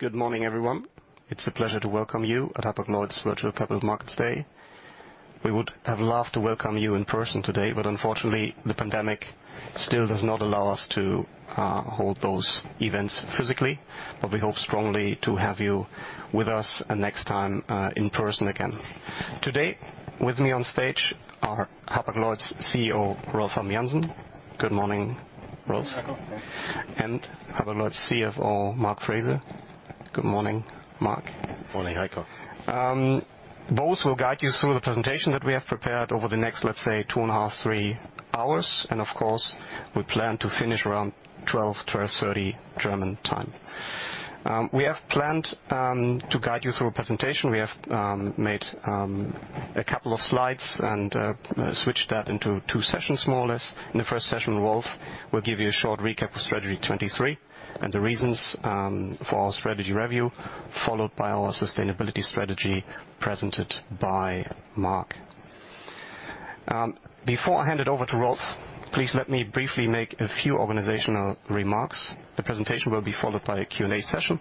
Good morning, everyone. It's a pleasure to welcome you at Hapag-Lloyd's virtual Capital Markets Day. We would have loved to welcome you in person today, but unfortunately, the pandemic still does not allow us to hold those events physically. We hope strongly to have you with us, and next time, in person again. Today, with me on stage are Hapag-Lloyd's CEO, Rolf Habben Jansen. Good morning, Rolf. Good morning, Heiko. Hapag-Lloyd's CFO, Mark Frese. Good morning, Mark. Morning, Heiko. Both will guide you through the presentation that we have prepared over the next, let's say, 2.5-3 hours. Of course, we plan to finish around 12:00-12:30 German time. We have planned to guide you through a presentation. We have made a couple of slides and switched that into two sessions more or less. In the first session, Rolf will give you a short recap of Strategy 2023 and the reasons for our strategy review, followed by our sustainability strategy presented by Mark. Before I hand it over to Rolf, please let me briefly make a few organizational remarks. The presentation will be followed by a Q&A session.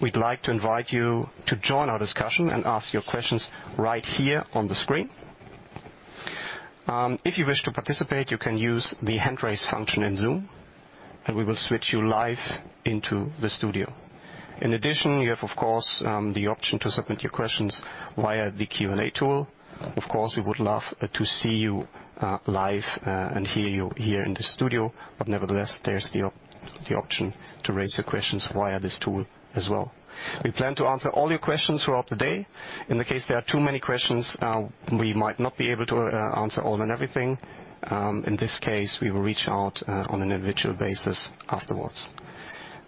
We'd like to invite you to join our discussion and ask your questions right here on the screen. If you wish to participate, you can use the hand raise function in Zoom, and we will switch you live into the studio. In addition, you have, of course, the option to submit your questions via the Q&A tool. Of course, we would love to see you, live, and hear you here in the studio, but nevertheless, there's the option to raise your questions via this tool as well. We plan to answer all your questions throughout the day. In the case there are too many questions, we might not be able to answer all and everything. In this case, we will reach out on an individual basis afterwards.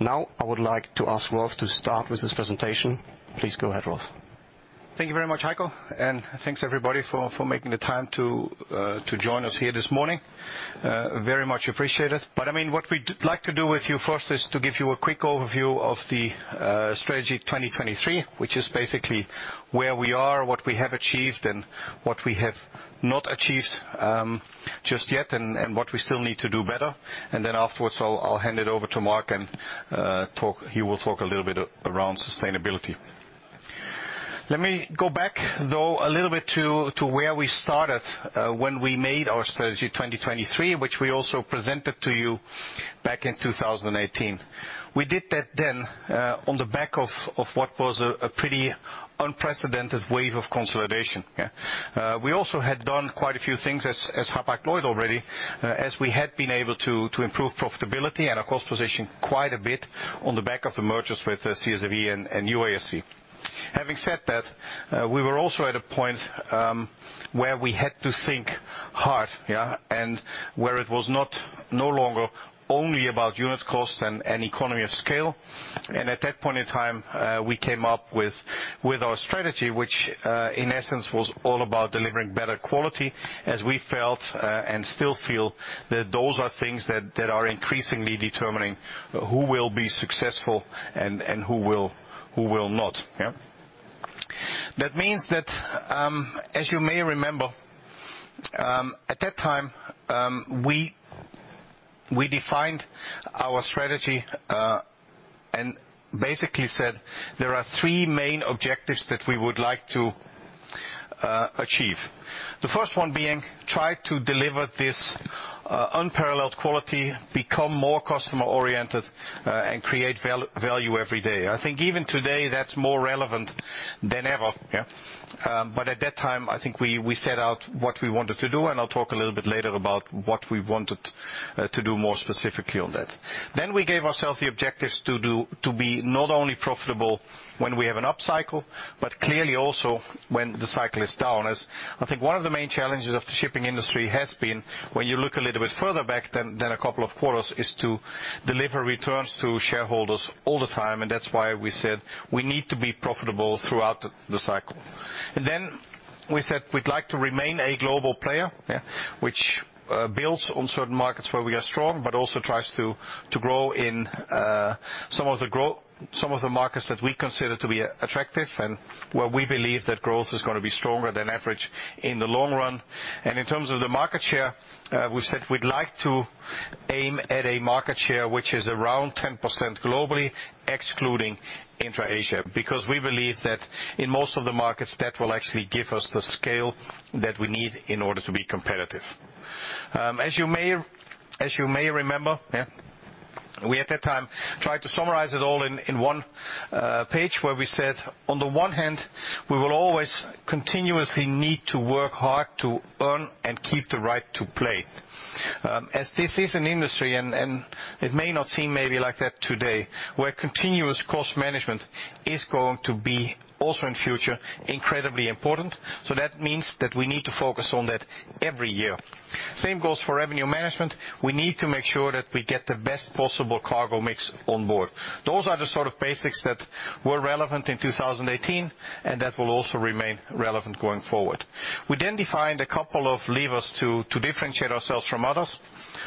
Now, I would like to ask Rolf to start with his presentation. Please go ahead, Rolf. Thank you very much, Heiko. Thanks everybody for making the time to join us here this morning. I very much appreciate it. I mean, what we'd like to do with you first is to give you a quick overview of the Strategy 2023, which is basically where we are, what we have achieved and what we have not achieved just yet, and what we still need to do better. Then afterwards, I'll hand it over to Mark and talk. He will talk a little bit around sustainability. Let me go back, though, a little bit to where we started when we made our Strategy 2023, which we also presented to you back in 2018. We did that then, on the back of what was a pretty unprecedented wave of consolidation. We also had done quite a few things as Hapag-Lloyd already, as we had been able to improve profitability and our cost position quite a bit on the back of the mergers with CSAV and UASC. Having said that, we were also at a point where we had to think hard, and where it was not no longer only about unit cost and economy of scale. At that point in time, we came up with our strategy, which in essence was all about delivering better quality as we felt, and still feel that those are things that are increasingly determining who will be successful and who will not. That means that, as you may remember, at that time, we defined our strategy, and basically said there are three main objectives that we would like to achieve. The first one being try to deliver this unparalleled quality, become more customer oriented, and create value every day. I think even today, that's more relevant than ever, yeah. But at that time, I think we set out what we wanted to do, and I'll talk a little bit later about what we wanted to do more specifically on that. We gave ourselves the objectives to be not only profitable when we have an upcycle, but clearly also when the cycle is down. As I think one of the main challenges of the shipping industry has been when you look a little bit further back than a couple of quarters, is to deliver returns to shareholders all the time. That's why we said we need to be profitable throughout the cycle. We said we'd like to remain a global player, yeah, which builds on certain markets where we are strong, but also tries to grow in some of the markets that we consider to be attractive and where we believe that growth is gonna be stronger than average in the long run. In terms of the market share, we said we'd like to aim at a market share which is around 10% globally, excluding intra Asia, because we believe that in most of the markets, that will actually give us the scale that we need in order to be competitive. As you may remember, we at that time tried to summarize it all in one page where we said, on the one hand, we will always continuously need to work hard to earn and keep the right to play. As this is an industry and it may not seem maybe like that today, where continuous cost management is going to be also in future incredibly important. That means that we need to focus on that every year. Same goes for revenue management. We need to make sure that we get the best possible cargo mix on board. Those are the sort of basics that were relevant in 2018, and that will also remain relevant going forward. We then defined a couple of levers to differentiate ourselves from others.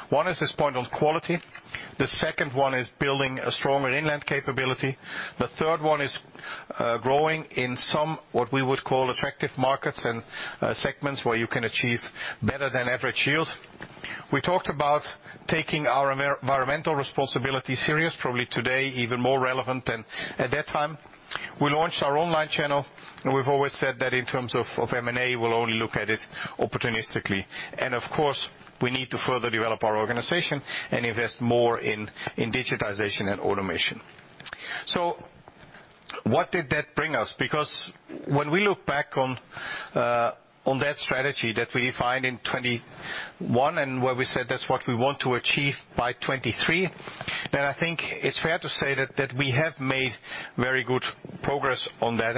One is this point on quality. The second one is building a stronger inland capability. The third one is growing in somewhat attractive markets and segments where you can achieve better than average yield. We talked about taking our environmental responsibility serious, probably today even more relevant than at that time. We launched our online channel, and we've always said that in terms of M&A, we'll only look at it opportunistically. Of course, we need to further develop our organization and invest more in digitization and automation. What did that bring us? Because when we look back on that strategy that we defined in 2021 and where we said that's what we want to achieve by 2023, then I think it's fair to say that we have made very good progress on that.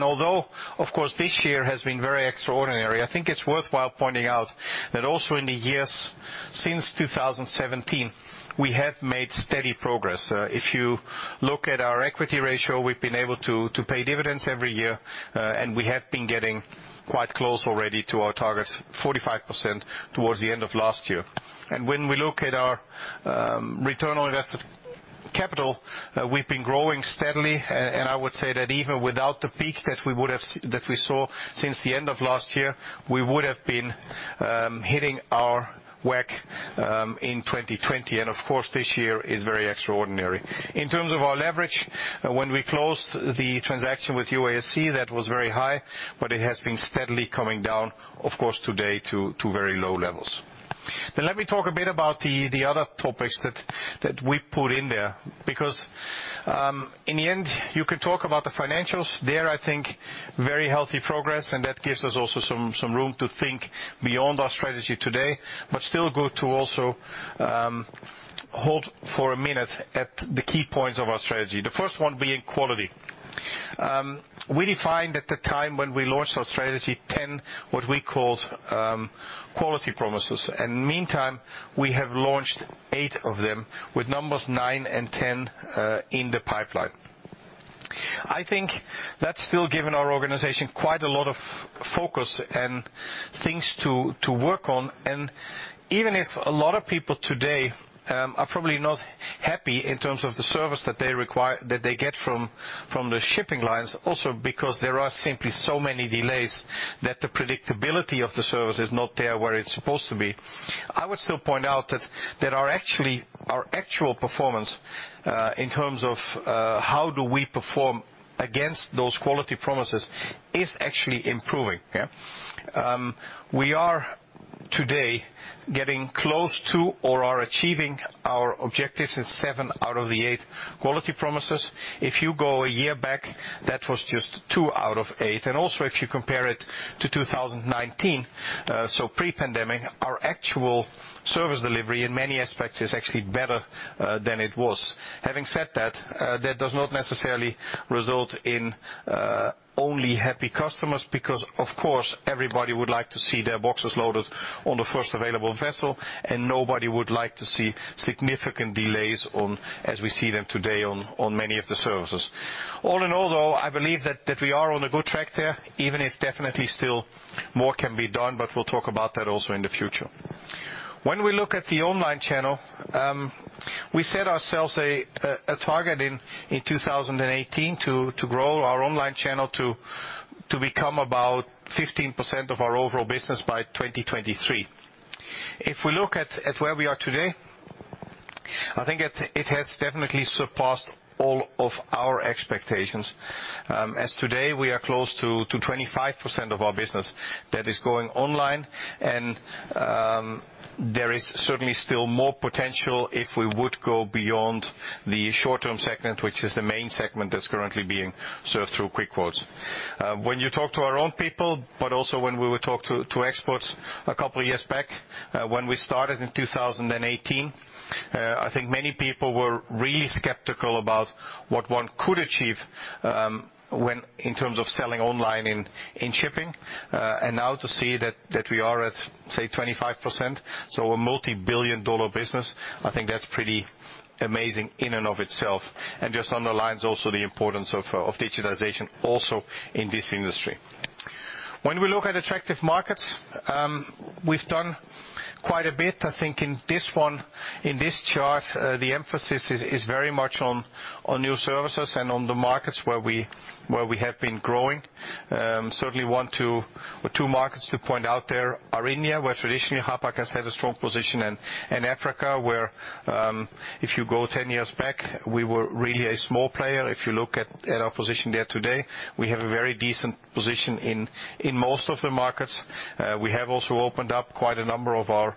Although, of course, this year has been very extraordinary, I think it's worthwhile pointing out that also in the years since 2017, we have made steady progress. If you look at our equity ratio, we've been able to pay dividends every year, and we have been getting quite close already to our target 45% towards the end of last year. When we look at our return on invested capital, we've been growing steadily. I would say that even without the peak that we saw since the end of last year, we would have been hitting our WACC in 2020. Of course, this year is very extraordinary. In terms of our leverage, when we closed the transaction with UASC, that was very high, but it has been steadily coming down, of course, today to very low levels. Now, let me talk a bit about the other topics that we put in there because, in the end, you can talk about the financials. There, I think very healthy progress, and that gives us also some room to think beyond our strategy today, but still good to also hold for a minute at the key points of our strategy. The first one being quality. We defined at the time when we launched our strategy ten what we called quality promises, and meantime, we have launched eight of them with numbers nine and 10 in the pipeline. I think that's still given our organization quite a lot of focus and things to work on. Even if a lot of people today are probably not happy in terms of the service that they get from the shipping lines, also because there are simply so many delays that the predictability of the service is not there where it's supposed to be. I would still point out that our actual performance in terms of how do we perform against those quality promises is actually improving. We are today getting close to or are achieving our objectives in seven out of the eight quality promises. If you go a year back, that was just two out of eight. Also if you compare it to 2019, so pre-pandemic, our actual service delivery in many aspects is actually better than it was. Having said that does not necessarily result in only happy customers because, of course, everybody would like to see their boxes loaded on the first available vessel, and nobody would like to see significant delays such as we see them today on many of the services. All in all, though, I believe that we are on a good track there, even if definitely still more can be done, but we'll talk about that also in the future. When we look at the online channel, we set ourselves a target in 2018 to grow our online channel to become about 15% of our overall business by 2023. If we look at where we are today, I think it has definitely surpassed all of our expectations. As of today, we are close to 25% of our business that is going online. There is certainly still more potential if we would go beyond the short-term segment, which is the main segment that's currently being served through Quick Quotes. When you talk to our own people, but also when we would talk to experts a couple of years back, when we started in 2018, I think many people were really skeptical about what one could achieve, when in terms of selling online in shipping. Now to see that we are at, say, 25%, so a multibillion-dollar business, I think that's pretty amazing in and of itself, and just underlines also the importance of digitalization also in this industry. When we look at attractive markets, we've done quite a bit. I think in this chart, the emphasis is very much on new services and on the markets where we have been growing. Certainly one or two markets to point out. There are India, where traditionally Hapag has had a strong position, and Africa, where if you go 10 years back, we were really a small player. If you look at our position there today, we have a very decent position in most of the markets. We have also opened up quite a number of our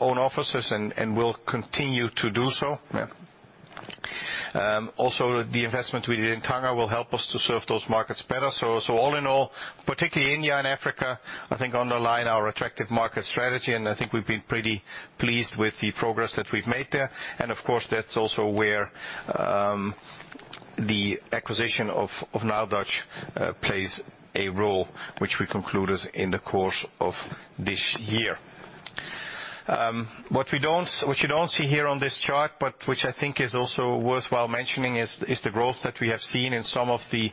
own offices and will continue to do so. Also the investment we did in Tangier will help us to serve those markets better. All in all, particularly India and Africa, I think underline our attractive market strategy, and I think we've been pretty pleased with the progress that we've made there. Of course, that's also where the acquisition of NileDutch plays a role which we concluded in the course of this year. What you don't see here on this chart, but which I think is also worthwhile mentioning is the growth that we have seen in some of the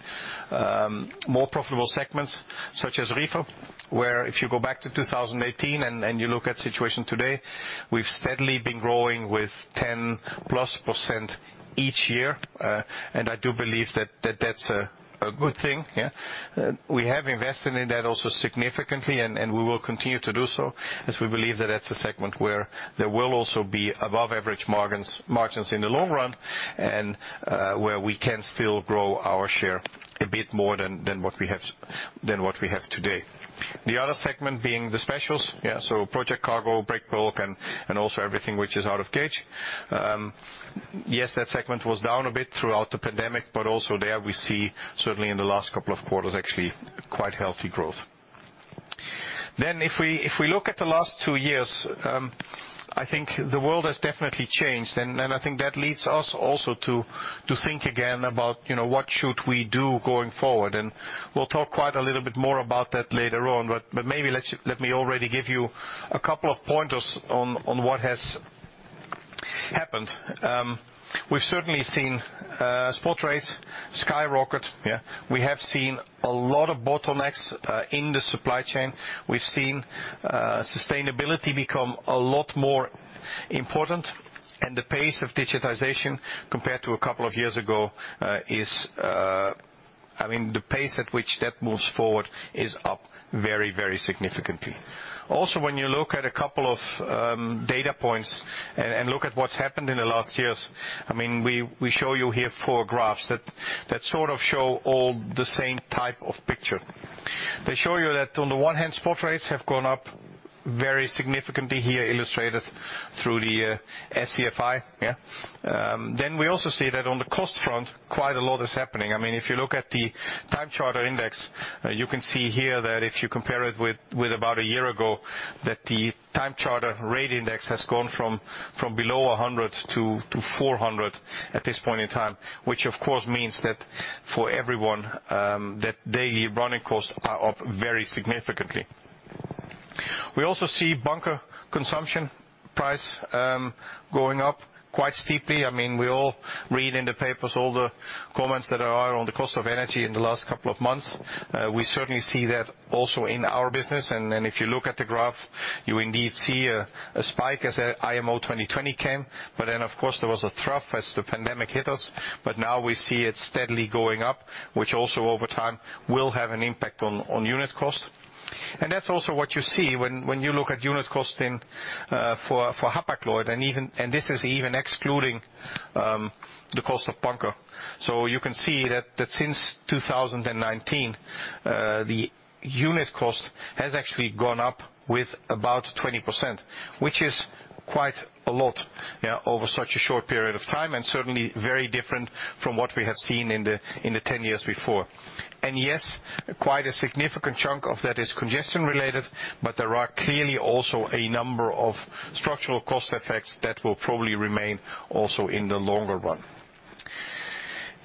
more profitable segments such as reefer, where if you go back to 2018 and you look at situation today, we've steadily been growing with 10%+ each year. I do believe that that's a good thing, yeah. We have invested in that also significantly, and we will continue to do so as we believe that that's a segment where there will also be above average margins in the long run and where we can still grow our share a bit more than what we have today. The other segment being the specials, yeah, so project cargo, break bulk, and also everything which is out of gauge. Yes, that segment was down a bit throughout the pandemic, but also there we see certainly in the last couple of quarters actually quite healthy growth. If we look at the last two years, I think the world has definitely changed and I think that leads us also to think again about, you know, what should we do going forward. We'll talk quite a little bit more about that later on, but maybe let me already give you a couple of pointers on what has happened. We've certainly seen spot rates skyrocket. We have seen a lot of bottlenecks in the supply chain. We've seen sustainability become a lot more important, and the pace of digitization compared to a couple of years ago, the pace at which that moves forward is up very, very significantly. Also, when you look at a couple of data points and look at what's happened in the last years, we show you here four graphs that sort of show all the same type of picture. They show you that on the one hand, spot rates have gone up very significantly here, illustrated through the SCFI. Then we also see that on the cost front, quite a lot is happening. I mean, if you look at the Time Charter Index, you can see here that if you compare it with about a year ago, that the Time Charter Rate Index has gone from below 100 to 400 at this point in time, which of course means that for everyone, that daily running costs are up very significantly. We also see bunker consumption price going up quite steeply. I mean, we all read in the papers all the comments that are out on the cost of energy in the last couple of months. We certainly see that also in our business. If you look at the graph, you indeed see a spike as IMO 2020 came. Then, of course, there was a trough as the pandemic hit us. Now we see it steadily going up, which also over time will have an impact on unit cost. That's also what you see when you look at unit costing for Hapag-Lloyd, and this is even excluding the cost of bunker. You can see that since 2019, the unit cost has actually gone up with about 20%, which is quite a lot, yeah, over such a short period of time, and certainly very different from what we have seen in the 10 years before. Yes, quite a significant chunk of that is congestion related, but there are clearly also a number of structural cost effects that will probably remain also in the longer run.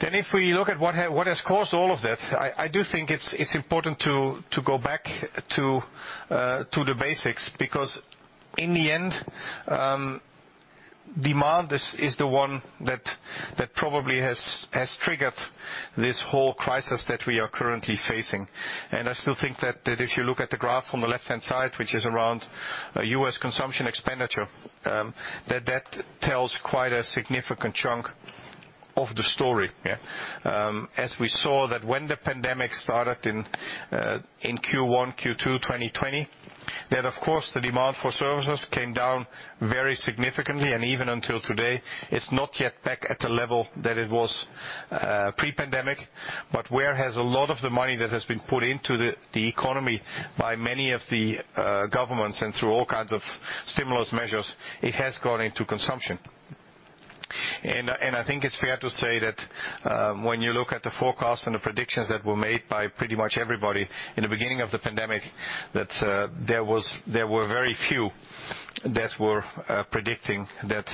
If we look at what has caused all of that, I do think it's important to go back to the basics, because in the end, demand is the one that probably has triggered this whole crisis that we are currently facing. I still think that if you look at the graph on the left-hand side, which is around U.S. consumption expenditure, that tells quite a significant chunk of the story, yeah. As we saw that when the pandemic started in Q1, Q2 2020, that of course, the demand for services came down very significantly. Even until today, it's not yet back at the level that it was pre-pandemic. Where has a lot of the money that has been put into the economy by many of the governments and through all kinds of stimulus measures? It has gone into consumption. I think it's fair to say that when you look at the forecasts and the predictions that were made by pretty much everybody in the beginning of the pandemic, that there were very few that were predicting that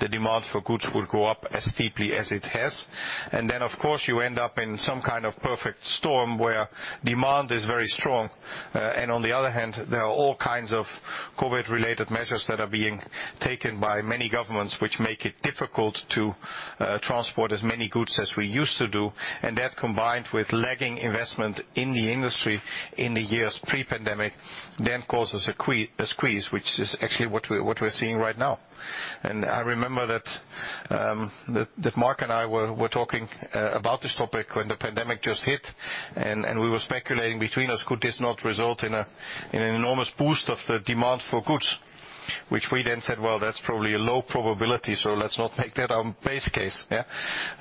the demand for goods would go up as steeply as it has. Then, of course, you end up in some kind of perfect storm where demand is very strong. On the other hand, there are all kinds of COVID-related measures that are being taken by many governments which make it difficult to transport as many goods as we used to do. That combined with lagging investment in the industry in the years pre-pandemic causes a squeeze, which is actually what we're seeing right now. I remember that Mark and I were talking about this topic when the pandemic just hit, and we were speculating between us, could this not result in an enormous boost of the demand for goods? Which we then said, "Well, that's probably a low probability, so let's not make that our base case."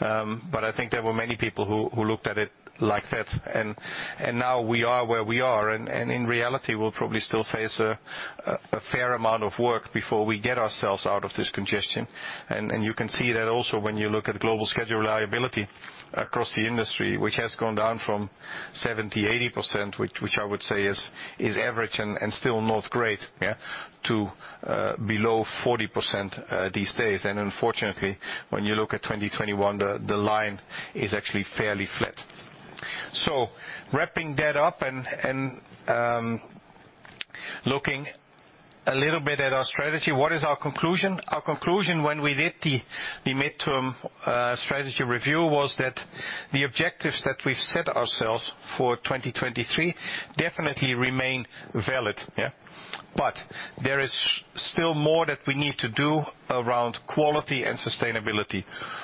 I think there were many people who looked at it like that. Now we are where we are, and in reality, we'll probably still face a fair amount of work before we get ourselves out of this congestion. You can see that also when you look at global schedule reliability across the industry, which has gone down from 70-80%, which I would say is average and still not great, to below 40% these days. Unfortunately, when you look at 2021, the line is actually fairly flat. Wrapping that up and looking a little bit at our strategy, what is our conclusion? Our conclusion when we did the mid-term strategy review was that the objectives that we've set ourselves for 2023 definitely remain valid. But there is still more that we need to do around quality and sustainability.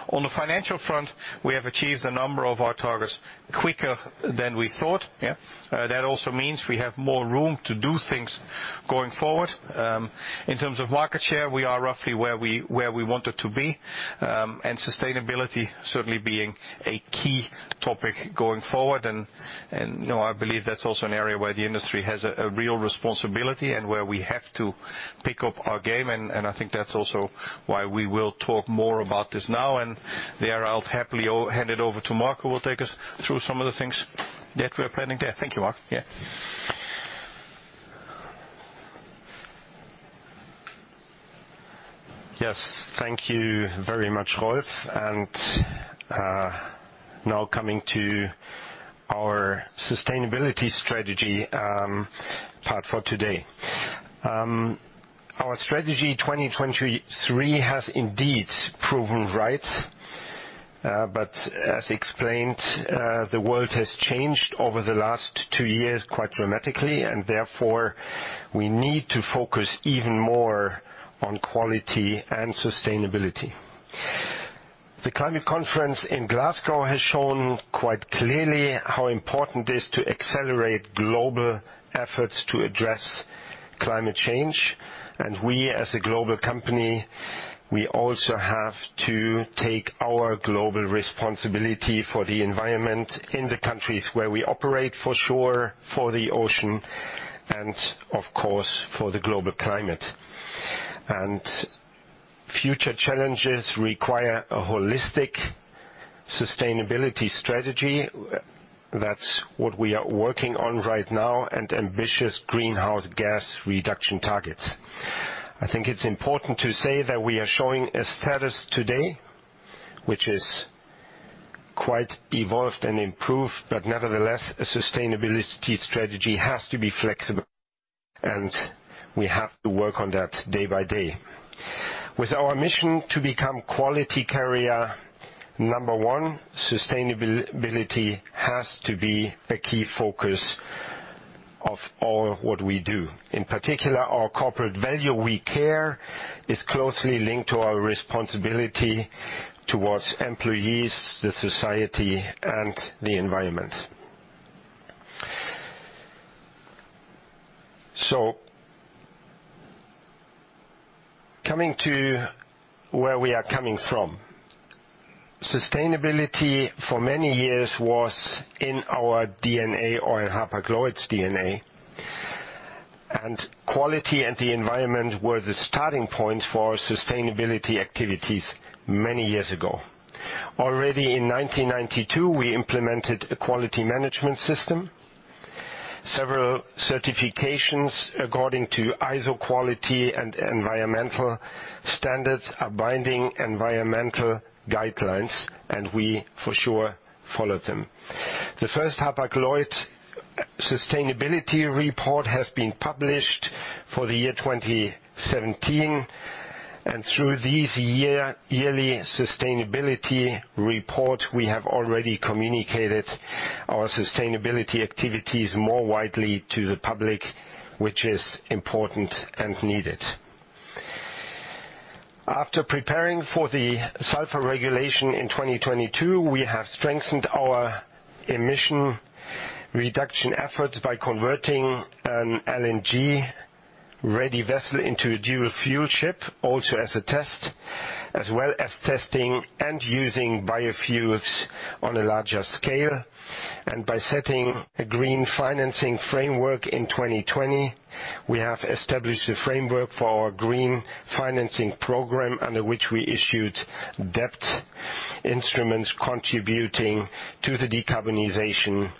On the financial front, we have achieved a number of our targets quicker than we thought, yeah. That also means we have more room to do things going forward. In terms of market share, we are roughly where we wanted to be, and sustainability certainly being a key topic going forward. You know, I believe that's also an area where the industry has a real responsibility, and where we have to pick up our game. I think that's also why we will talk more about this now, and there I'll happily hand it over to Mark, who will take us through some of the things that we're planning there. Thank you, Mark. Yeah. Yes. Thank you very much, Rolf. Now coming to our sustainability strategy, part for today. Our Strategy 2023 has indeed proven right. As explained, the world has changed over the last 2 years quite dramatically, and therefore, we need to focus even more on quality and sustainability. The climate conference in Glasgow has shown quite clearly how important it is to accelerate global efforts to address climate change. We, as a global company, we also have to take our global responsibility for the environment in the countries where we operate, for sure, for the ocean, and of course, for the global climate. Future challenges require a holistic sustainability strategy. That's what we are working on right now, and ambitious greenhouse gas reduction targets. I think it's important to say that we are showing a status today which is quite evolved and improved, but nevertheless, a sustainability strategy has to be flexible, and we have to work on that day by day. With our mission to become quality carrier number one, sustainability has to be a key focus of all what we do. In particular, our corporate value, we care, is closely linked to our responsibility towards employees, the society, and the environment. Coming to where we are coming from. Sustainability for many years was in our DNA or in Hapag-Lloyd's DNA, and quality and the environment were the starting points for our sustainability activities many years ago. Already in 1992, we implemented a quality management system. Several certifications according to ISO quality and environmental standards are binding environmental guidelines, and we for sure follow them. The first Hapag-Lloyd sustainability report has been published for the year 2017, and through this year, yearly sustainability report, we have already communicated our sustainability activities more widely to the public, which is important and needed. After preparing for the sulfur regulation in 2022, we have strengthened our emission reduction efforts by converting an LNG-ready vessel into a dual fuel ship, also as a test, as well as testing and using biofuels on a larger scale. By setting a green financing framework in 2020, we have established a framework for our green financing program under which we issued debt instruments contributing to the decarbonization of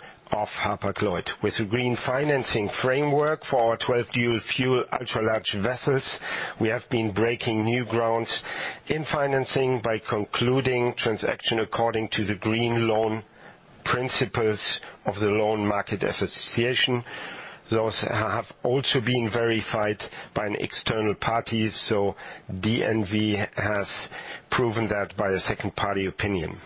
Hapag-Lloyd. With a green financing framework for our 12 dual fuel ultra-large vessels, we have been breaking new grounds in financing by concluding transaction according to the green loan principles of the Loan Market Association. Those have also been verified by an external party, so DNV has proven that by a second party opinion.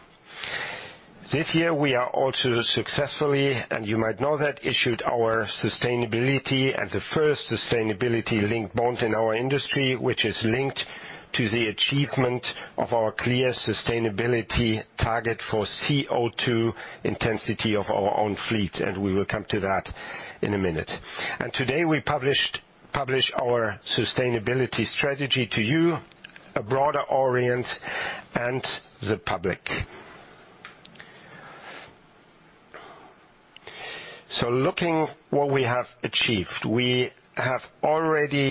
This year, we are also successfully, and you might know that, issued our sustainability at the first sustainability-linked bond in our industry, which is linked to the achievement of our clear sustainability target for CO2 intensity of our own fleet, and we will come to that in a minute. Today, we published our sustainability strategy to you, a broader audience, and the public. Looking at what we have achieved. We have already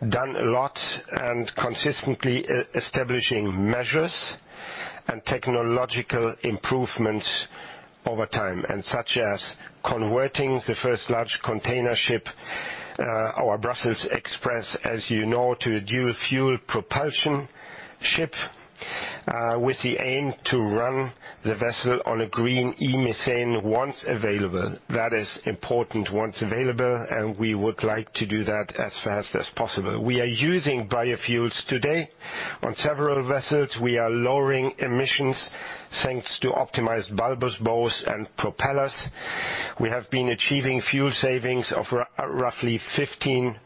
done a lot, and consistently establishing measures and technological improvements over time, such as converting the first large container ship, our Brussels Express, as you know, to a dual fuel propulsion ship, with the aim to run the vessel on a green e-methane once available. That is important, once available, and we would like to do that as fast as possible. We are using biofuels today on several vessels. We are lowering emissions, thanks to optimized bulbous bows and propellers. We have been achieving fuel savings of roughly 15%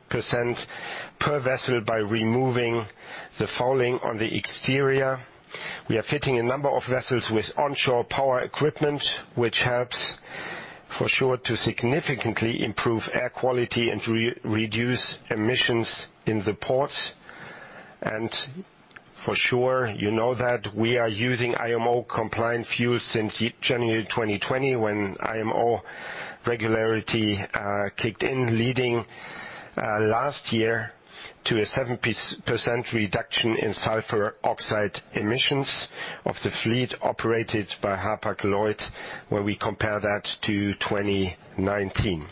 per vessel by removing the fouling on the exterior. We are fitting a number of vessels with onshore power equipment, which helps, for sure, to significantly improve air quality and reduce emissions in the port. For sure, you know that we are using IMO-compliant fuels since January 2020, when IMO regulation kicked in, leading last year to a 7% reduction in sulfur oxide emissions of the fleet operated by Hapag-Lloyd when we compare that to 2019.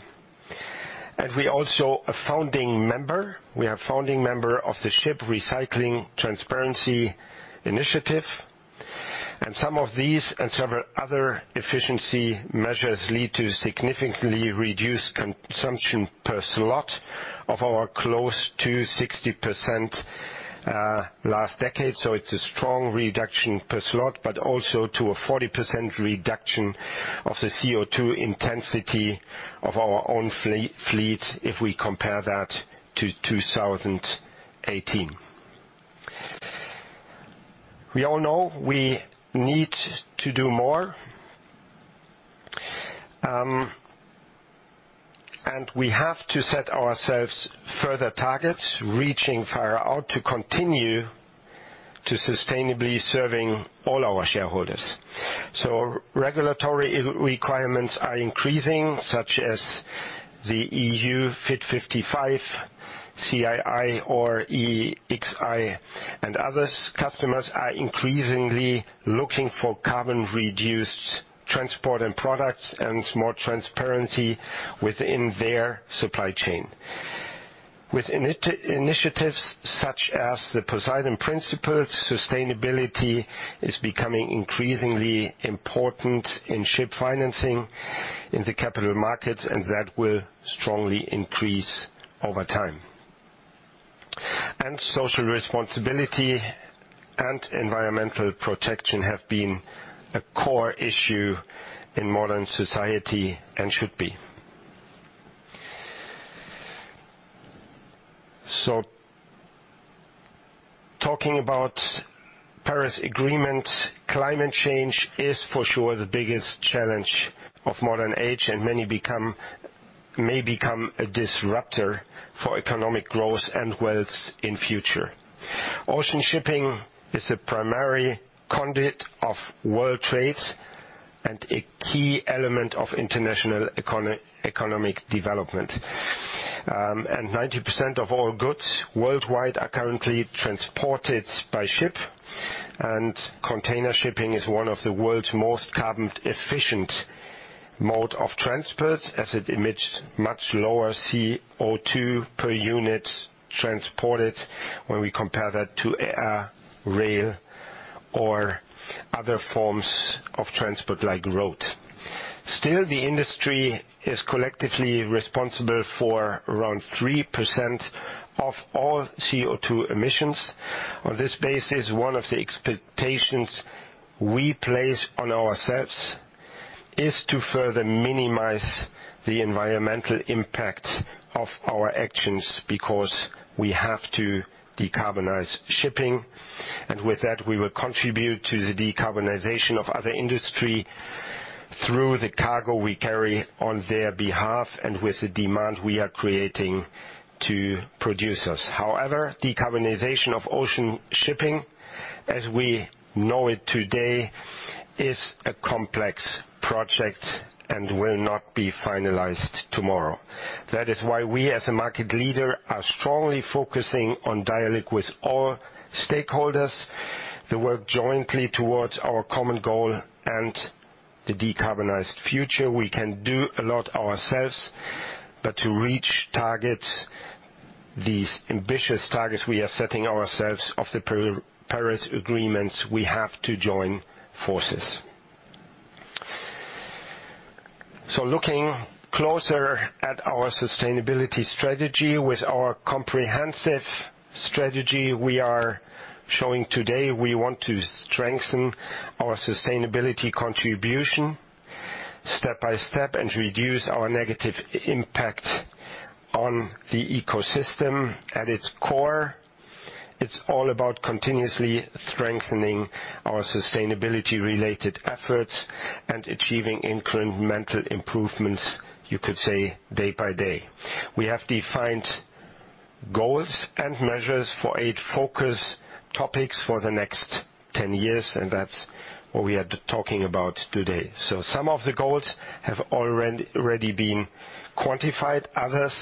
We are also a founding member. We are founding member of the Ship Recycling Transparency Initiative, and some of these and several other efficiency measures lead to significantly reduced consumption per slot of our close to 60% last decade, so it's a strong reduction per slot, but also to a 40% reduction of the CO2 intensity of our own fleet if we compare that to 2018. We all know we need to do more, and we have to set ourselves further targets, reaching far out to continue to sustainably serving all our shareholders. Regulatory requirements are increasing, such as the EU Fit for 55, CII or EEXI. Other customers are increasingly looking for carbon reduced transport and products and more transparency within their supply chain. With initiatives such as the Poseidon Principles, sustainability is becoming increasingly important in ship financing in the capital markets, and that will strongly increase over time. Social responsibility and environmental protection have been a core issue in modern society, and should be. Talking about Paris Agreement, climate change is for sure the biggest challenge of modern age, and may become a disruptor for economic growth and wealth in future. Ocean shipping is the primary conduit of world trade and a key element of international economic development. 90% of all goods worldwide are currently transported by ship, and container shipping is one of the world's most carbon efficient mode of transport, as it emits much lower CO2 per unit transported when we compare that to air, rail, or other forms of transport, like road. Still, the industry is collectively responsible for around 3% of all CO2 emissions. On this basis, one of the expectations we place on ourselves is to further minimize the environmental impact of our actions, because we have to decarbonize shipping. With that, we will contribute to the decarbonization of other industry through the cargo we carry on their behalf and with the demand we are creating to producers. However, decarbonization of ocean shipping, as we know it today, is a complex project and will not be finalized tomorrow. That is why we, as a market leader, are strongly focusing on dialogue with all stakeholders to work jointly towards our common goal and the decarbonized future. We can do a lot ourselves, but to reach targets, these ambitious targets we are setting ourselves of the Paris Agreement, we have to join forces. Looking closer at our sustainability strategy, with our comprehensive strategy we are showing today, we want to strengthen our sustainability contribution step by step and reduce our negative impact on the ecosystem at its core. It's all about continuously strengthening our sustainability related efforts and achieving incremental improvements, you could say, day by day. We have defined goals and measures for 8 focus topics for the next 10 years, and that's what we are talking about today. Some of the goals have already been quantified, others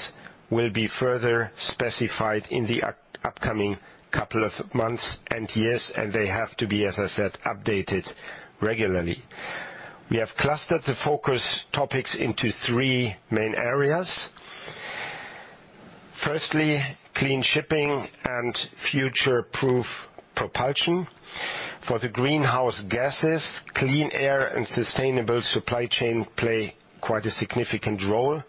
will be further specified in the upcoming couple of months and years, and they have to be, as I said, updated regularly. We have clustered the focus topics into three main areas. Firstly, clean shipping and future-proof propulsion. For the greenhouse gases, clean air and sustainable supply chain play quite a significant role.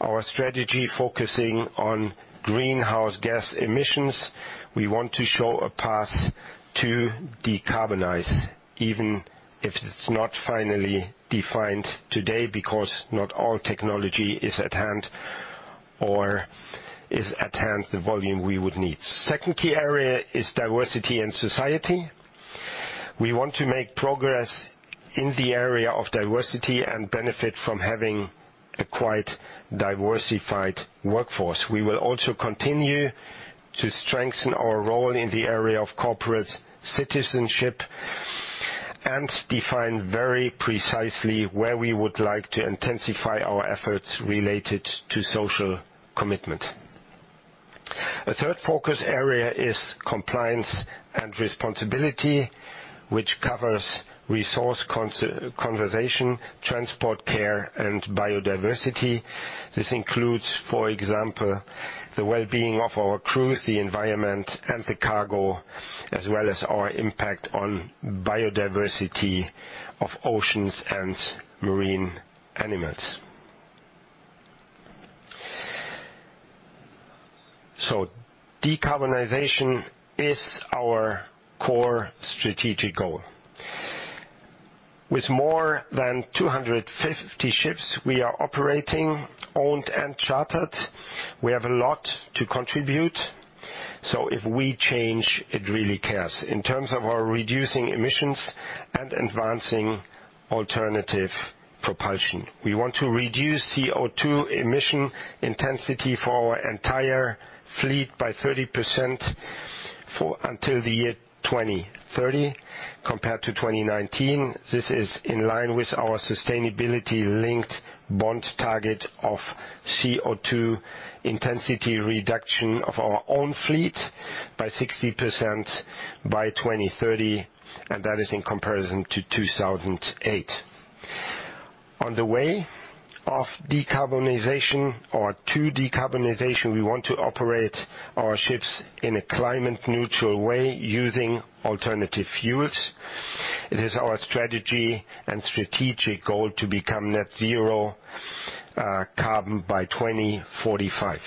Our strategy focusing on greenhouse gas emissions, we want to show a path to decarbonize, even if it's not finally defined today, because not all technology is at hand, or is at hand the volume we would need. Second key area is diversity in society. We want to make progress in the area of diversity and benefit from having a quite diversified workforce. We will also continue to strengthen our role in the area of corporate citizenship and define very precisely where we would like to intensify our efforts related to social commitment. A third focus area is compliance and responsibility, which covers resource conservation, transport care and biodiversity. This includes, for example, the well-being of our crews, the environment, and the cargo, as well as our impact on biodiversity of oceans and marine animals. Decarbonization is our core strategic goal. With more than 250 ships we are operating, owned and chartered, we have a lot to contribute. If we change, it really counts in terms of our reducing emissions and advancing alternative propulsion. We want to reduce CO2 emission intensity for our entire fleet by 30% until the year 2030 compared to 2019. This is in line with our sustainability-linked bond target of CO2 intensity reduction of our own fleet by 60% by 2030, and that is in comparison to 2008. On the way of decarbonization or to decarbonization, we want to operate our ships in a climate neutral way using alternative fuels. It is our strategy and strategic goal to become net zero carbon by 2045.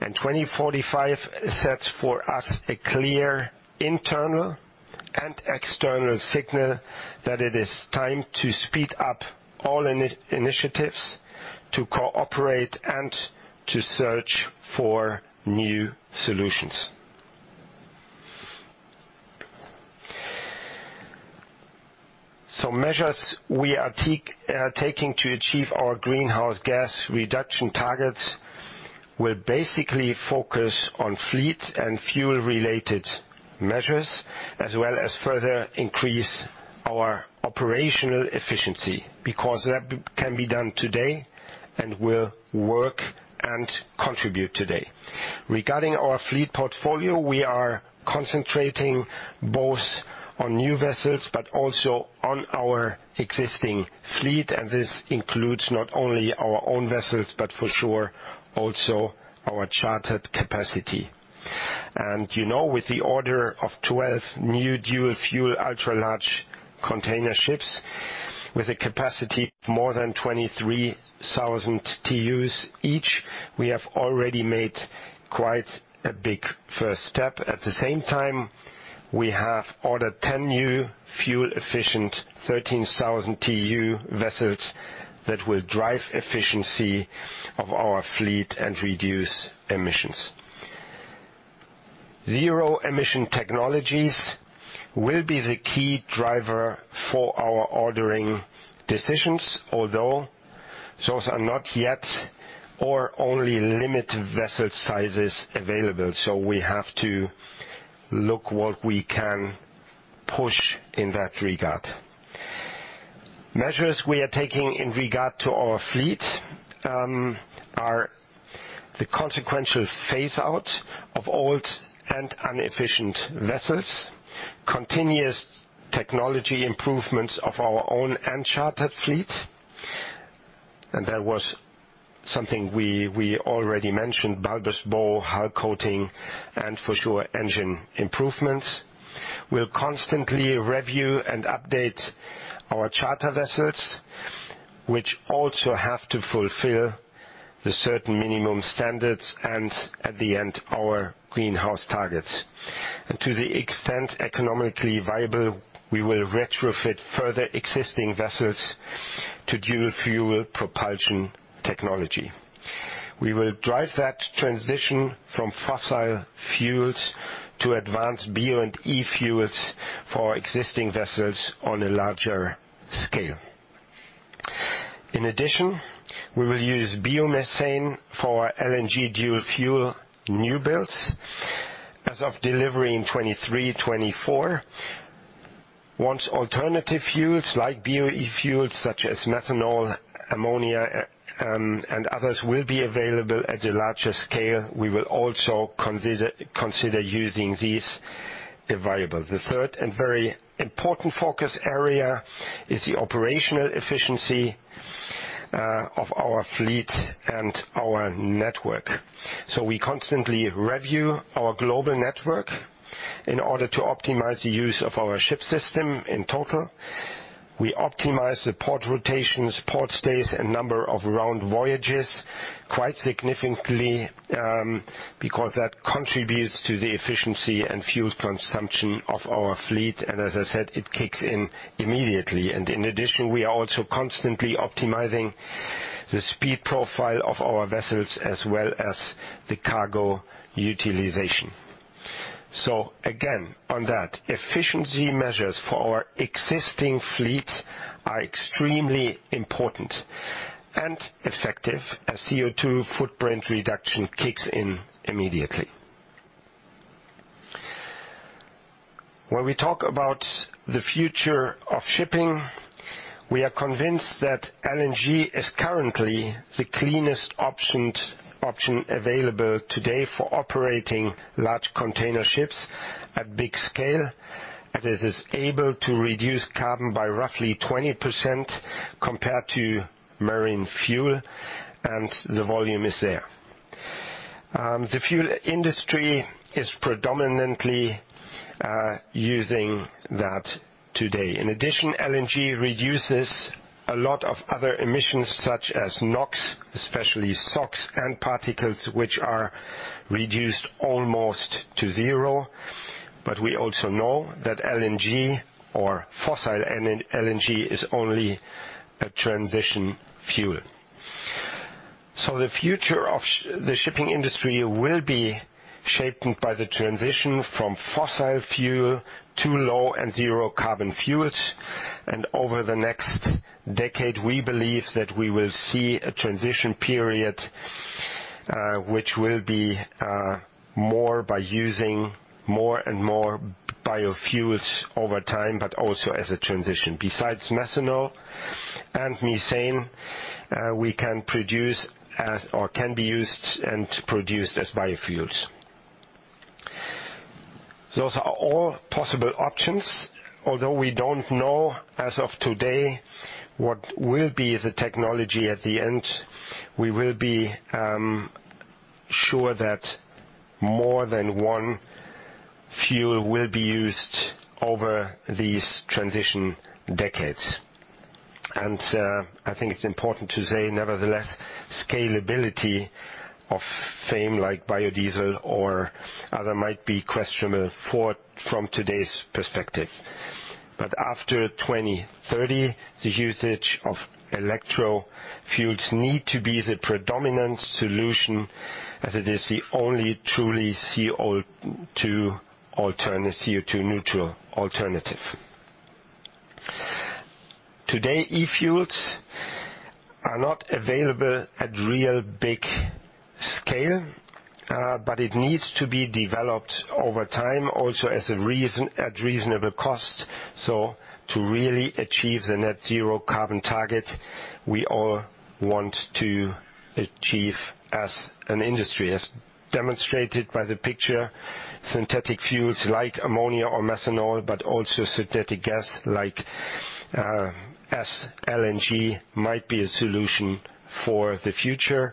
2045 sets for us a clear internal and external signal that it is time to speed up all initiatives to cooperate and to search for new solutions. Measures we are taking to achieve our greenhouse gas reduction targets will basically focus on fleet and fuel related measures, as well as further increase our operational efficiency, because that can be done today and will work and contribute today. Regarding our fleet portfolio, we are concentrating both on new vessels but also on our existing fleet, and this includes not only our own vessels, but for sure, also our chartered capacity. You know, with the order of 12 new dual fuel ultra large container ships with a capacity more than 23,000 TEUs each, we have already made quite a big first step. At the same time, we have ordered 10 new fuel efficient 13,000 TEU vessels that will drive efficiency of our fleet and reduce emissions. Zero-emission technologies will be the key driver for our ordering decisions, although those are not yet or only limited vessel sizes available, so we have to look what we can push in that regard. Measures we are taking in regard to our fleet are the consequential phase out of old and inefficient vessels, continuous technology improvements of our own and chartered fleet. That was something we already mentioned, bulbous bow, hull coating and for sure, engine improvements. We'll constantly review and update our charter vessels, which also have to fulfill the certain minimum standards and at the end, our greenhouse targets. To the extent economically viable, we will retrofit further existing vessels to dual-fuel propulsion technology. We will drive that transition from fossil fuels to advanced bio and e-fuels for existing vessels on a larger scale. In addition, we will use biomethane for LNG dual fuel new builds as of delivery in 2023, 2024. Once alternative fuels like bio e-fuels such as methanol, ammonia, and others will be available at a larger scale, we will also consider using these. The third and very important focus area is the operational efficiency of our fleet and our network. We constantly review our global network in order to optimize the use of our ship system in total. We optimize the port rotations, port stays, and number of round voyages quite significantly, because that contributes to the efficiency and fuel consumption of our fleet, and as I said, it kicks in immediately. In addition, we are also constantly optimizing the speed profile of our vessels as well as the cargo utilization. Again, on that, efficiency measures for our existing fleets are extremely important and effective, as CO2 footprint reduction kicks in immediately. When we talk about the future of shipping, we are convinced that LNG is currently the cleanest option available today for operating large container ships at big scale, as it's able to reduce carbon by roughly 20% compared to marine fuel, and the volume is there. The fuel industry is predominantly using that today. In addition, LNG reduces a lot of other emissions, such as NOx, especially SOx, and particles, which are reduced almost to zero. We also know that LNG or fossil LNG is only a transition fuel. The future of the shipping industry will be shaped by the transition from fossil fuel to low and zero carbon fuels. Over the next decade, we believe that we will see a transition period, which will be more by using more and more biofuels over time, but also as a transition. Besides methanol and ammonia, we can produce or can be used and produced as biofuels. Those are all possible options. Although we don't know as of today what will be the technology at the end, we will be sure that more than one fuel will be used over these transition decades. I think it's important to say, nevertheless, scalability of FAME like biodiesel or other might be questionable from today's perspective. After 2030, the usage of e-fuels need to be the predominant solution, as it is the only truly CO2 alternate, CO2 neutral alternative. Today, e-fuels are not available at real big scale, but it needs to be developed over time at reasonable cost to really achieve the net zero carbon target we all want to achieve as an industry. As demonstrated by the picture, synthetic fuels like ammonia or methanol, but also synthetic gas like SNG might be a solution for the future.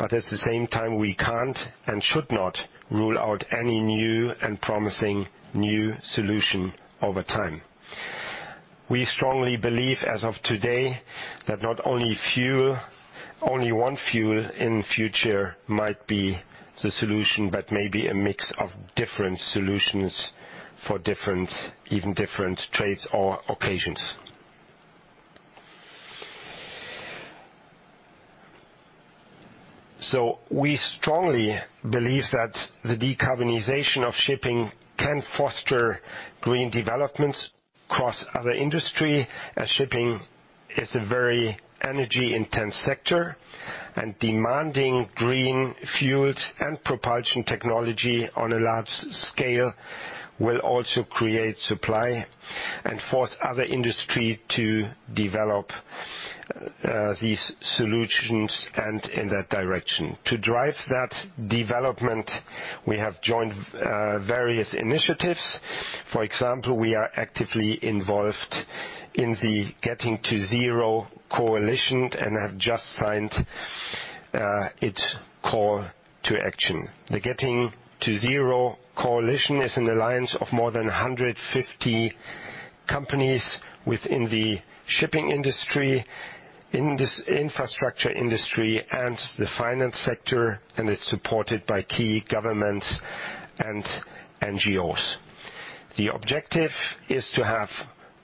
At the same time, we can't and should not rule out any new and promising solution over time. We strongly believe as of today, that not only one fuel in future might be the solution, but maybe a mix of different solutions for different trades or occasions. We strongly believe that the decarbonization of shipping can foster green development across other industry, as shipping is a very energy-intense sector. Demanding green fuels and propulsion technology on a large scale will also create supply and force other industry to develop these solutions and in that direction. To drive that development, we have joined various initiatives. For example, we are actively involved in the Getting to Zero Coalition and have just signed its call to action. The Getting to Zero Coalition is an alliance of more than 150 companies within the shipping industry, in this infrastructure industry, and the finance sector, and it's supported by key governments and NGOs. The objective is to have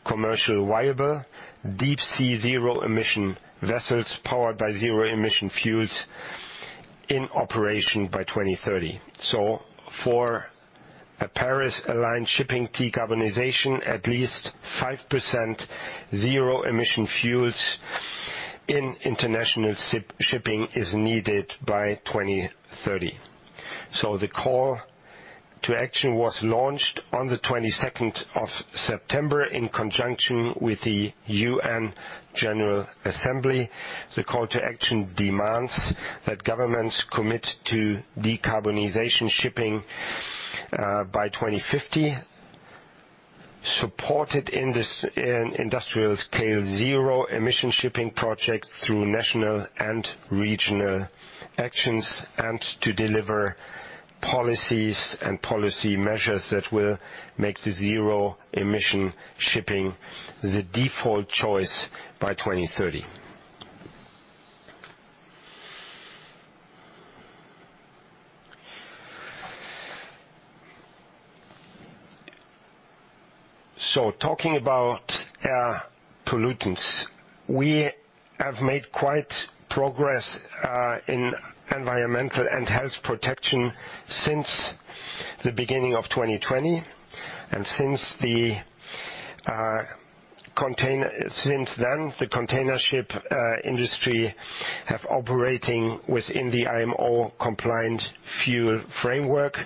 commercially viable deep-sea zero-emission vessels powered by zero-emission fuels in operation by 2030. For a Paris-aligned shipping decarbonization, at least 5% zero-emission fuels in international shipping is needed by 2030. The call to action was launched on the 22nd of September in conjunction with the UN General Assembly. The call to action demands that governments commit to decarbonizing shipping by 2050, support industrial scale zero-emission shipping projects through national and regional actions, and deliver policies and policy measures that will make zero-emission shipping the default choice by 2030. Talking about air pollutants, we have made quite some progress in environmental and health protection since the beginning of 2020. Since then, the container shipping industry has been operating within the IMO-compliant fuel framework,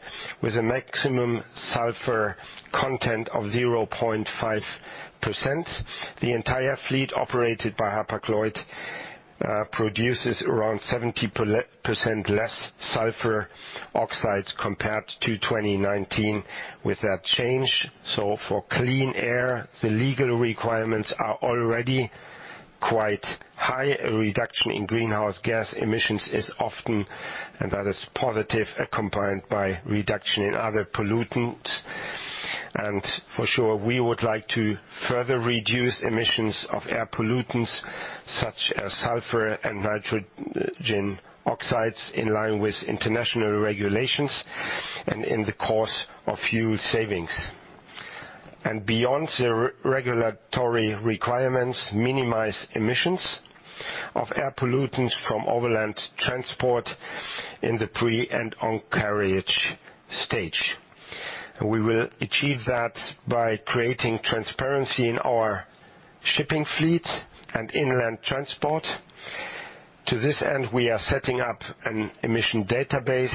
with a maximum sulfur content of 0.5%. The entire fleet operated by Hapag-Lloyd produces around 70% less sulfur oxides compared to 2019 with that change. For clean air, the legal requirements are already quite high. A reduction in greenhouse gas emissions is often, and that is positive, accompanied by reduction in other pollutants. For sure, we would like to further reduce emissions of air pollutants such as sulfur and nitrogen oxides in line with international regulations and in the course of fuel savings. Beyond the re-regulatory requirements, minimize emissions of air pollutants from overland transport in the pre and on carriage stage. We will achieve that by creating transparency in our shipping fleet and inland transport. To this end, we are setting up an emission database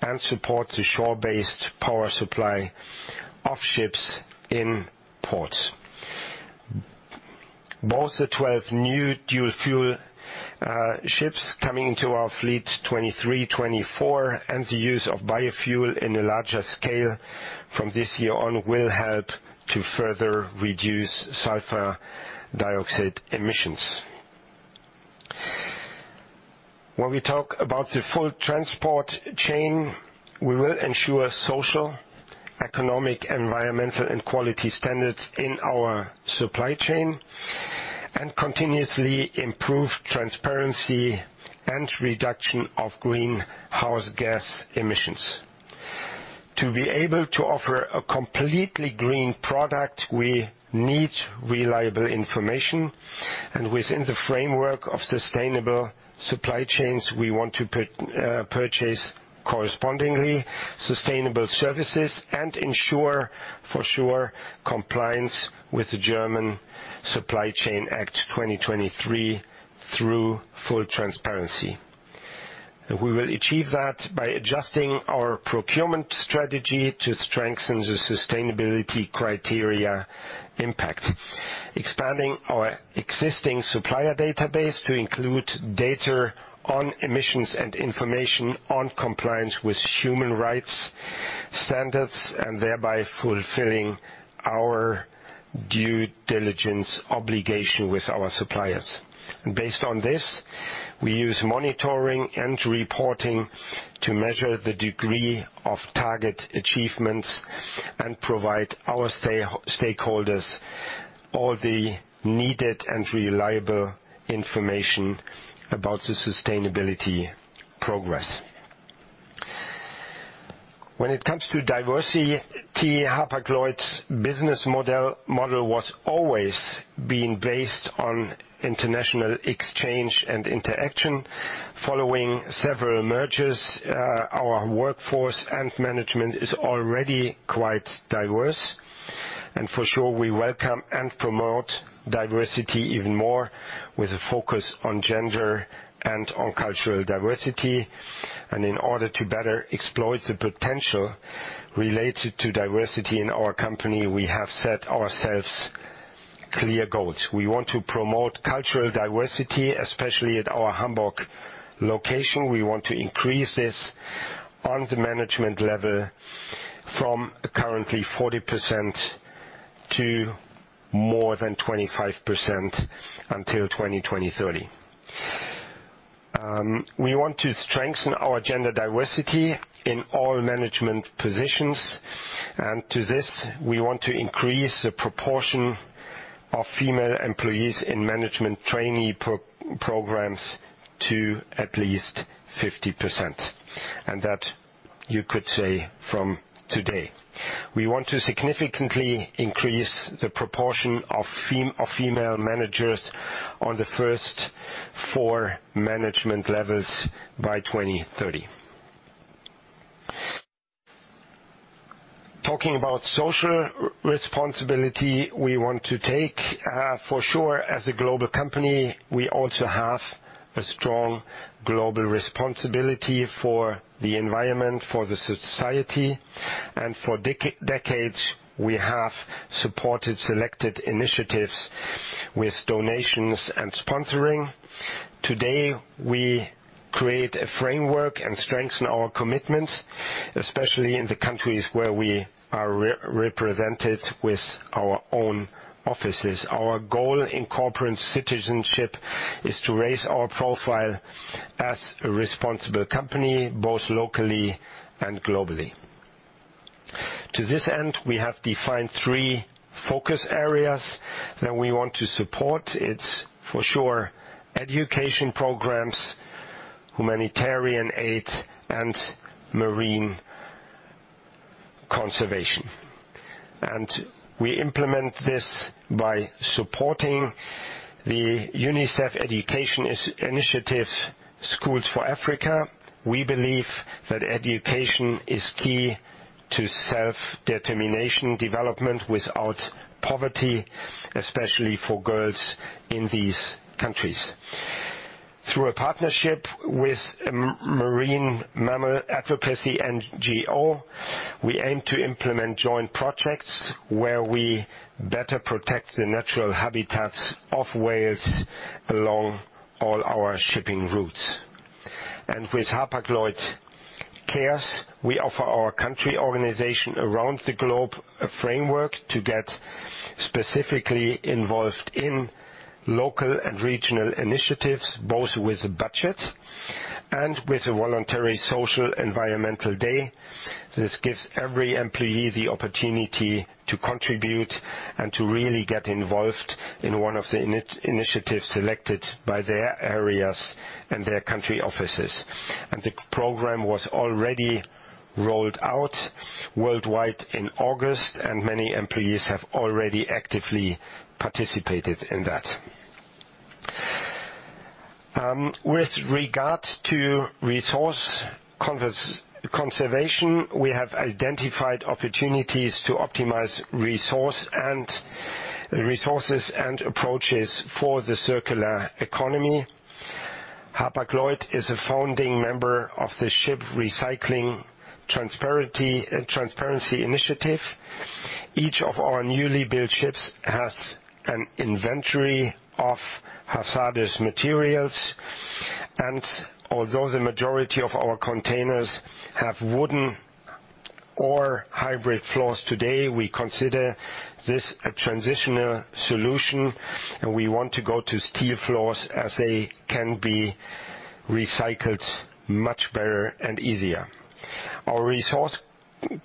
and support the shore-based power supply of ships in ports. Both the 12 new dual fuel ships coming to our fleet, 2023, 2024, and the use of biofuel in a larger scale from this year on will help to further reduce sulfur dioxide emissions. When we talk about the full transport chain, we will ensure social, economic, environmental, and quality standards in our supply chain, and continuously improve transparency and reduction of greenhouse gas emissions. To be able to offer a completely green product, we need reliable information. Within the framework of sustainable supply chains, we want to purchase correspondingly sustainable services and ensure for sure compliance with the German Supply Chain Act 2023 through full transparency. We will achieve that by adjusting our procurement strategy to strengthen the sustainability criteria impact. Expanding our existing supplier database to include data on emissions and information on compliance with human rights standards, and thereby fulfilling our due diligence obligation with our suppliers. Based on this, we use monitoring and reporting to measure the degree of target achievements and provide our stakeholders all the needed and reliable information about the sustainability progress. When it comes to diversity, Hapag-Lloyd's business model was always being based on international exchange and interaction. Following several mergers, our workforce and management is already quite diverse. For sure, we welcome and promote diversity even more with a focus on gender and on cultural diversity. In order to better exploit the potential related to diversity in our company, we have set ourselves clear goals. We want to promote cultural diversity, especially at our Hamburg location. We want to increase this on the management level from currently 40% to more than 25% until 2030. We want to strengthen our gender diversity in all management positions. To this, we want to increase the proportion of female employees in management trainee programs to at least 50%. That you could say from today. We want to significantly increase the proportion of female managers on the first four management levels by 2030. Talking about social responsibility, we want to take, for sure, as a global company, we also have a strong global responsibility for the environment, for the society. For decades, we have supported selected initiatives with donations and sponsoring. Today, we create a framework and strengthen our commitment, especially in the countries where we are represented with our own offices. Our goal in corporate citizenship is to raise our profile as a responsible company, both locally and globally. To this end, we have defined three focus areas that we want to support. It's for sure education programs, humanitarian aid, and marine conservation. We implement this by supporting the UNICEF Education Initiative, Schools for Africa. We believe that education is key to self-determination development without poverty, especially for girls in these countries. Through a partnership with a marine mammal advocacy NGO, we aim to implement joint projects where we better protect the natural habitats of whales along all our shipping routes. With Hapag-Lloyd Cares, we offer our country organization around the globe a framework to get specifically involved in local and regional initiatives, both with the budget and with a voluntary social environmental day. This gives every employee the opportunity to contribute and to really get involved in one of the initiatives selected by their areas and their country offices. The program was already rolled out worldwide in August, and many employees have already actively participated in that. With regard to resource conservation, we have identified opportunities to optimize resources and approaches for the circular economy. Hapag-Lloyd is a founding member of the Ship Recycling Transparency Initiative. Each of our newly built ships has an inventory of hazardous materials. Although the majority of our containers have wooden or hybrid floors today, we consider this a transitional solution, and we want to go to steel floors as they can be recycled much better and easier. Our resource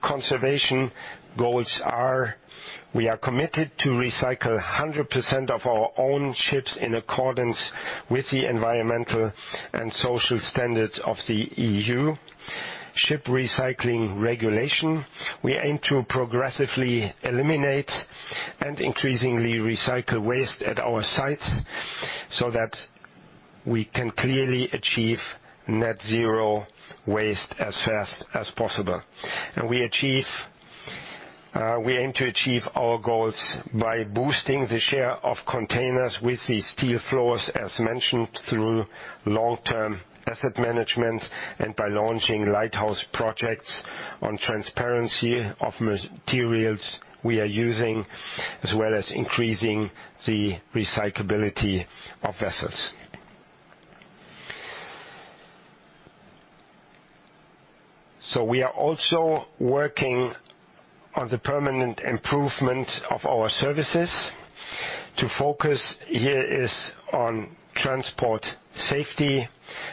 conservation goals are, we are committed to recycle 100% of our own ships in accordance with the environmental and social standards of the EU Ship Recycling Regulation. We aim to progressively eliminate and increasingly recycle waste at our sites so that we can clearly achieve net zero waste as fast as possible. We aim to achieve our goals by boosting the share of containers with the steel floors, as mentioned, through long-term asset management and by launching lighthouse projects on transparency of materials we are using, as well as increasing the recyclability of vessels. We are also working on the permanent improvement of our services. To focus here is on transport safety.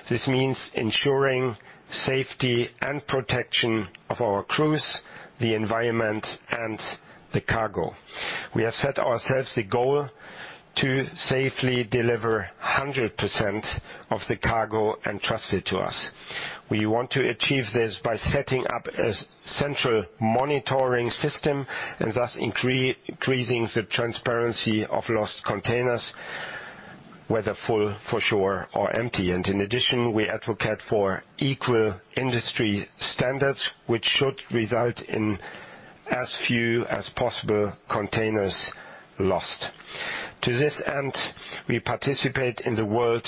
This means ensuring safety and protection of our crews, the environment, and the cargo. We have set ourselves the goal to safely deliver 100% of the cargo entrusted to us. We want to achieve this by setting up a central monitoring system and thus increasing the transparency of lost containers, whether full or empty. In addition, we advocate for equal industry standards, which should result in as few as possible containers lost. To this end, we participate in the World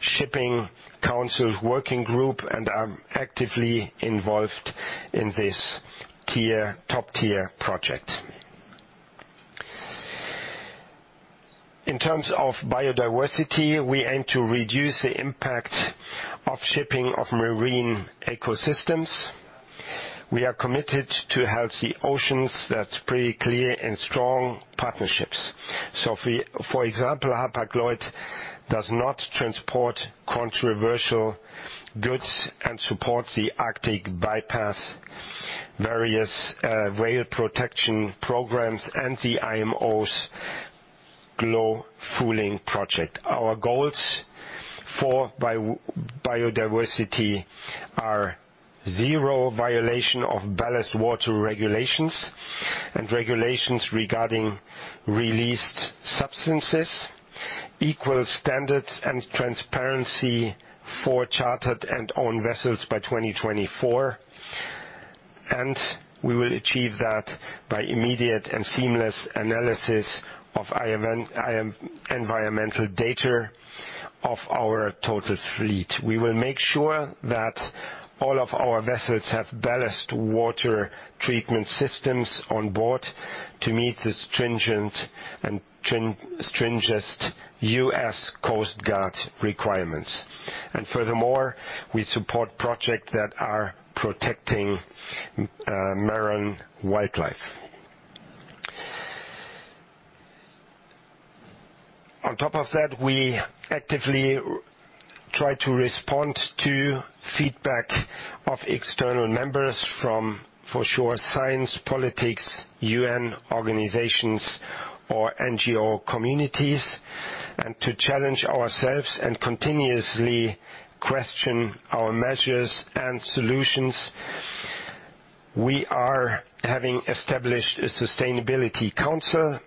Shipping Council's working group and are actively involved in this top-tier project. In terms of biodiversity, we aim to reduce the impact of shipping on marine ecosystems. We are committed to healthy oceans, that's pretty clear, and strong partnerships. For example, Hapag-Lloyd does not transport controversial goods and supports the Arctic Pledge, various whale protection programs, and the IMO's GloFouling project. Our goals for biodiversity are zero violation of ballast water regulations and regulations regarding released substances, equal standards and transparency for chartered and owned vessels by 2024. We will achieve that by immediate and seamless analysis of given environmental data of our total fleet. We will make sure that all of our vessels have ballast water treatment systems on board to meet the stringent U.S. Coast Guard requirements. Furthermore, we support projects that are protecting marine wildlife. On top of that, we actively try to respond to feedback of external members from, for sure, science, politics, UN organizations or NGO communities. To challenge ourselves and continuously question our measures and solutions, we have established a sustainability council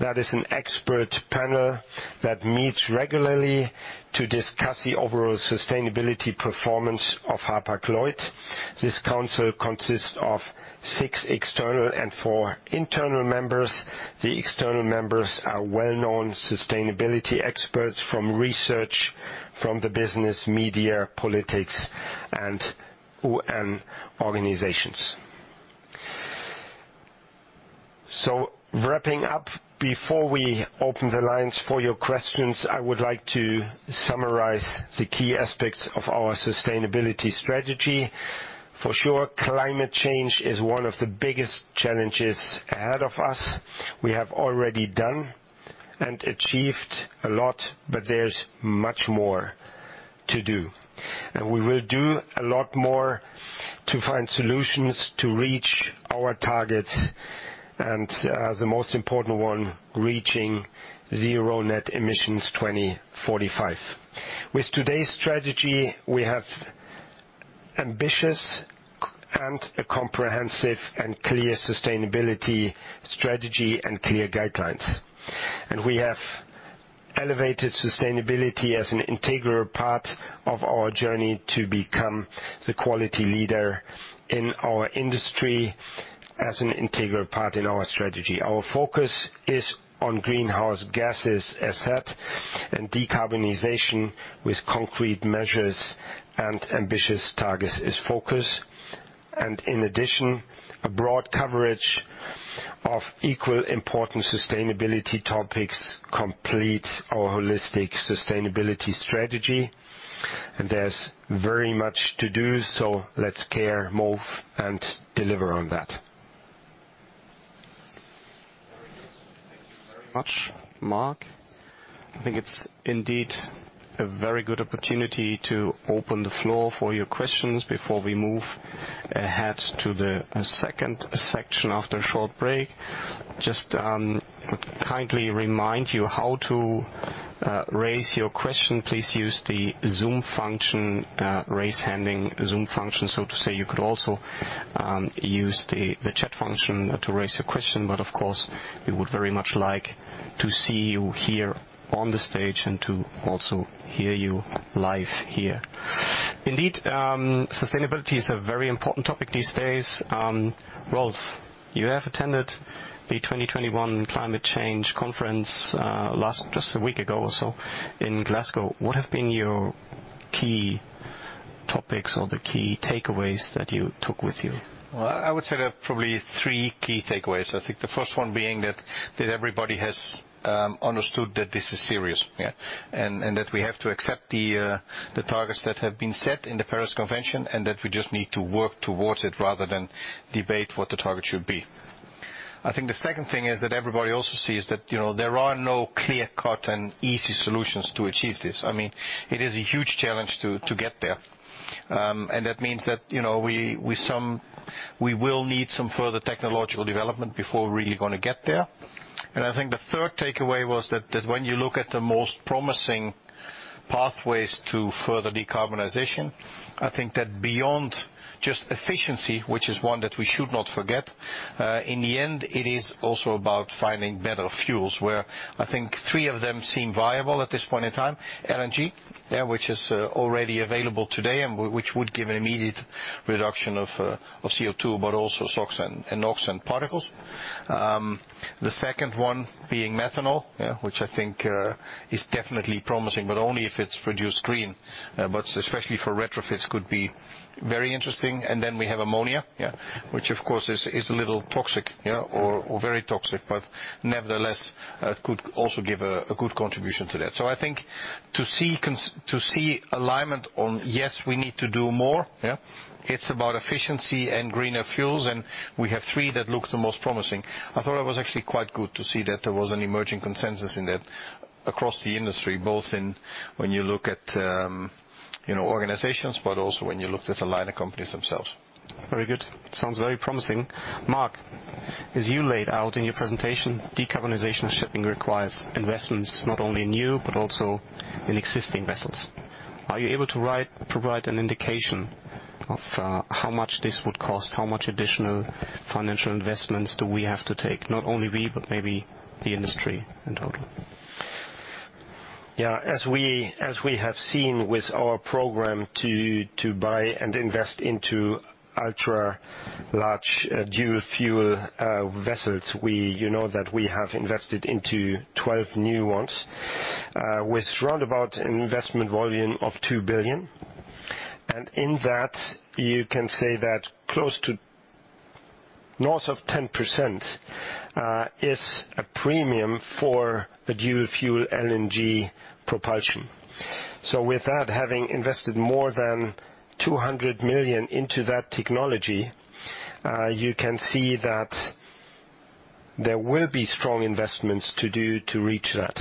that is an expert panel that meets regularly to discuss the overall sustainability performance of Hapag-Lloyd. This council consists of six external and four internal members. The external members are well-known sustainability experts from research, from the business, media, politics, and UN organizations. Wrapping up, before we open the lines for your questions, I would like to summarize the key aspects of our sustainability strategy. For sure, climate change is one of the biggest challenges ahead of us. We have already done and achieved a lot, but there's much more to do. We will do a lot more to find solutions to reach our targets and, the most important one, reaching zero net emissions 2045. With today's strategy, we have ambitious and a comprehensive and clear sustainability strategy and clear guidelines. We have elevated sustainability as an integral part of our journey to become the quality leader in our industry as an integral part in our strategy. Our focus is on greenhouse gases as set, and decarbonization with concrete measures and ambitious targets is focus. In addition, a broad coverage of equally important sustainability topics complete our holistic sustainability strategy. There's very much to do, so let's care, move, and deliver on that. Very good. Thank you very much, Mark. I think it's indeed a very good opportunity to open the floor for your questions before we move ahead to the second section after a short break. Just kindly remind you how to raise your question. Please use the Zoom function, raise hand in Zoom function, so to say. You could also use the chat function to raise your question, but of course, we would very much like to see you here on the stage and to also hear you live here. Indeed, sustainability is a very important topic these days. Rolf, you have attended the 2021 climate change conference just a week ago or so in Glasgow. What have been your key topics or the key takeaways that you took with you? Well, I would say there are probably three key takeaways. I think the first one being that everybody has understood that this is serious, yeah, and that we have to accept the targets that have been set in the Paris Agreement, and that we just need to work towards it rather than debate what the target should be. I think the second thing is that everybody also sees that, you know, there are no clear-cut and easy solutions to achieve this. I mean, it is a huge challenge to get there. And that means that, you know, we will need some further technological development before we're really gonna get there. I think the third takeaway was that when you look at the most promising pathways to further decarbonization, I think that beyond just efficiency, which is one that we should not forget, in the end, it is also about finding better fuels. Where I think three of them seem viable at this point in time, LNG, which is already available today and which would give an immediate reduction of CO2, but also SOx and NOx and particles. The second one being methanol, which I think is definitely promising, but only if it's produced green. Especially for retrofits could be very interesting. Then we have ammonia, which of course is a little toxic or very toxic. Nevertheless could also give a good contribution to that. I think to see alignment on, yes, we need to do more, yeah, it's about efficiency and greener fuels, and we have three that look the most promising. I thought it was actually quite good to see that there was an emerging consensus in that across the industry, both in when you look at, you know, organizations, but also when you look at the liner companies themselves. Very good. Sounds very promising. Mark, as you laid out in your presentation, decarbonizing shipping requires investments not only in new, but also in existing vessels. Are you able to provide an indication of how much this would cost? How much additional financial investments do we have to take? Not only we, but maybe the industry in total. As we have seen with our program to buy and invest into ultra-large dual fuel vessels, you know that we have invested into 12 new ones with roundabout investment volume of 2 billion. In that, you can say that close to north of 10% is a premium for the dual fuel LNG propulsion. With that, having invested more than 200 million into that technology, you can see that there will be strong investments to do to reach that.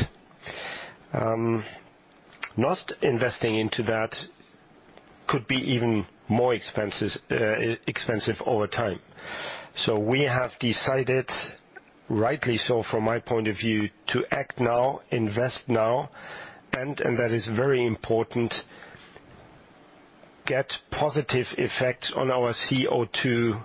Not investing into that could be even more expensive over time. We have decided, rightly so from my point of view, to act now, invest now, and that is very important, get positive effects on our CO2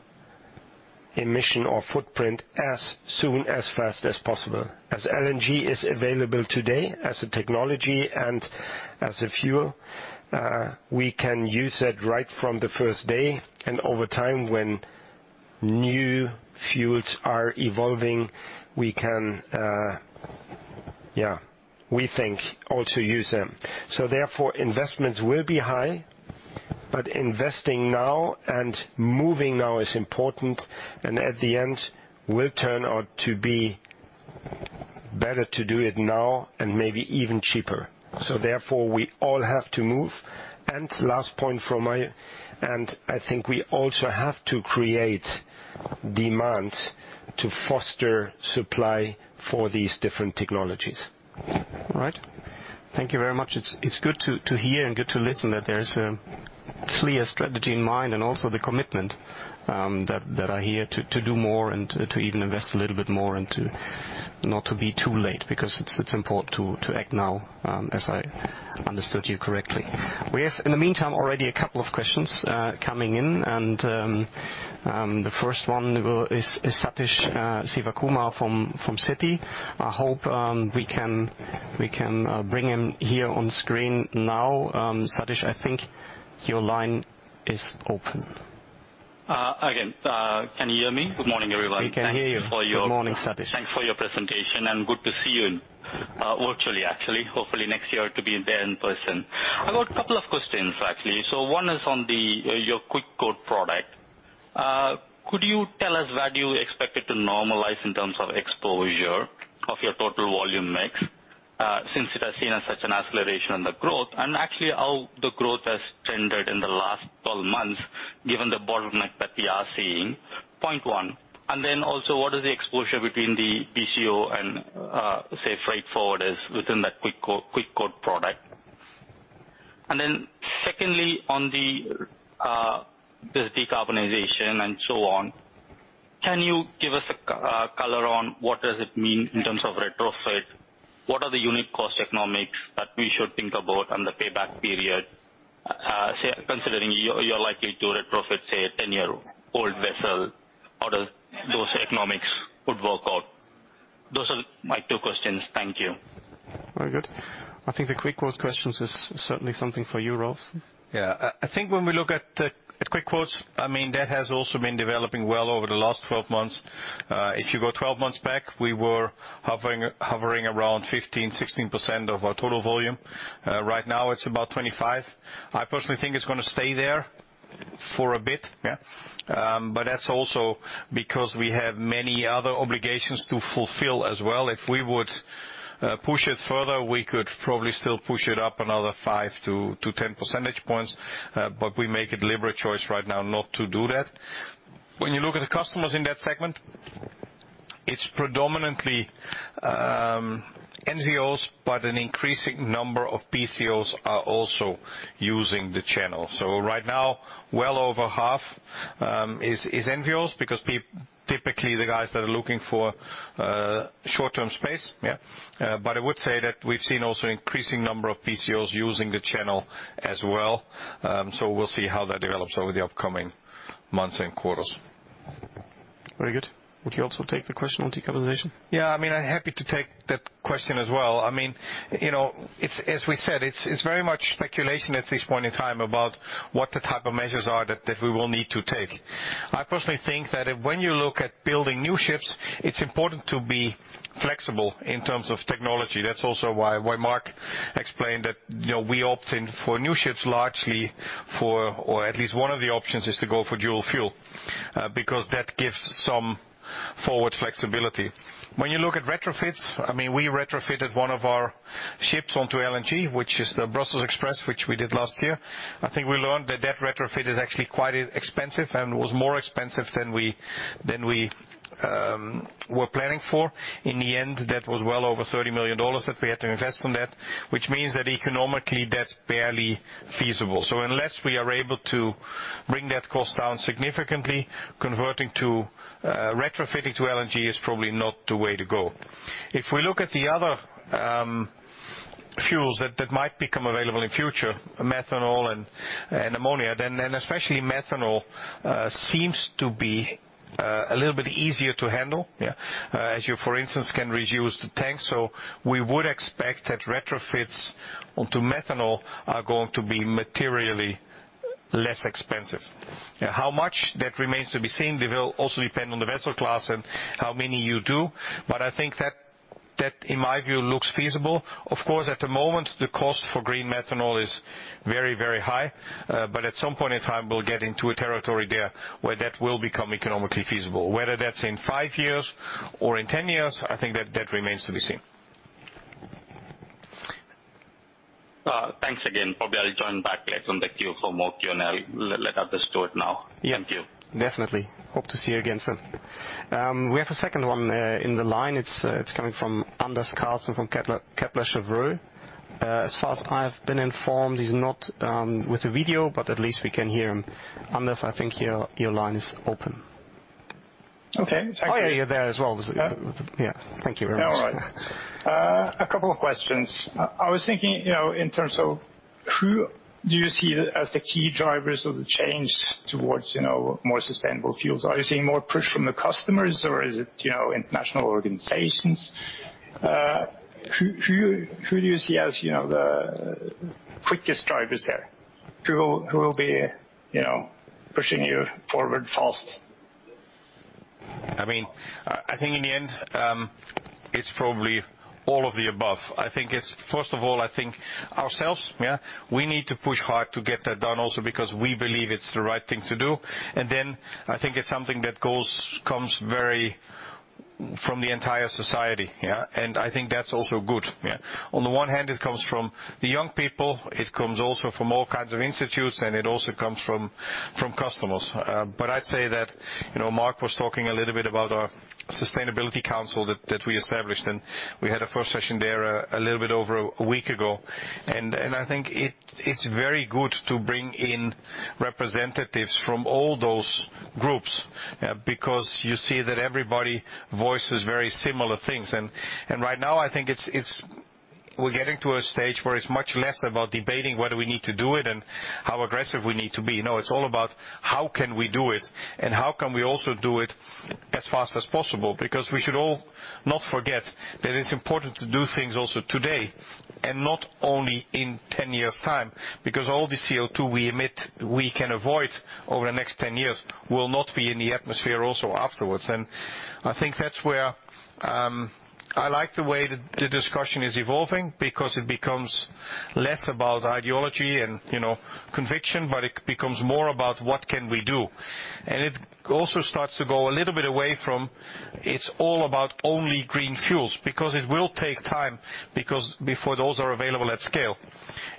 emission or footprint as soon, as fast as possible. As LNG is available today as a technology and as a fuel, we can use it right from the first day and over time when new fuels are evolving, we can, we think also use them. Investments will be high, but investing now and moving now is important, and at the end will turn out to be better to do it now and maybe even cheaper. We all have to move. Last point and I think we also have to create demand to foster supply for these different technologies. All right. Thank you very much. It's good to hear and good to listen that there is a clear strategy in mind and also the commitment that are here to do more and to even invest a little bit more and not to be too late because it's important to act now, as I understood you correctly. We have, in the meantime, already a couple of questions coming in, and the first one is Sathish Sivakumar from Citi. I hope we can bring him here on screen now. Sathish, I think your line is open. Again, can you hear me? Good morning, everyone. We can hear you. Good morning, Sathish. Thanks for your presentation, and good to see you, virtually actually. Hopefully next year to be there in person. I've got a couple of questions, actually. One is on the, your Quick Quote product. Could you tell us where do you expect it to normalize in terms of exposure of your total volume mix, since it has seen such an acceleration on the growth, and actually how the growth has trended in the last 12 months given the bottleneck that we are seeing? Point one. What is the exposure between the BCO and, say, freight forwarders within that Quick Quote product? Secondly, on the, this decarbonization and so on, can you give us a, color on what does it mean in terms of retrofit? What are the unique cost economics that we should think about and the payback period, say, considering you're likely to retrofit, say, a 10-year-old vessel, how does those economics would work out? Those are my two questions. Thank you. Very good. I think the Quick Quotes questions is certainly something for you, Rolf. Yeah. I think when we look at Quick Quotes, I mean, that has also been developing well over the last 12 months. If you go 12 months back, we were hovering around 15%-16% of our total volume. Right now it's about 25%. I personally think it's gonna stay there for a bit. Yeah. That's also because we have many other obligations to fulfill as well. If we would push it further, we could probably still push it up another 5-10 percentage points. We make a deliberate choice right now not to do that. When you look at the customers in that segment, it's predominantly NVOs, but an increasing number of PCOs are also using the channel. Right now, well over half is NVOs because typically the guys that are looking for short-term space. I would say that we've seen also increasing number of PCOs using the channel as well. We'll see how that develops over the upcoming months and quarters. Very good. Would you also take the question on decarbonization? Yeah. I mean, I'm happy to take that question as well. I mean, you know, it's as we said, it's very much speculation at this point in time about what the type of measures are that we will need to take. I personally think that if, when you look at building new ships, it's important to be flexible in terms of technology. That's also why Mark explained that, you know, we opt in for new ships largely for, or at least one of the options is to go for dual fuel because that gives some forward flexibility. When you look at retrofits, I mean, we retrofitted one of our ships onto LNG, which is the Brussels Express, which we did last year. I think we learned that that retrofit is actually quite expensive and was more expensive than we were planning for. In the end, that was well over $30 million that we had to invest on that, which means that economically, that's barely feasible. Unless we are able to bring that cost down significantly, converting to retrofitting to LNG is probably not the way to go. If we look at the other fuels that might become available in future, methanol and ammonia, then especially methanol seems to be a little bit easier to handle, yeah. As you, for instance, can reuse the tanks. We would expect that retrofits onto methanol are going to be materially less expensive. How much that remains to be seen. It will also depend on the vessel class and how many you do, but I think that in my view looks feasible. Of course, at the moment, the cost for green methanol is very, very high. At some point in time we'll get into a territory there where that will become economically feasible. Whether that's in five years or in ten years, I think that remains to be seen. Thanks again. Probably I'll join back late on the queue for more Q&A. Let others do it now. Yeah. Thank you. Definitely. Hope to see you again soon. We have a second one in the line. It's coming from Anders Karlsen from Kepler Cheuvreux. As far as I've been informed, he's not with a video, but at least we can hear him. Anders, I think your line is open. Okay. Oh, yeah, you're there as well. Yeah. Yeah. Thank you very much. All right. A couple of questions. I was thinking, you know, in terms of who do you see as the key drivers of the change towards, you know, more sustainable fuels? Are you seeing more push from the customers or is it, you know, international organizations? Who do you see as, you know, the quickest drivers there? Who will be, you know, pushing you forward fast? I mean, I think in the end, it's probably all of the above. I think it's first of all, I think ourselves, yeah. We need to push hard to get that done also because we believe it's the right thing to do. I think it's something that comes very from the entire society, yeah. I think that's also good, yeah. On the one hand, it comes from the young people, it comes also from all kinds of institutes, and it also comes from customers. But I'd say that, you know, Mark was talking a little bit about our Sustainability Council that we established, and we had our first session there a little bit over a week ago. I think it's very good to bring in representatives from all those groups, yeah, because you see that everybody voices very similar things. Right now, I think we're getting to a stage where it's much less about debating whether we need to do it and how aggressive we need to be. No, it's all about how can we do it, and how can we also do it as fast as possible. Because we should all not forget that it's important to do things also today and not only in ten years' time, because all the CO2 we emit we can avoid over the next ten years will not be in the atmosphere also afterwards. I think that's where I like the way the discussion is evolving because it becomes less about ideology and, you know, conviction, but it becomes more about what can we do. It also starts to go a little bit away from it's all about only green fuels, because it will take time before those are available at scale.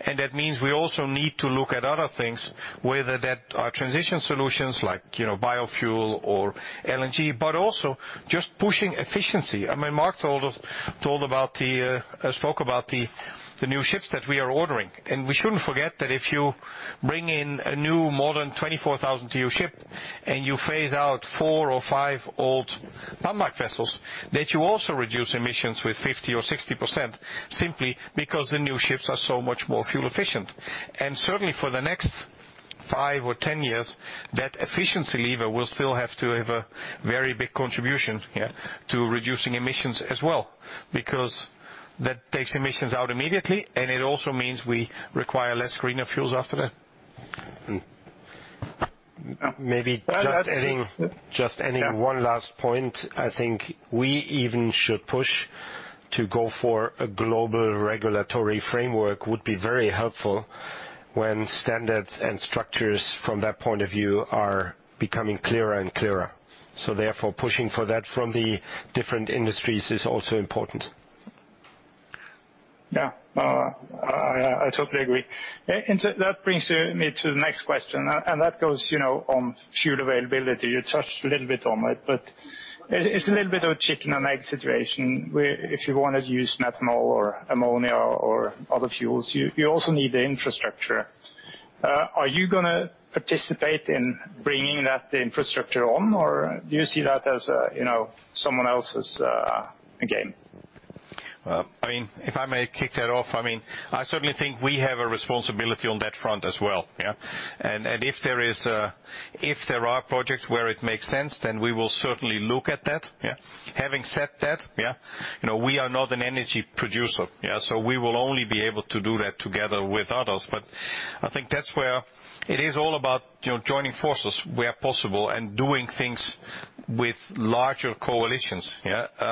That means we also need to look at other things, whether that are transition solutions like, you know, biofuel or LNG, but also just pushing efficiency. I mean, Mark spoke about the new ships that we are ordering. We shouldn't forget that if you bring in a new more than 24,000-TEU ship and you phase out IV or V old Panamax vessels, that you also reduce emissions with 50% or 60% simply because the new ships are so much more fuel efficient. Certainly for the next 5 or 10 years, that efficiency lever will still have to have a very big contribution, yeah, to reducing emissions as well, because that takes emissions out immediately, and it also means we require less greener fuels after that. Maybe just adding- Well, that's. Just adding one last point. I think we even should push to go for a global regulatory framework would be very helpful when standards and structures from that point of view are becoming clearer and clearer. Therefore, pushing for that from the different industries is also important. Yeah. I totally agree. That brings me to the next question, that goes on fuel availability. You touched a little bit on it, but it's a little bit of a chicken and egg situation where if you wanna use methanol or ammonia or other fuels, you also need the infrastructure. Are you gonna participate in bringing that infrastructure on, or do you see that as someone else's game? Well, I mean, if I may kick that off, I mean, I certainly think we have a responsibility on that front as well. If there are projects where it makes sense, then we will certainly look at that. Having said that, you know, we are not an energy producer. We will only be able to do that together with others. I think that's where it is all about, you know, joining forces where possible and doing things with larger coalitions.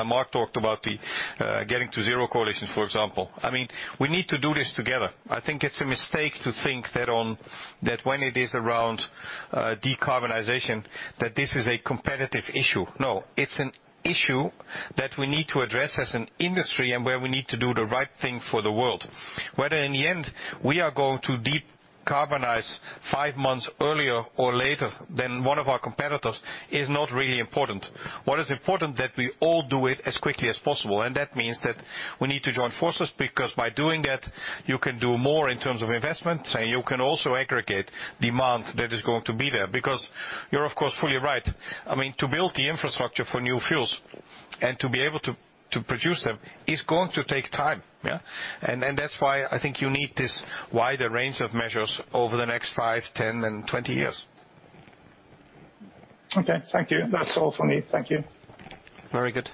Mark talked about the Getting to Zero Coalition, for example. I mean, we need to do this together. I think it's a mistake to think that when it is around decarbonization, that this is a competitive issue. No, it's an issue that we need to address as an industry and where we need to do the right thing for the world. Whether in the end, we are going to decarbonize 5 months earlier or later than one of our competitors is not really important. What is important is that we all do it as quickly as possible, and that means that we need to join forces, because by doing that, you can do more in terms of investments, and you can also aggregate demand that is going to be there. Because you're of course fully right. I mean, to build the infrastructure for new fuels and to be able to produce them is going to take time, yeah. That's why I think you need this wider range of measures over the next 5, 10, and 20 years. Okay, thank you. That's all for me. Thank you. Very good.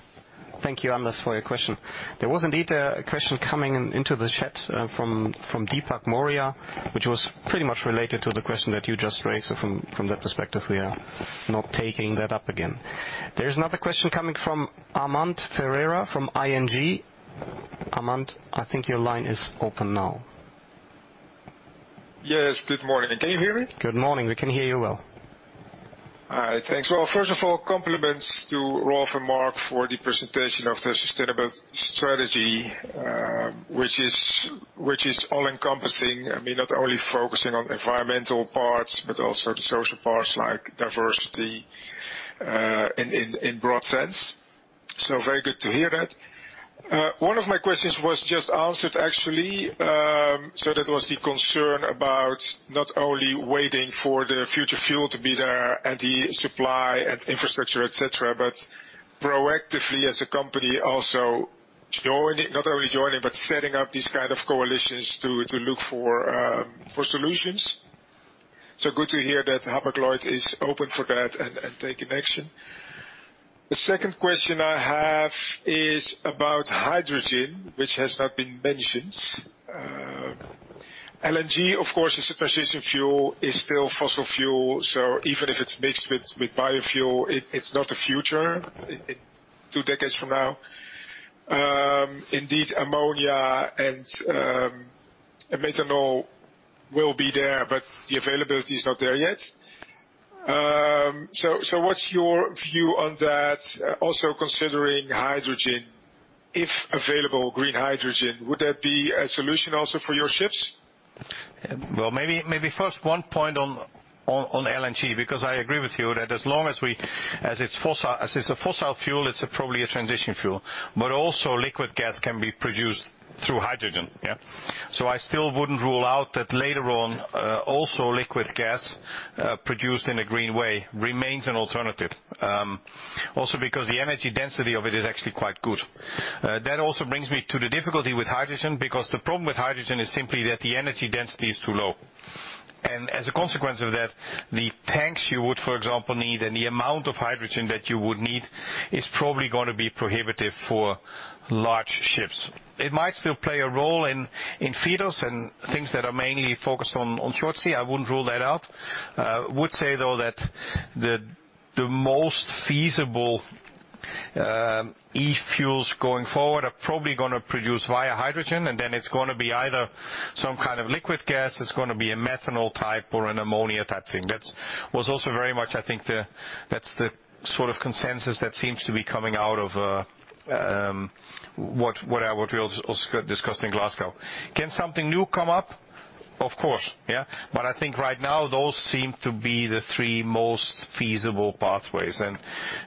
Thank you, Anders, for your question. There was indeed a question coming in, into the chat, from Deepak Maurya, which was pretty much related to the question that you just raised. From that perspective, we are not taking that up again. There's another question coming from Armand Ferreira from ING. Armand, I think your line is open now. Yes. Good morning. Can you hear me? Good morning. We can hear you well. All right, thanks. Well, first of all, compliments to Rolf and Mark for the presentation of the sustainable strategy, which is all-encompassing. I mean, not only focusing on environmental parts, but also the social parts like diversity in broad sense. So very good to hear that. One of my questions was just answered actually. So that was the concern about not only waiting for the future fuel to be there and the supply and infrastructure, et cetera, but proactively as a company also not only joining, but setting up these kind of coalitions to look for solutions. So good to hear that Hapag-Lloyd is open for that and taking action. The second question I have is about hydrogen, which has not been mentioned. LNG, of course, as a transition fuel is still fossil fuel, so even if it's mixed with biofuel, it's not the future in two decades from now. Indeed, ammonia and methanol will be there, but the availability is not there yet. What's your view on that, also considering hydrogen, if available, green hydrogen, would that be a solution also for your ships? Well, maybe first, one point on LNG, because I agree with you that as it's a fossil fuel, it's probably a transition fuel. But also LNG can be produced through hydrogen, yeah? So I still wouldn't rule out that later on, also LNG produced in a green way remains an alternative. Also because the energy density of it is actually quite good. That also brings me to the difficulty with hydrogen, because the problem with hydrogen is simply that the energy density is too low. And as a consequence of that, the tanks you would, for example, need and the amount of hydrogen that you would need is probably gonna be prohibitive for large ships. It might still play a role in feeders and things that are mainly focused on short sea. I wouldn't rule that out. Would say though that the most feasible e-fuels going forward are probably gonna produce via hydrogen, and then it's gonna be either some kind of liquid gas, it's gonna be a methanol type or an ammonia type thing. That was also very much, I think, that's the sort of consensus that seems to be coming out of what we also discussed in Glasgow. Can something new come up? Of course, yeah. I think right now those seem to be the three most feasible pathways. Of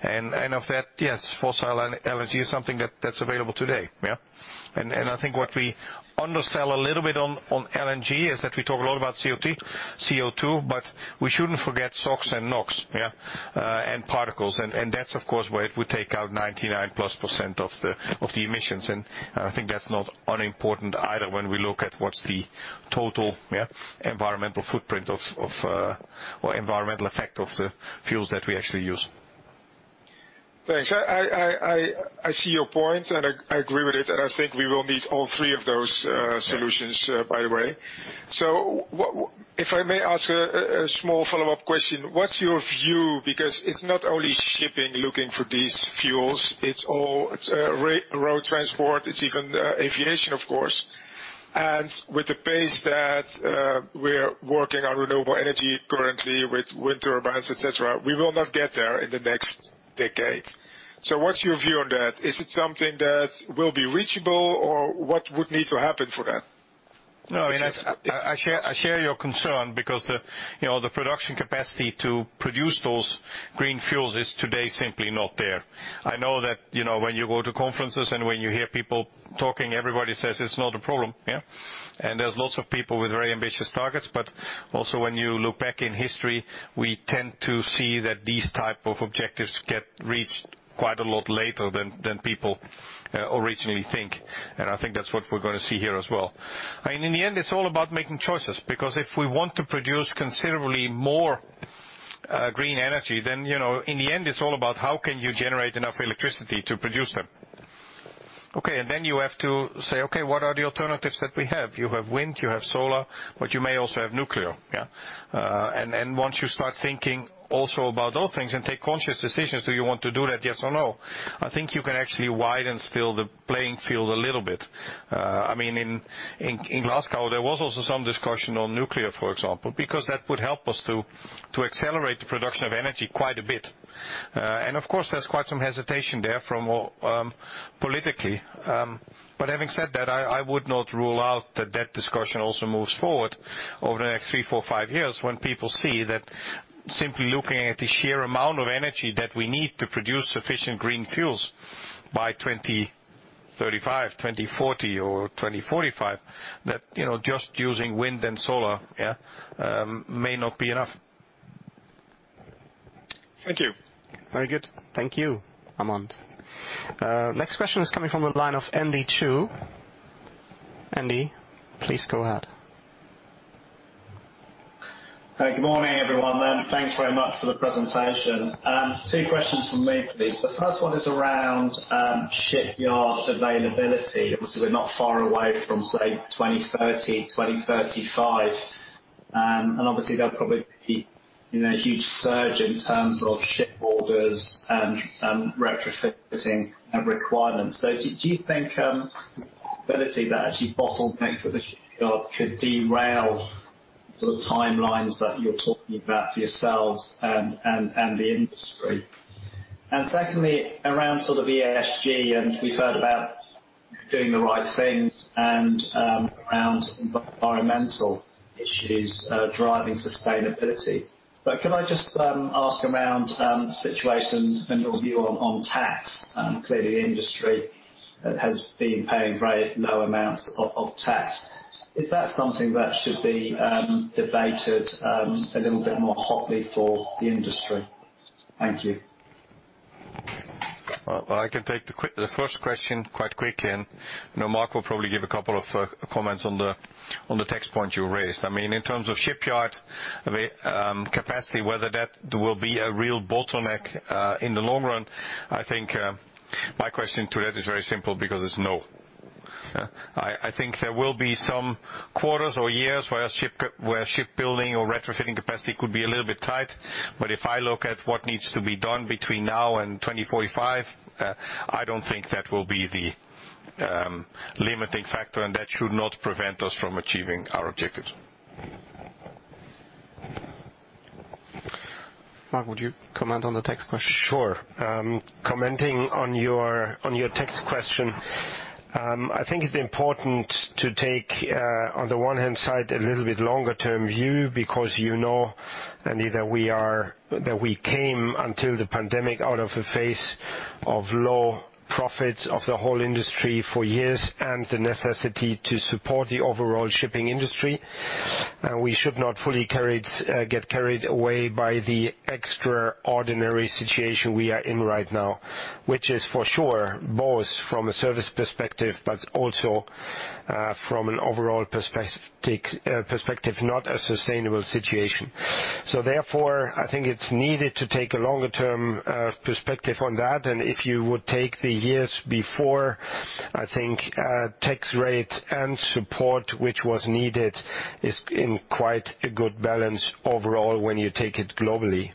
that, yes, fossil and LNG is something that's available today, yeah? I think what we undersell a little bit on LNG is that we talk a lot about CO2, but we shouldn't forget SOx and NOx, yeah, and particles. That's of course where it would take out 99%+ of the emissions. I think that's not unimportant either when we look at what's the total environmental footprint or environmental effect of the fuels that we actually use. Thanks. I see your point, and I agree with it, and I think we will need all three of those solutions. Yeah. By the way. If I may ask a small follow-up question, what's your view? Because it's not only shipping looking for these fuels, it's all, road transport, it's even aviation, of course. With the pace that we're working on renewable energy currently with wind turbines, et cetera, we will not get there in the next decade. What's your view on that? Is it something that will be reachable, or what would need to happen for that? No, I mean, that's I share your concern because, you know, the production capacity to produce those green fuels is today simply not there. I know that, you know, when you go to conferences and when you hear people talking, everybody says it's not a problem, yeah. There's lots of people with very ambitious targets. Also when you look back in history, we tend to see that these type of objectives get reached quite a lot later than people originally think. I think that's what we're gonna see here as well. I mean, in the end, it's all about making choices, because if we want to produce considerably more green energy, then, you know, in the end it's all about how can you generate enough electricity to produce them. Okay, you have to say, "Okay, what are the alternatives that we have?" You have wind, you have solar, but you may also have nuclear, yeah? Once you start thinking also about those things and take conscious decisions, do you want to do that, yes or no? I think you can actually widen still the playing field a little bit. I mean, in Glasgow, there was also some discussion on nuclear, for example, because that would help us to accelerate the production of energy quite a bit. Of course, there's quite some hesitation there from politically. Having said that, I would not rule out that discussion also moves forward over the next 3, 4, 5 years when people see that simply looking at the sheer amount of energy that we need to produce sufficient green fuels by 2035, 2040 or 2045, you know, just using wind and solar, yeah, may not be enough. Thank you. Very good. Thank you, Armand. Next question is coming from the line of Andy Chu. Andy, please go ahead. Hey, good morning, everyone, and thanks very much for the presentation. Two questions from me, please. The first one is around shipyard availability. Obviously, we're not far away from, say, 2030, 2035. Obviously there'll probably be, you know, a huge surge in terms of ship orders and retrofitting requirements. So do you think the possibility that actually bottlenecks at the shipyard could derail the timelines that you're talking about for yourselves and the industry? Secondly, around sort of ESG, and we've heard about doing the right things and around environmental issues driving sustainability. Can I just ask around the situation and your view on tax? Clearly the industry has been paying very low amounts of tax. Is that something that should be debated a little bit more hotly for the industry? Thank you. Well, I can take the first question quite quickly, and, you know, Mark will probably give a couple of comments on the tax point you raised. I mean, in terms of shipyard capacity, whether that will be a real bottleneck in the long run. I think my question to that is very simple because it's no. I think there will be some quarters or years where shipbuilding or retrofitting capacity could be a little bit tight. If I look at what needs to be done between now and 2045, I don't think that will be the limiting factor, and that should not prevent us from achieving our objectives. Mark, would you comment on the tax question? Sure. Commenting on your tax question, I think it's important to take, on the one hand side, a little bit longer-term view because you know, Andy, that we came until the pandemic out of a phase of low profits of the whole industry for years and the necessity to support the overall shipping industry. We should not get carried away by the extraordinary situation we are in right now, which is for sure, both from a service perspective, but also, from an overall perspective, not a sustainable situation. Therefore, I think it's needed to take a longer-term perspective on that. If you would take the years before, I think tax rate and support, which was needed, is in quite a good balance overall when you take it globally.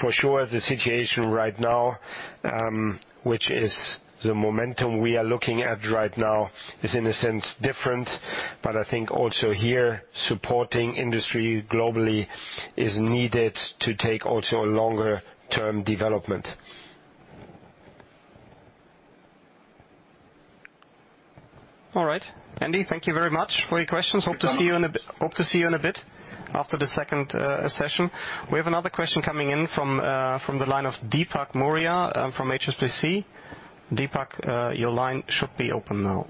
For sure, the situation right now, which is the momentum we are looking at right now is in a sense different. I think also here, supporting industry globally is needed to take also a longer-term development. All right. Andy, thank you very much for your questions. Welcome. Hope to see you in a bit after the second session. We have another question coming in from the line of Deepak Maurya from HSBC. Deepak, your line should be open now.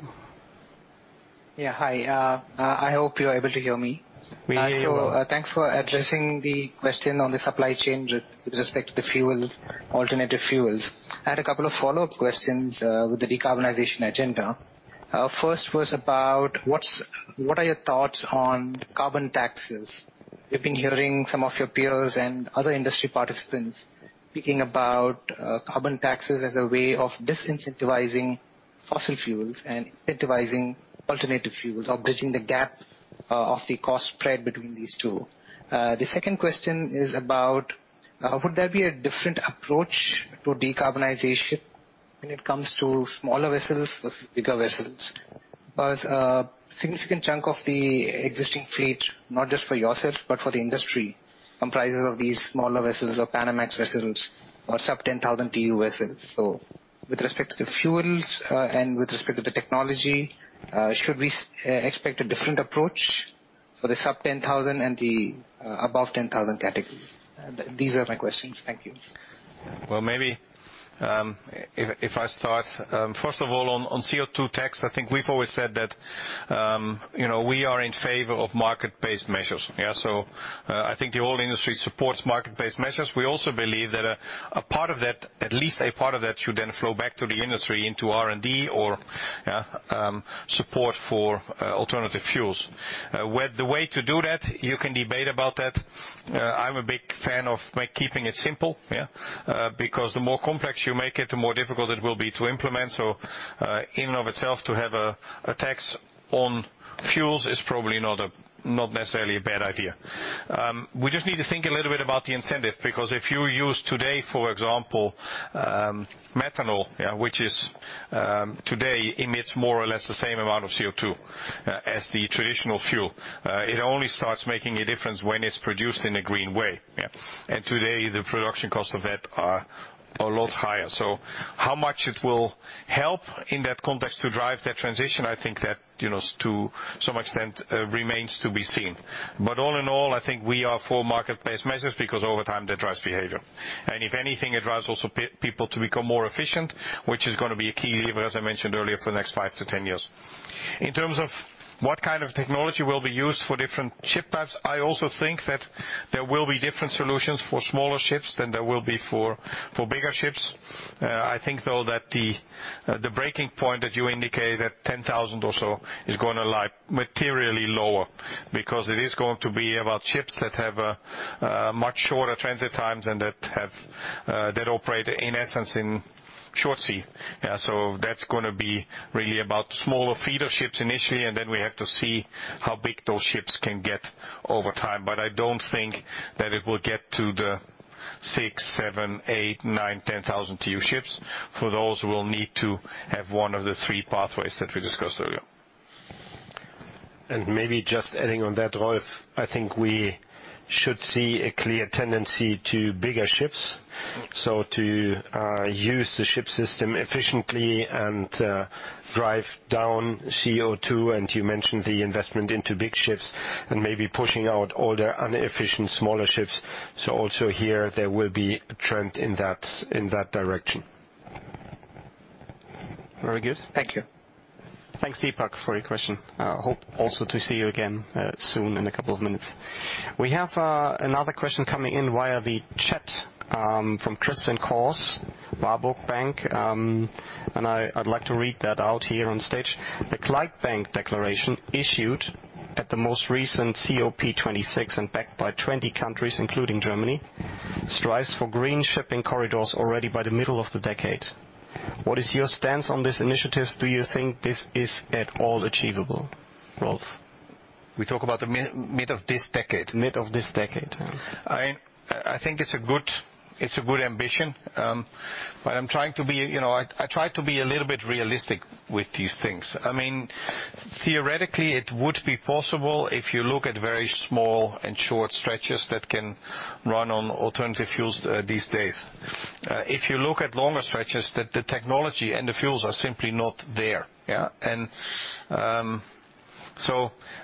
Yeah. Hi. I hope you're able to hear me. We hear you well. Thanks for addressing the question on the supply chain with respect to the fuels, alternative fuels. I had a couple of follow-up questions with the decarbonization agenda. First was about what are your thoughts on carbon taxes? We've been hearing some of your peers and other industry participants speaking about carbon taxes as a way of disincentivizing fossil fuels and incentivizing alternative fuels or bridging the gap of the cost spread between these two. The second question is about would there be a different approach to decarbonization when it comes to smaller vessels versus bigger vessels? Because a significant chunk of the existing fleet, not just for yourself, but for the industry, comprises of these smaller vessels or Panamax vessels or sub-10,000 TEU vessels. With respect to the fuels and with respect to the technology, should we expect a different approach for the sub 10,000 and the above 10,000 category? These are my questions. Thank you. Well, maybe if I start first of all on CO2 tax, I think we've always said that you know we are in favor of market-based measures. Yeah. I think the whole industry supports market-based measures. We also believe that a part of that, at least a part of that should then flow back to the industry into R&D or yeah support for alternative fuels. Well, the way to do that, you can debate about that. I'm a big fan of me keeping it simple, yeah. Because the more complex you make it, the more difficult it will be to implement. In and of itself, to have a tax on fuels is probably not necessarily a bad idea. We just need to think a little bit about the incentive because if you use today, for example, methanol, which is, today emits more or less the same amount of CO2, as the traditional fuel. It only starts making a difference when it's produced in a green way. Today, the production cost of it are a lot higher. How much it will help in that context to drive that transition, I think that, you know, to some extent, remains to be seen. All in all, I think we are for market-based measures because over time, that drives behavior. And if anything, it drives also people to become more efficient, which is gonna be a key lever, as I mentioned earlier, for the next 5-10 years. In terms of what kind of technology will be used for different ship types, I also think that there will be different solutions for smaller ships than there will be for bigger ships. I think, though, that the breaking point that you indicate that 10,000 or so is gonna lie materially lower because it is going to be about ships that have much shorter transit times and that operate in essence in short sea. That's gonna be really about smaller feeder ships initially, and then we have to see how big those ships can get over time. I don't think that it will get to the 6,000, 7,000, 8,000, 9,000, 10,000 TEU ships. For those, we'll need to have one of the three pathways that we discussed earlier. Maybe just adding on that, Rolf, I think we should see a clear tendency to bigger ships. To use the ship system efficiently and drive down CO2, and you mentioned the investment into big ships and maybe pushing out all the inefficient smaller ships. Also here there will be a trend in that direction. Very good. Thank you. Thanks, Deepak, for your question. I hope also to see you again soon in a couple of minutes. We have another question coming in via the chat from Christian Cohrs, Warburg Research. I'd like to read that out here on stage. The Clydebank Declaration issued at the most recent COP26 and backed by 20 countries, including Germany, strives for green shipping corridors already by the middle of the decade. What is your stance on these initiatives? Do you think this is at all achievable, Rolf? We talk about the mid of this decade? Mid of this decade. I think it's a good ambition. I'm trying to be, you know, I try to be a little bit realistic with these things. I mean, theoretically, it would be possible if you look at very small and short stretches that can run on alternative fuels, these days. If you look at longer stretches, the technology and the fuels are simply not there, yeah.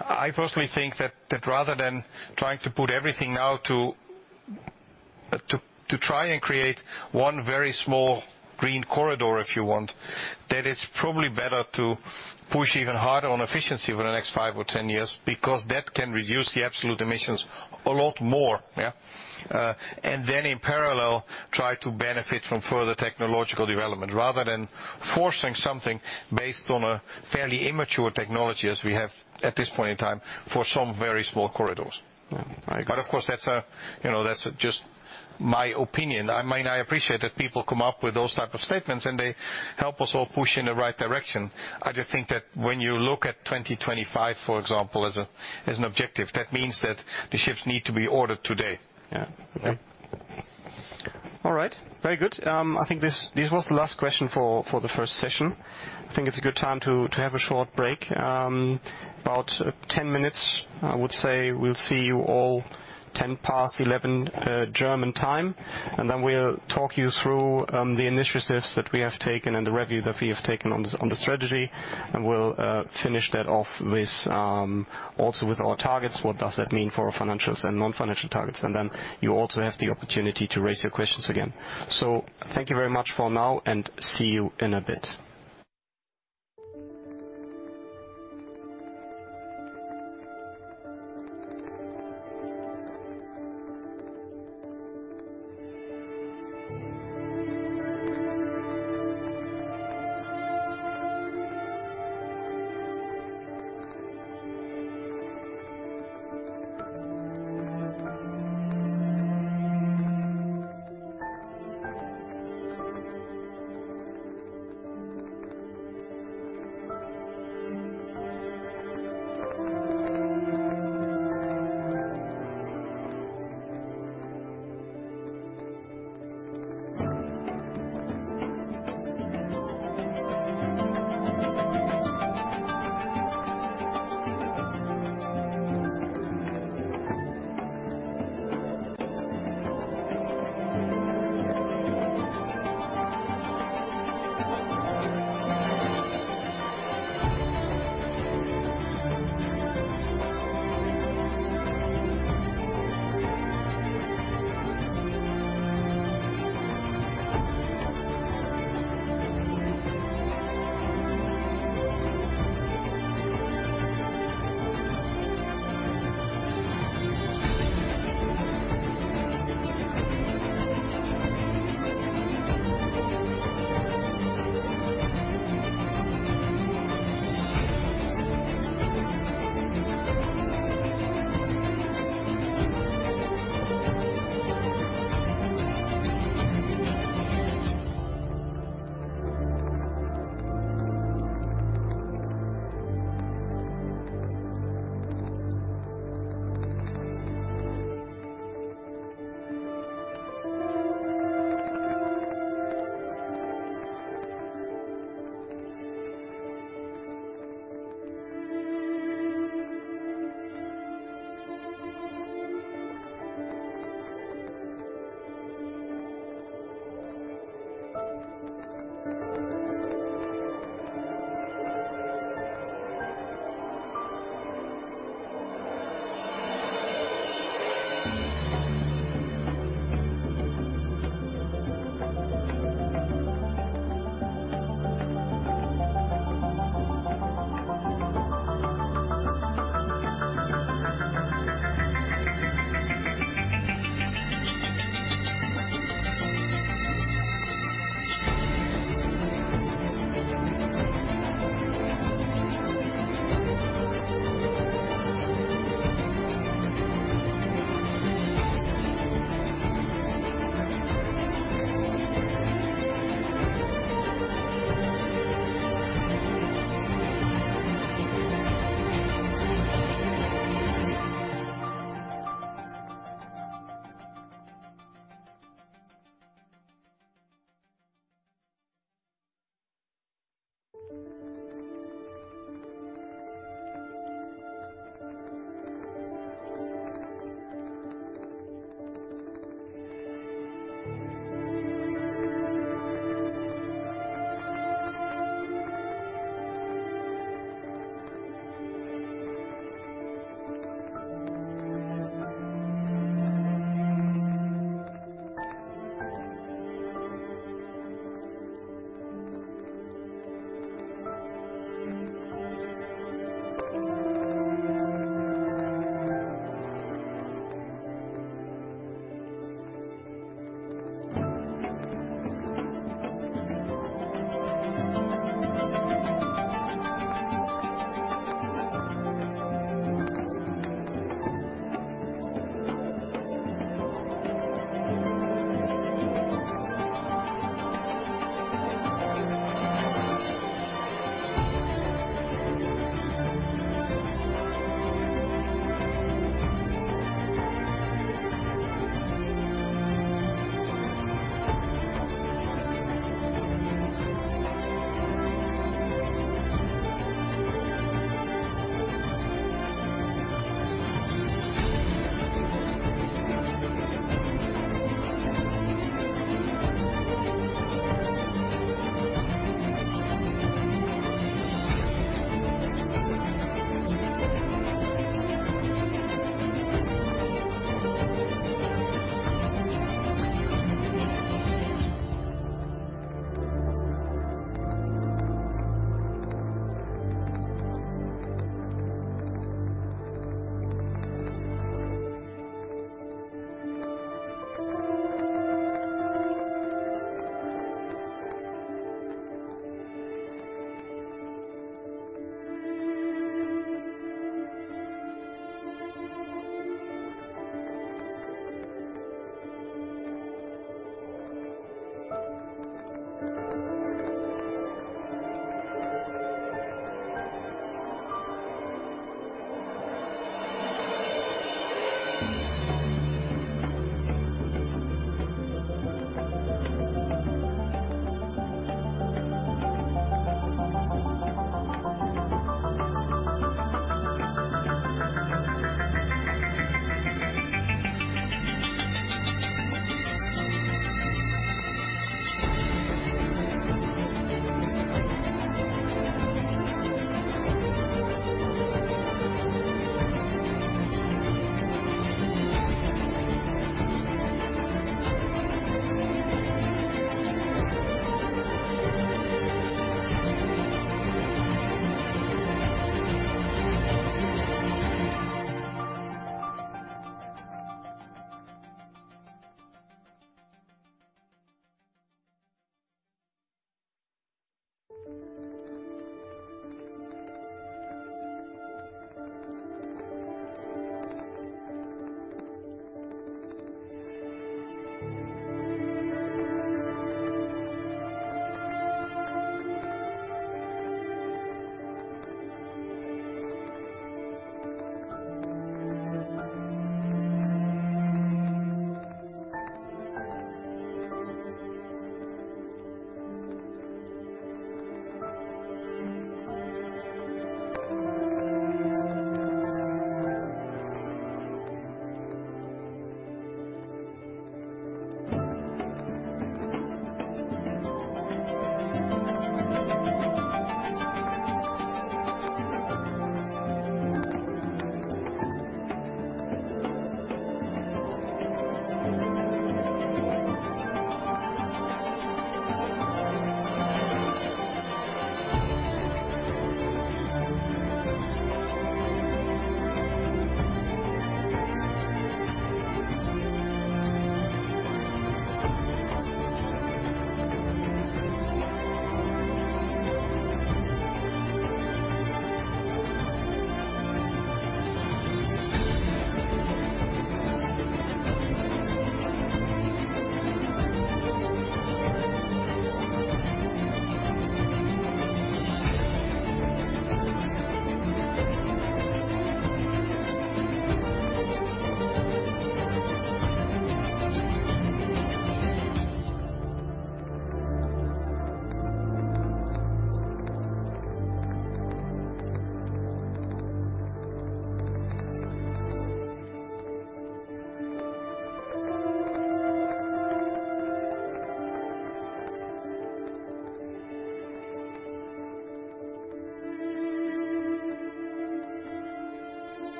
I personally think that rather than trying to put everything out to try and create one very small green corridor, if you want, that it's probably better to push even harder on efficiency over the next five or ten years because that can reduce the absolute emissions a lot more, yeah. In parallel, try to benefit from further technological development rather than forcing something based on a fairly immature technology as we have at this point in time for some very small corridors. Mm-hmm. I got it. Of course, that's, you know, that's just my opinion. I mean, I appreciate that people come up with those type of statements, and they help us all push in the right direction. I just think that when you look at 2025, for example, as an objective, that means that the ships need to be ordered today. Yeah. Okay. All right. Very good. I think this was the last question for the first session. I think it's a good time to have a short break, about 10 minutes, I would say. We'll see you all 11:10 German time, and then we'll talk you through the initiatives that we have taken and the review that we have taken on the strategy, and we'll finish that off with also with our targets, what does that mean for our financials and non-financial targets? You also have the opportunity to raise your questions again. Thank you very much for now and see you in a bit.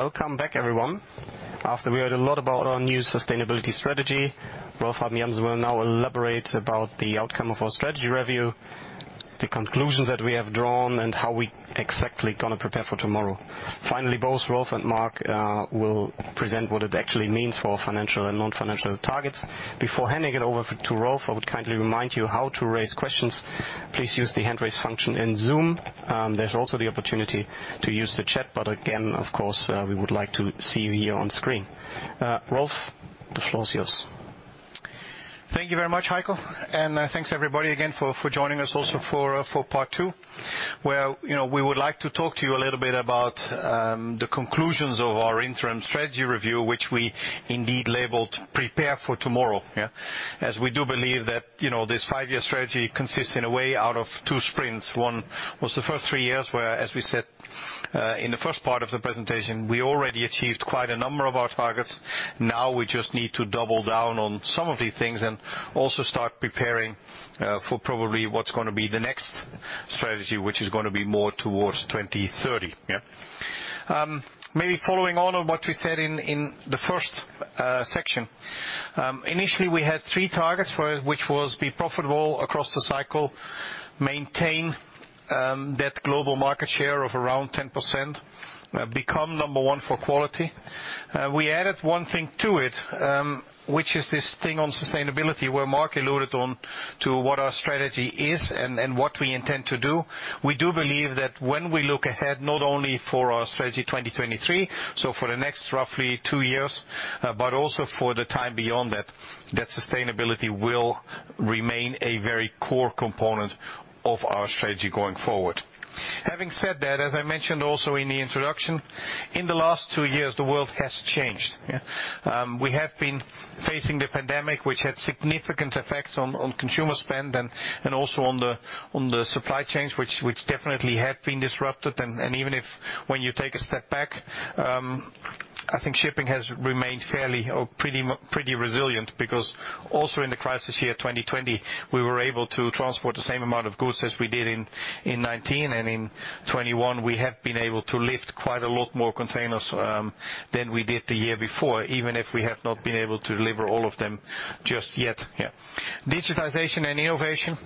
Welcome back, everyone. After we heard a lot about our new sustainability strategy, Rolf Habben Jansen will now elaborate about the outcome of our strategy review, the conclusions that we have drawn, and how we exactly gonna prepare for tomorrow. Finally, both Rolf and Mark will present what it actually means for financial and non-financial targets. Before handing it over to Rolf, I would kindly remind you how to raise questions. Please use the hand raise function in Zoom. There's also the opportunity to use the chat, but again, of course, we would like to see you here on screen. Rolf, the floor is yours. Thank you very much, Heiko. Thanks, everybody, again for joining us also for part two, where, you know, we would like to talk to you a little bit about the conclusions of our interim strategy review, which we indeed labeled Prepare for Tomorrow. We do believe that, you know, this five-year strategy consists in a way out of two sprints. One was the first three years, where, as we said, in the first part of the presentation, we already achieved quite a number of our targets. Now we just need to double down on some of the things and also start preparing for probably what's gonna be the next strategy, which is gonna be more towards 2030. Maybe following on what we said in the first section. Initially we had three targets for us, which was be profitable across the cycle, maintain that global market share of around 10%, become number one for quality. We added one thing to it, which is this thing on sustainability, where Mark alluded on to what our strategy is and what we intend to do. We do believe that when we look ahead, not only for our Strategy 2023, so for the next roughly two years, but also for the time beyond that sustainability will remain a very core component of our strategy going forward. Having said that, as I mentioned also in the introduction, in the last two years, the world has changed. We have been facing the pandemic, which had significant effects on consumer spend and also on the supply chains, which definitely have been disrupted. Even if, when you take a step back, I think shipping has remained fairly or pretty resilient because also in the crisis year 2020, we were able to transport the same amount of goods as we did in 2019, and in 2021, we have been able to lift quite a lot more containers than we did the year before, even if we have not been able to deliver all of them just yet. Digitization and innovation,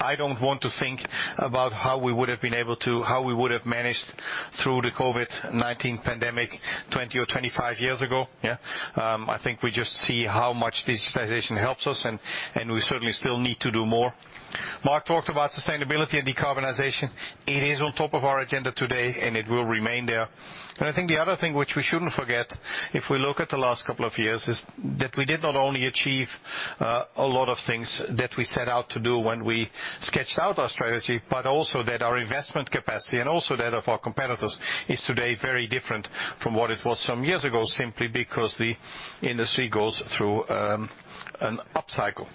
I don't want to think about how we would've managed through the COVID-19 pandemic 20 or 25 years ago. I think we just see how much digitization helps us, and we certainly still need to do more. Mark talked about sustainability and decarbonization. It is on top of our agenda today, and it will remain there. I think the other thing which we shouldn't forget, if we look at the last couple of years, is that we did not only achieve a lot of things that we set out to do when we sketched out our strategy, but also that our investment capacity, and also that of our competitors, is today very different from what it was some years ago simply because the industry goes through an up cycle.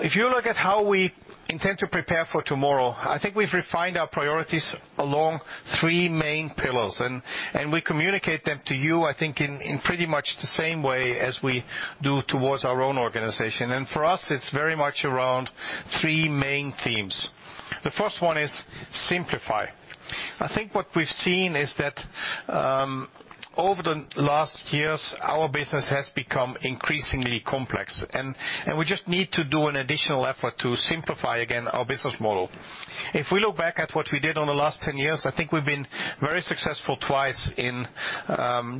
If you look at how we intend to prepare for tomorrow, I think we've refined our priorities along three main pillars and we communicate them to you, I think, in pretty much the same way as we do towards our own organization. For us, it's very much around three main themes. The first one is simplify. I think what we've seen is that over the last years, our business has become increasingly complex. We just need to do an additional effort to simplify again our business model. If we look back at what we did on the last 10 years, I think we've been very successful twice in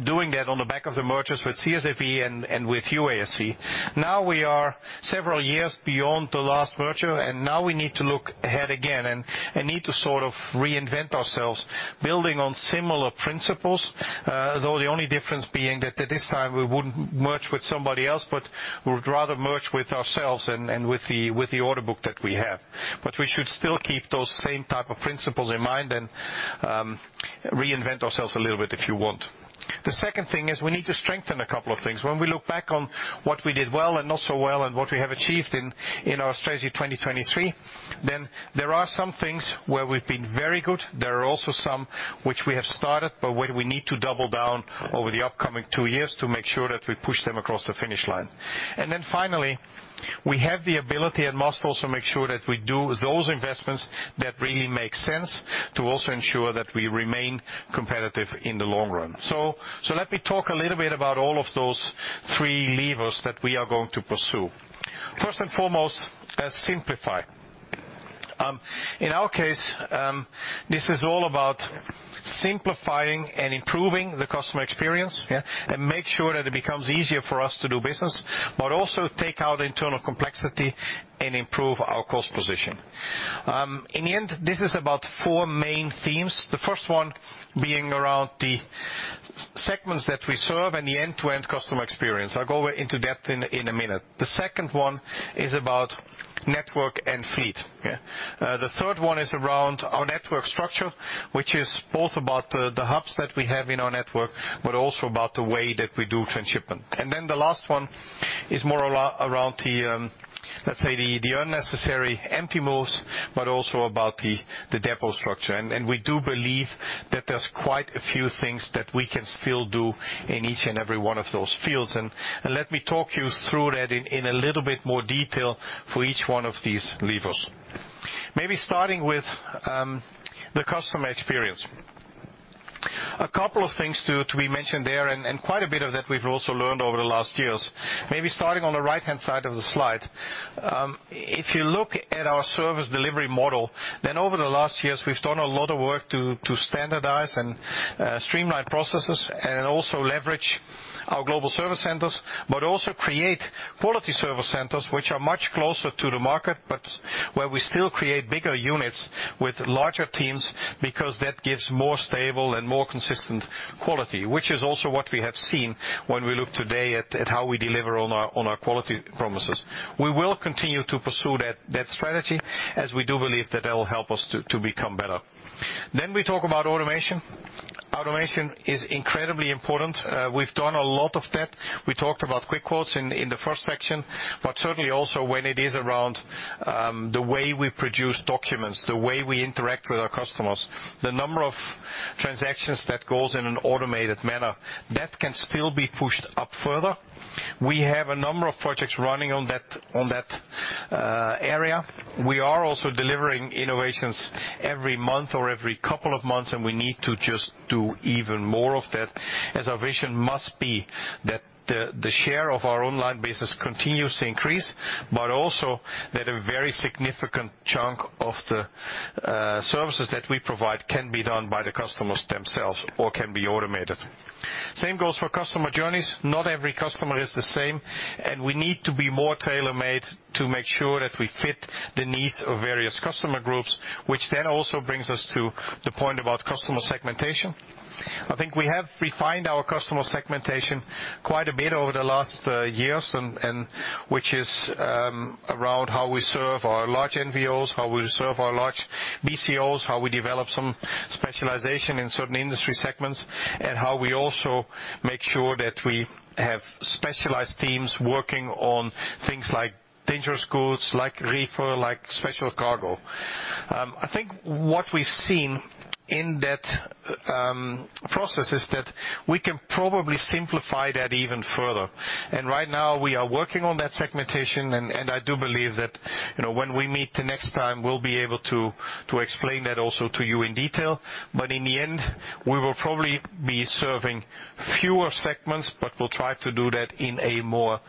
doing that on the back of the mergers with CSAV and with UASC. Now we are several years beyond the last merger, and now we need to look ahead again and need to sort of reinvent ourselves, building on similar principles, though the only difference being that at this time we wouldn't merge with somebody else, but we would rather merge with ourselves and with the order book that we have. We should still keep those same type of principles in mind and reinvent ourselves a little bit, if you want. The second thing is we need to strengthen a couple of things. When we look back on what we did well and not so well and what we have achieved in our Strategy 2023, then there are some things where we've been very good. There are also some which we have started, but where we need to double down over the upcoming two years to make sure that we push them across the finish line. Then finally, we have the ability and must also make sure that we do those investments that really make sense to also ensure that we remain competitive in the long run. Let me talk a little bit about all of those three levers that we are going to pursue. First and foremost is simplify. In our case, this is all about simplifying and improving the customer experience, yeah, and make sure that it becomes easier for us to do business, but also take out internal complexity and improve our cost position. In the end, this is about four main themes, the first one being around the segments that we serve and the end-to-end customer experience. I'll go into depth in a minute. The second one is about network and fleet, yeah. The third one is around our network structure, which is both about the hubs that we have in our network, but also about the way that we do transshipment. The last one is more around the, let's say the unnecessary empty moves, but also about the depot structure. We do believe that there's quite a few things that we can still do in each and every one of those fields. Let me talk you through that in a little bit more detail for each one of these levers. Maybe starting with the customer experience. A couple of things to be mentioned there, and quite a bit of that we've also learned over the last years. Maybe starting on the right-hand side of the slide. If you look at our service delivery model, then over the last years, we've done a lot of work to standardize and streamline processes and also leverage our global service centers, but also create quality service centers which are much closer to the market, but where we still create bigger units with larger teams because that gives more stable and more consistent quality, which is also what we have seen when we look today at how we deliver on our quality promises. We will continue to pursue that strategy, as we do believe that will help us to become better. We talk about automation. Automation is incredibly important. We've done a lot of that. We talked about Quick Quotes in the first section, but certainly also when it is around the way we produce documents, the way we interact with our customers, the number of transactions that goes in an automated manner. That can still be pushed up further. We have a number of projects running on that area. We are also delivering innovations every month or every couple of months, and we need to just do even more of that, as our vision must be that the share of our online business continues to increase, but also that a very significant chunk of the services that we provide can be done by the customers themselves or can be automated. Same goes for customer journeys. Not every customer is the same, and we need to be more tailor-made to make sure that we fit the needs of various customer groups, which then also brings us to the point about customer segmentation. I think we have refined our customer segmentation quite a bit over the last years and which is around how we serve our large NVOs, how we serve our large BCOs, how we develop some specialization in certain industry segments, and how we also make sure that we have specialized teams working on things like dangerous goods, like reefer, like special cargo. I think what we've seen in that process is that we can probably simplify that even further. Right now we are working on that segmentation, and I do believe that, you know, when we meet the next time, we'll be able to explain that also to you in detail. But in the end, we will probably be serving fewer segments, but we'll try to do that in a more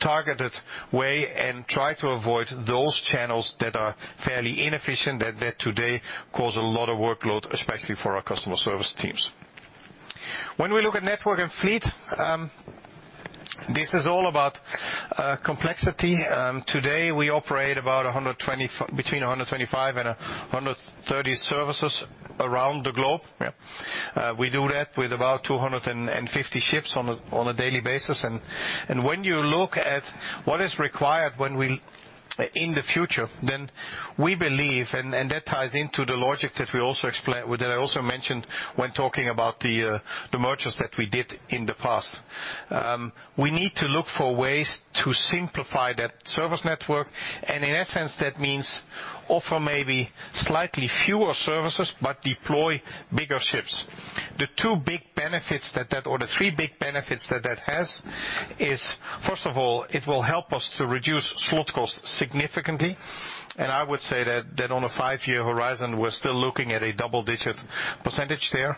targeted way and try to avoid those channels that are fairly inefficient that today cause a lot of workload, especially for our customer service teams. When we look at network and fleet, this is all about complexity. Today, we operate between 125 and 130 services around the globe. We do that with about 250 ships on a daily basis. When you look at what is required when we... In the future we believe, and that ties into the logic that I also mentioned when talking about the mergers that we did in the past. We need to look for ways to simplify that service network, and in essence, that means offer maybe slightly fewer services but deploy bigger ships. The two big benefits or the three big benefits that has is, first of all, it will help us to reduce slot costs significantly. I would say that on a five-year horizon, we're still looking at a double-digit % there.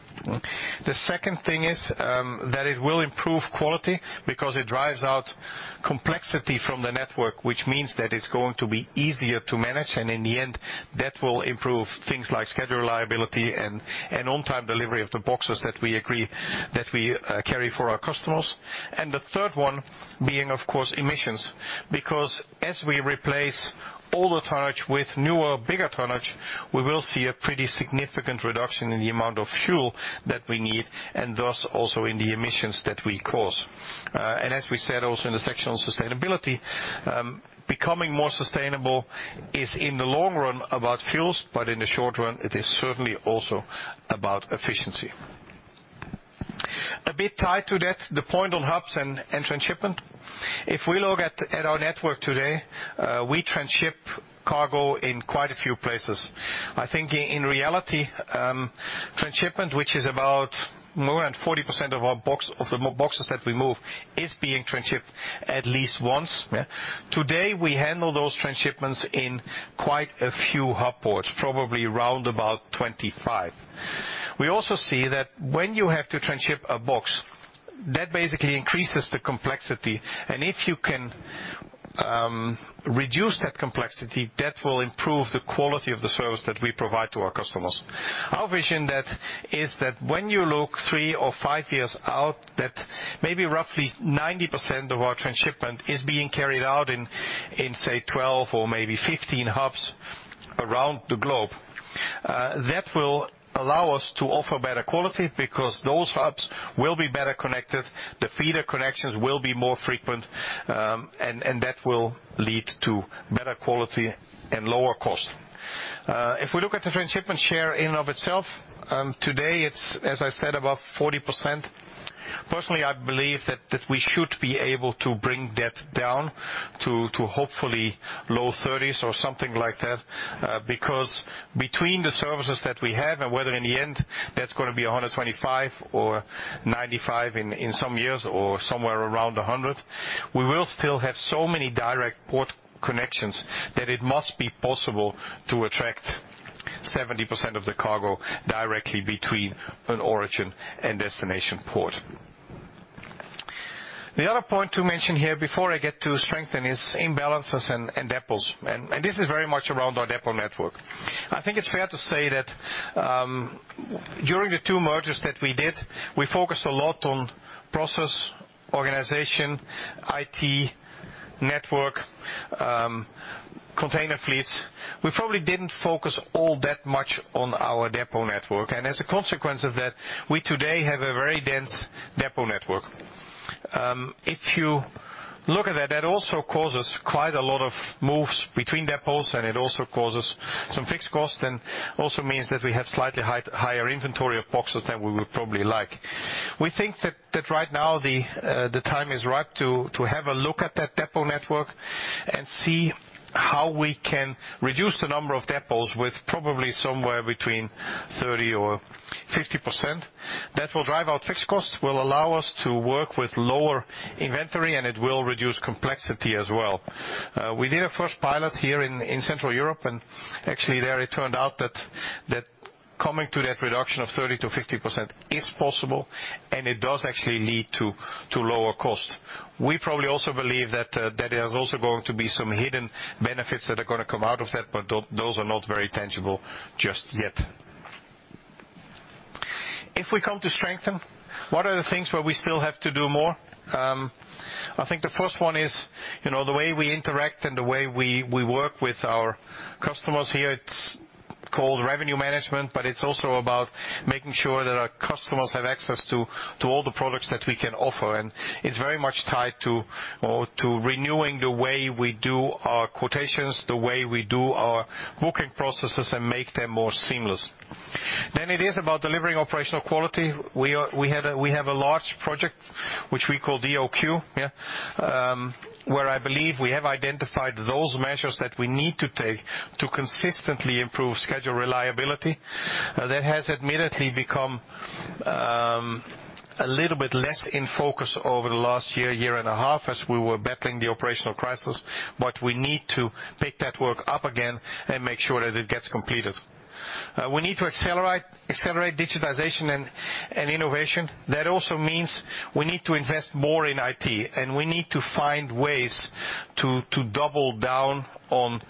The second thing is that it will improve quality because it drives out complexity from the network, which means that it's going to be easier to manage, and in the end, that will improve things like schedule reliability and on-time delivery of the boxes that we carry for our customers. The third one being, of course, emissions. Because as we replace older tonnage with newer, bigger tonnage, we will see a pretty significant reduction in the amount of fuel that we need, and thus also in the emissions that we cause. As we said also in the section on sustainability, becoming more sustainable is, in the long run, about fuels, but in the short run, it is certainly also about efficiency. A bit tied to that, the point on hubs and transshipment. If we look at our network today, we transship cargo in quite a few places. I think in reality, transshipment, which is about more than 40% of the boxes that we move, is being transshipped at least once. Today, we handle those transshipments in quite a few hub ports, probably around about 25. We also see that when you have to transship a box, that basically increases the complexity. If you can reduce that complexity, that will improve the quality of the service that we provide to our customers. Our vision is that when you look 3 or 5 years out, that maybe roughly 90% of our transshipment is being carried out in, say, 12 or maybe 15 hubs around the globe. That will allow us to offer better quality because those hubs will be better connected, the feeder connections will be more frequent, and that will lead to better quality and lower cost. If we look at the transshipment share in and of itself, today it's, as I said, about 40%. Personally, I believe that we should be able to bring that down to hopefully low 30s or something like that. Because between the services that we have and whether in the end that's gonna be 125 or 95 in some years or somewhere around 100, we will still have so many direct port connections that it must be possible to attract 70% of the cargo directly between an origin and destination port. The other point to mention here before I get to strategy is imbalances and depots. This is very much around our depot network. I think it's fair to say that during the two mergers that we did, we focused a lot on process, organization, IT, network, container fleets. We probably didn't focus all that much on our depot network. As a consequence of that, we today have a very dense depot network. If you look at that also causes quite a lot of moves between depots, and it also causes some fixed costs and also means that we have slightly higher inventory of boxes than we would probably like. We think that right now the time is right to have a look at that depot network and see how we can reduce the number of depots with probably somewhere between 30%-50%. That will drive our fixed costs, will allow us to work with lower inventory, and it will reduce complexity as well. We did a first pilot here in Central Europe, and actually there it turned out that coming to that reduction of 30%-50% is possible, and it does actually lead to lower cost. We probably also believe that there's also going to be some hidden benefits that are gonna come out of that, but those are not very tangible just yet. If we come to strengthen, what are the things where we still have to do more? I think the first one is, you know, the way we interact and the way we work with our customers here. It's called revenue management, but it's also about making sure that our customers have access to all the products that we can offer. And it's very much tied to renewing the way we do our quotations, the way we do our booking processes and make them more seamless. It is about delivering operational quality. We have a large project which we call DOQ, where I believe we have identified those measures that we need to take to consistently improve schedule reliability. Now, that has admittedly become a little bit less in focus over the last year and a half as we were battling the operational crisis, but we need to pick that work up again and make sure that it gets completed. We need to accelerate digitization and innovation. That also means we need to invest more in IT, and we need to find ways to double down on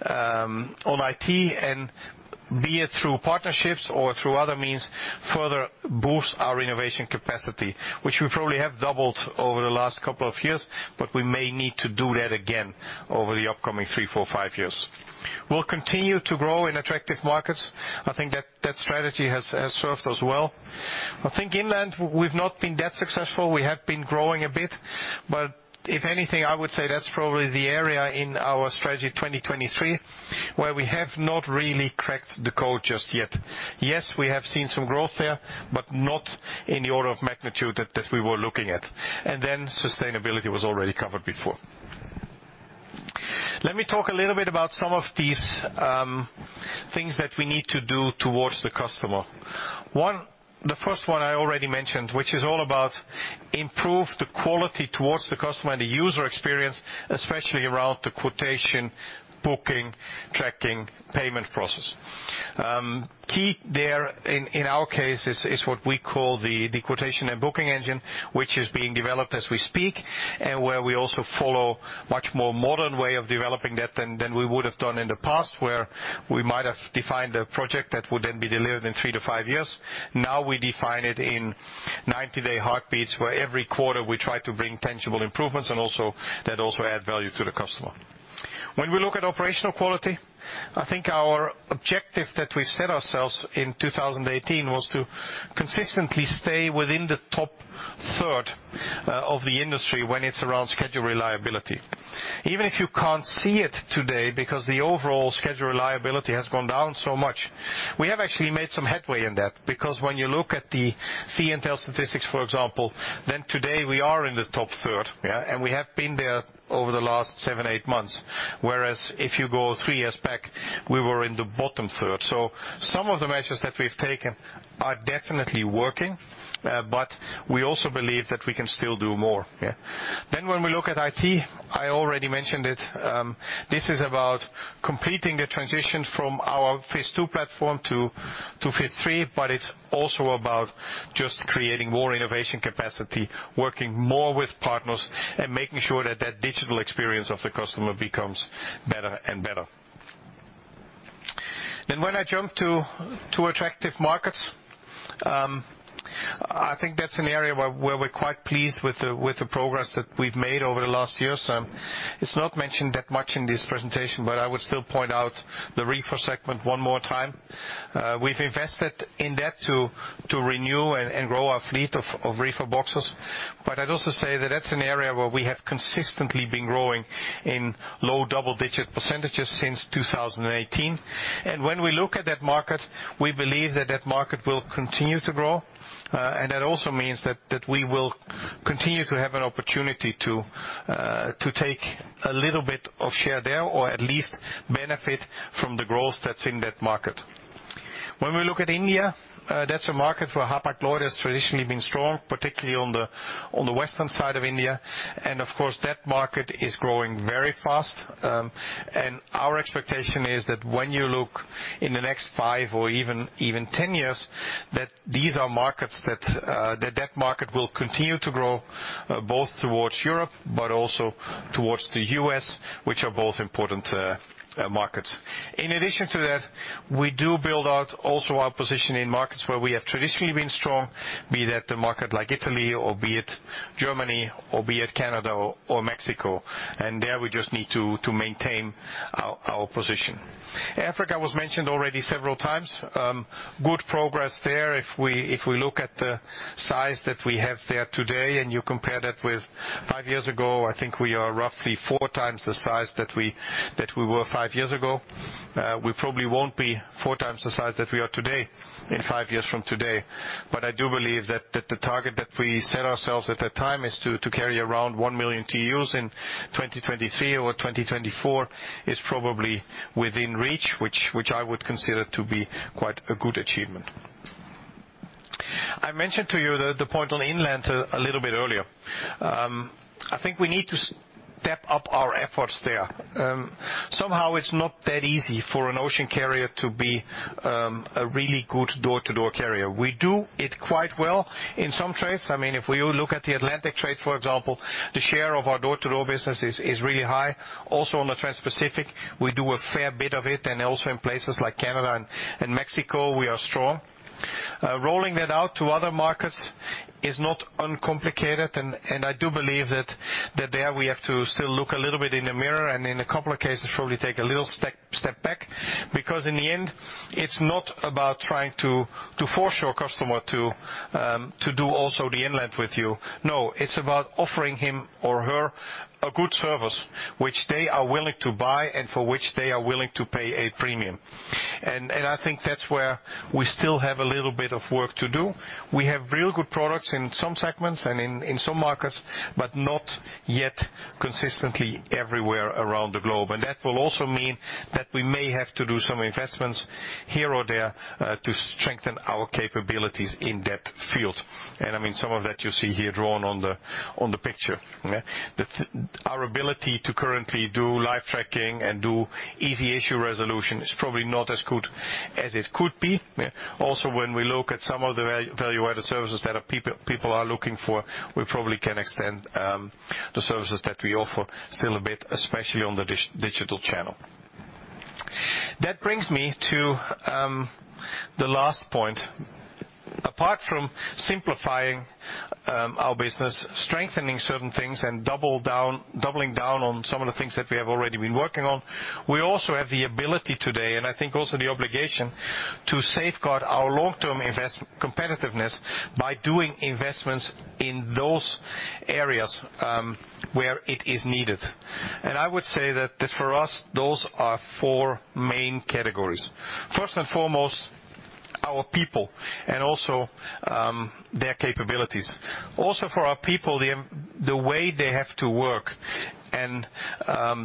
IT and be it through partnerships or through other means, further boost our innovation capacity, which we probably have doubled over the last couple of years, but we may need to do that again over the upcoming three, four, five years. We'll continue to grow in attractive markets. I think that strategy has served us well. I think inland we've not been that successful. We have been growing a bit. If anything, I would say that's probably the area in our Strategy 2023 where we have not really cracked the code just yet. Yes, we have seen some growth there, but not in the order of magnitude that we were looking at. Then sustainability was already covered before. Let me talk a little bit about some of these things that we need to do towards the customer. One, the first one I already mentioned, which is all about improve the quality towards the customer and the user experience, especially around the quotation, booking, tracking, payment process. Key there in our case is what we call the quotation and booking engine, which is being developed as we speak, and where we also follow much more modern way of developing that than we would have done in the past, where we might have defined a project that would then be delivered in 3-5 years. Now we define it in 90-day heartbeats, where every quarter we try to bring tangible improvements and that also add value to the customer. When we look at operational quality, I think our objective that we set ourselves in 2018 was to consistently stay within the top third of the industry when it's around schedule reliability. Even if you can't see it today because the overall schedule reliability has gone down so much, we have actually made some headway in that because when you look at the Sea-Intelligence statistics, for example, then today we are in the top third, yeah, and we have been there over the last 7-8 months. Whereas if you go 3 years back, we were in the bottom third. Some of the measures that we've taken are definitely working, but we also believe that we can still do more, yeah. When we look at IT, I already mentioned it, this is about completing the transition from our phase II platform to phase III, but it's also about just creating more innovation capacity, working more with partners, and making sure that that digital experience of the customer becomes better and better. When I jump to attractive markets, I think that's an area where we're quite pleased with the progress that we've made over the last years. It's not mentioned that much in this presentation, but I would still point out the reefer segment one more time. We've invested in that to renew and grow our fleet of reefer boxes. But I'd also say that that's an area where we have consistently been growing in low double-digit % since 2018. When we look at that market, we believe that market will continue to grow, and that also means that we will continue to have an opportunity to take a little bit of share there or at least benefit from the growth that's in that market. When we look at India, that's a market where Hapag-Lloyd has traditionally been strong, particularly on the western side of India. Of course, that market is growing very fast. Our expectation is that when you look in the next 5 or even 10 years, that these are markets that that market will continue to grow, both towards Europe but also towards the U.S., which are both important markets. In addition to that, we do build out also our position in markets where we have traditionally been strong, be that a market like Italy or be it Germany or be it Canada or Mexico. There we just need to maintain our position. Africa was mentioned already several times. Good progress there. If we look at the size that we have there today and you compare that with five years ago, I think we are roughly 4x the size that we were five years ago. We probably won't be 4x the size that we are today in five years from today. I do believe that the target that we set ourselves at that time is to carry around 1 million TEUs in 2023 or 2024 is probably within reach, which I would consider to be quite a good achievement. I mentioned to you the point on inland a little bit earlier. I think we need to step up our efforts there. Somehow it's not that easy for an ocean carrier to be a really good door-to-door carrier. We do it quite well in some trades. I mean, if we look at the Atlantic trade, for example, the share of our door-to-door business is really high. Also on the Transpacific, we do a fair bit of it, and also in places like Canada and Mexico, we are strong. Rolling that out to other markets is not uncomplicated, and I do believe that there we have to still look a little bit in the mirror and in a couple of cases probably take a little step back. Because in the end, it's not about trying to force your customer to do also the inland with you. No, it's about offering him or her a good service which they are willing to buy and for which they are willing to pay a premium. I think that's where we still have a little bit of work to do. We have real good products in some segments and in some markets, but not yet consistently everywhere around the globe. That will also mean that we may have to do some investments here or there to strengthen our capabilities in that field. I mean, some of that you see here drawn on the picture. Yeah. Our ability to currently do live tracking and do easy issue resolution is probably not as good as it could be. Also, when we look at some of the value-added services that our people are looking for, we probably can extend the services that we offer still a bit, especially on the digital channel. That brings me to the last point. Apart from simplifying our business, strengthening certain things, and doubling down on some of the things that we have already been working on, we also have the ability today, and I think also the obligation, to safeguard our long-term investment competitiveness by doing investments in those areas where it is needed. I would say that for us, those are four main categories. First and foremost, our people and also their capabilities. Also for our people, the way they have to work and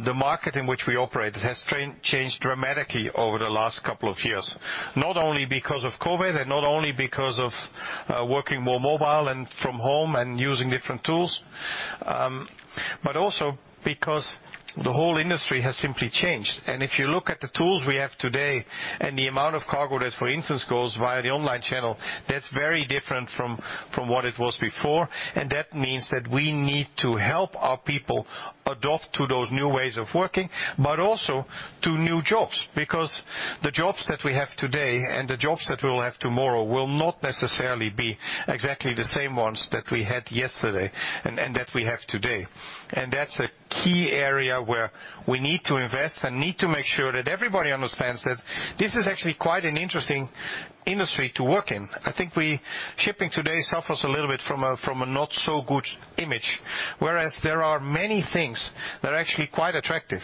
the market in which we operate has changed dramatically over the last couple of years. Not only because of COVID and not only because of working more mobile and from home and using different tools, but also because the whole industry has simply changed. If you look at the tools we have today and the amount of cargo that, for instance, goes via the online channel, that's very different from what it was before. That means that we need to help our people adapt to those new ways of working, but also to new jobs. Because the jobs that we have today and the jobs that we'll have tomorrow will not necessarily be exactly the same ones that we had yesterday and that we have today. That's a key area where we need to invest and need to make sure that everybody understands that this is actually quite an interesting industry to work in. I think shipping today suffers a little bit from a not-so-good image, whereas there are many things that are actually quite attractive.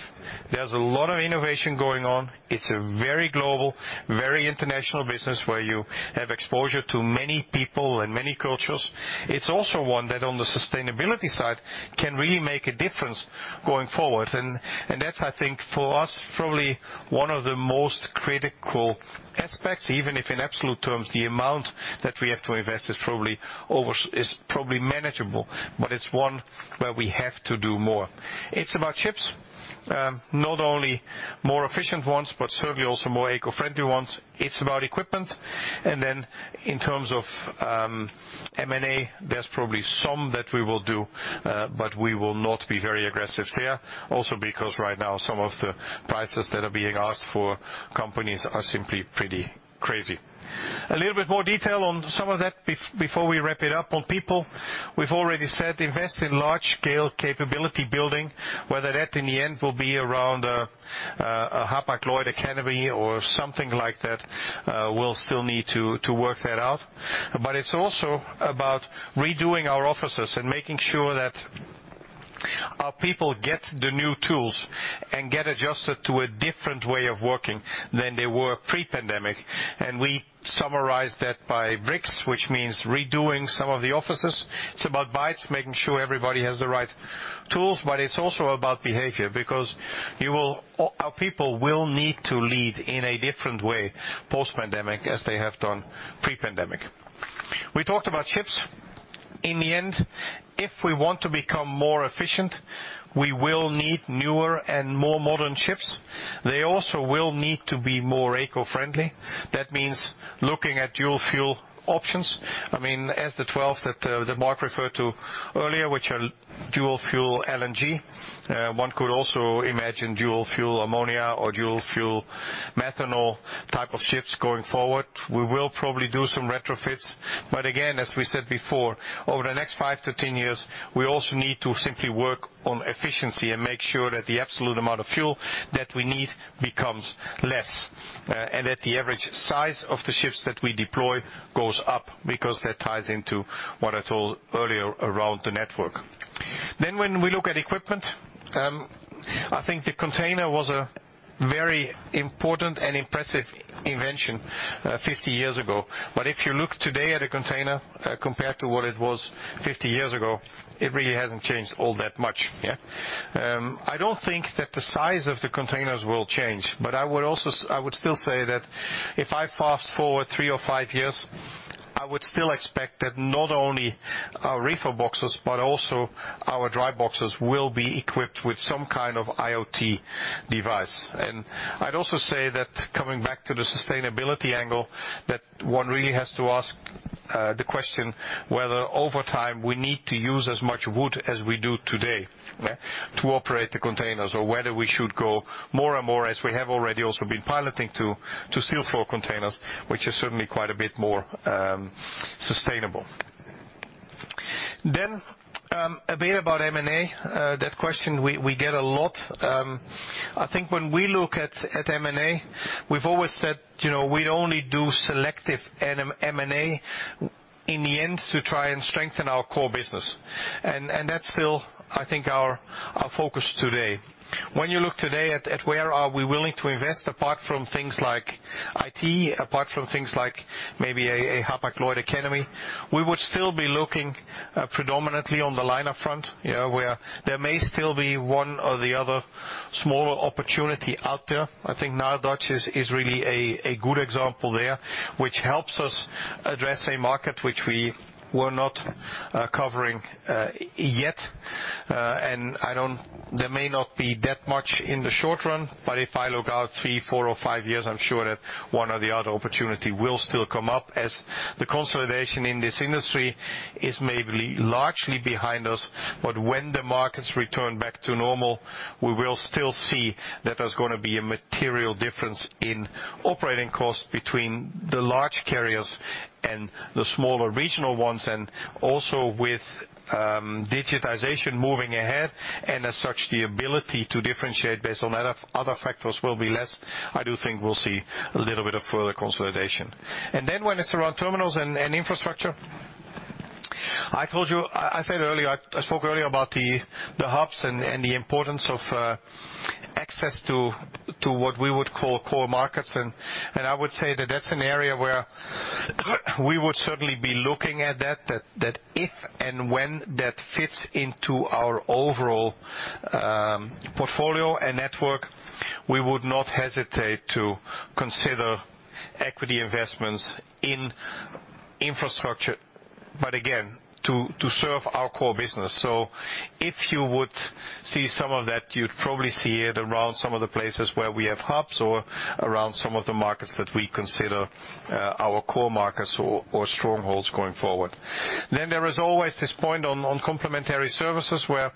There's a lot of innovation going on. It's a very global, very international business, where you have exposure to many people and many cultures. It's also one that, on the sustainability side, can really make a difference going forward. That's, I think, for us, probably one of the most critical aspects, even if in absolute terms, the amount that we have to invest is probably manageable, but it's one where we have to do more. It's about ships, not only more efficient ones, but certainly also more eco-friendly ones. It's about equipment. Then in terms of M&A, there's probably some that we will do, but we will not be very aggressive there. Also, because right now some of the prices that are being asked for companies are simply pretty crazy. A little bit more detail on some of that before we wrap it up. On people, we've already said invest in large-scale capability building, whether that in the end will be around a Hapag-Lloyd Academy or something like that, we'll still need to work that out. It's also about redoing our offices and making sure that our people get the new tools and get adjusted to a different way of working than they were pre-pandemic. We summarize that by bricks, which means redoing some of the offices. It's about bites, making sure everybody has the right tools, but it's also about behavior, because our people will need to lead in a different way post-pandemic, as they have done pre-pandemic. We talked about ships. In the end, if we want to become more efficient, we will need newer and more modern ships. They also will need to be more eco-friendly. That means looking at dual fuel options. I mean, it's the 12th that Mark referred to earlier, which are dual fuel LNG. One could also imagine dual fuel ammonia or dual fuel methanol type of ships going forward. We will probably do some retrofits, but again, as we said before, over the next 5 to 10 years, we also need to simply work on efficiency and make sure that the absolute amount of fuel that we need becomes less, and that the average size of the ships that we deploy goes up, because that ties into what I told earlier around the network. When we look at equipment, I think the container was a very important and impressive invention, 50 years ago. If you look today at a container, compared to what it was 50 years ago, it really hasn't changed all that much. Yeah. I don't think that the size of the containers will change, but I would still say that if I fast forward three or five years, I would still expect that not only our reefer boxes, but also our dry boxes, will be equipped with some kind of IoT device. I'd also say that coming back to the sustainability angle, that one really has to ask the question whether over time, we need to use as much wood as we do today to operate the containers or whether we should go more and more as we have already also been piloting to steel floor containers, which is certainly quite a bit more sustainable. A bit about M&A. That question we get a lot. I think when we look at M&A, we've always said, you know, we'd only do selective M&A in the end to try and strengthen our core business. That's still, I think, our focus today. When you look today at where we are willing to invest, apart from things like IT, apart from things like maybe a Hapag-Lloyd Academy, we would still be looking predominantly on the liner front, you know, where there may still be one or the other smaller opportunity out there. I think Netherlands is really a good example there, which helps us address a market which we were not covering yet. And I don't... There may not be that much in the short run, but if I look out 3, 4 or 5 years, I'm sure that one or the other opportunity will still come up as the consolidation in this industry is maybe largely behind us. When the markets return back to normal, we will still see that there's gonna be a material difference in operating costs between the large carriers and the smaller regional ones. Also with digitization moving ahead, and as such, the ability to differentiate based on other factors will be less. I do think we'll see a little bit of further consolidation. Then when it's around terminals and infrastructure, I told you, I said earlier, I spoke earlier about the hubs and the importance of access to what we would call core markets. I would say that that's an area where we would certainly be looking at that if and when that fits into our overall portfolio and network, we would not hesitate to consider equity investments in infrastructure. Again, to serve our core business. If you would see some of that, you'd probably see it around some of the places where we have hubs or around some of the markets that we consider our core markets or strongholds going forward. There is always this point on complementary services where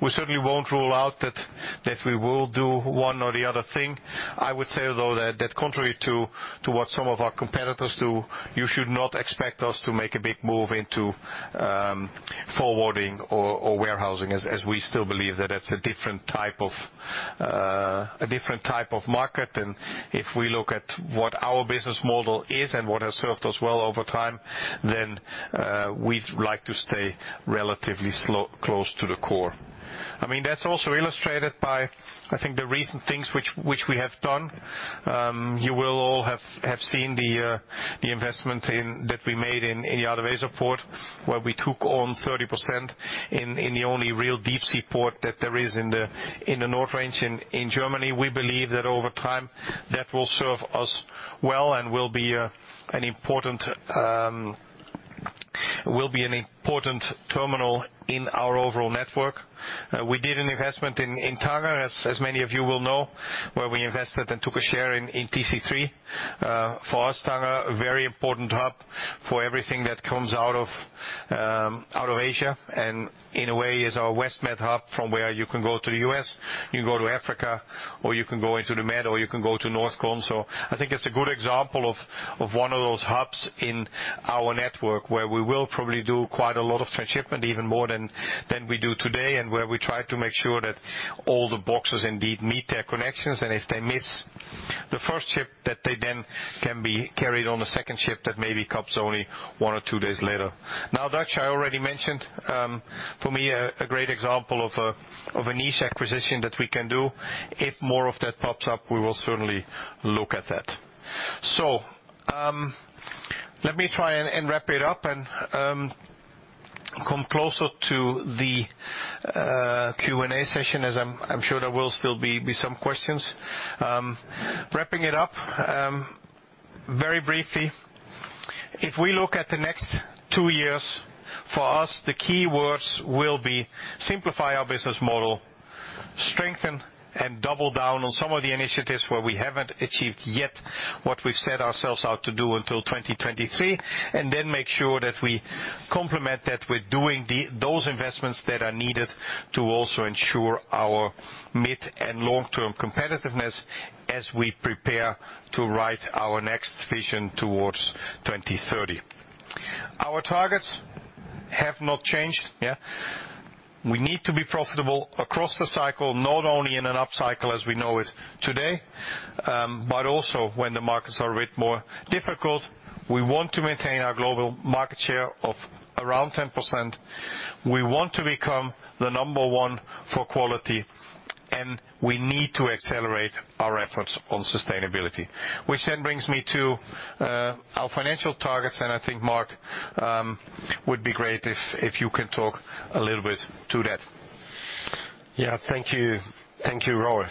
we certainly won't rule out that we will do one or the other thing. I would say though that contrary to what some of our competitors do, you should not expect us to make a big move into forwarding or warehousing, as we still believe that that's a different type of market. If we look at what our business model is and what has served us well over time, then we'd like to stay relatively close to the core. I mean, that's also illustrated by, I think, the recent things which we have done. You will all have seen the investment that we made in the Altenwerder port, where we took on 30% in the only real deep sea port that there is in the North Continent in Germany. We believe that over time, that will serve us well and will be an important terminal in our overall network. We did an investment in Tangier, as many of you will know, where we invested and took a share in TC3. For us, Tangier, a very important hub for everything that comes out of Asia, and in a way, is our West Med hub from where you can go to the U.S., you can go to Africa, or you can go into the Med, or you can go to North Continent. I think it's a good example of one of those hubs in our network where we will probably do quite a lot of transshipment, even more than we do today, and where we try to make sure that all the boxes indeed meet their connections. If they miss the first ship, that they then can be carried on a second ship that maybe comes only one or two days later. Now, Dutch, I already mentioned, for me, a great example of a niche acquisition that we can do. If more of that pops up, we will certainly look at that. Let me try and wrap it up and come closer to the Q&A session, as I'm sure there will still be some questions. Wrapping it up, very briefly, if we look at the next two years, for us, the key words will be simplify our business model, strengthen and double down on some of the initiatives where we haven't achieved yet what we set ourselves out to do until 2023, and then make sure that we complement that with doing those investments that are needed to also ensure our mid and long-term competitiveness as we prepare to write our next vision towards 2030. Our targets have not changed, yeah. We need to be profitable across the cycle, not only in an upcycle as we know it today, but also when the markets are a bit more difficult. We want to maintain our global market share of around 10%. We want to become the number one for quality, and we need to accelerate our efforts on sustainability, which then brings me to our financial targets. I think, Mark, it would be great if you could talk a little bit to that. Yeah. Thank you. Thank you, Rolf.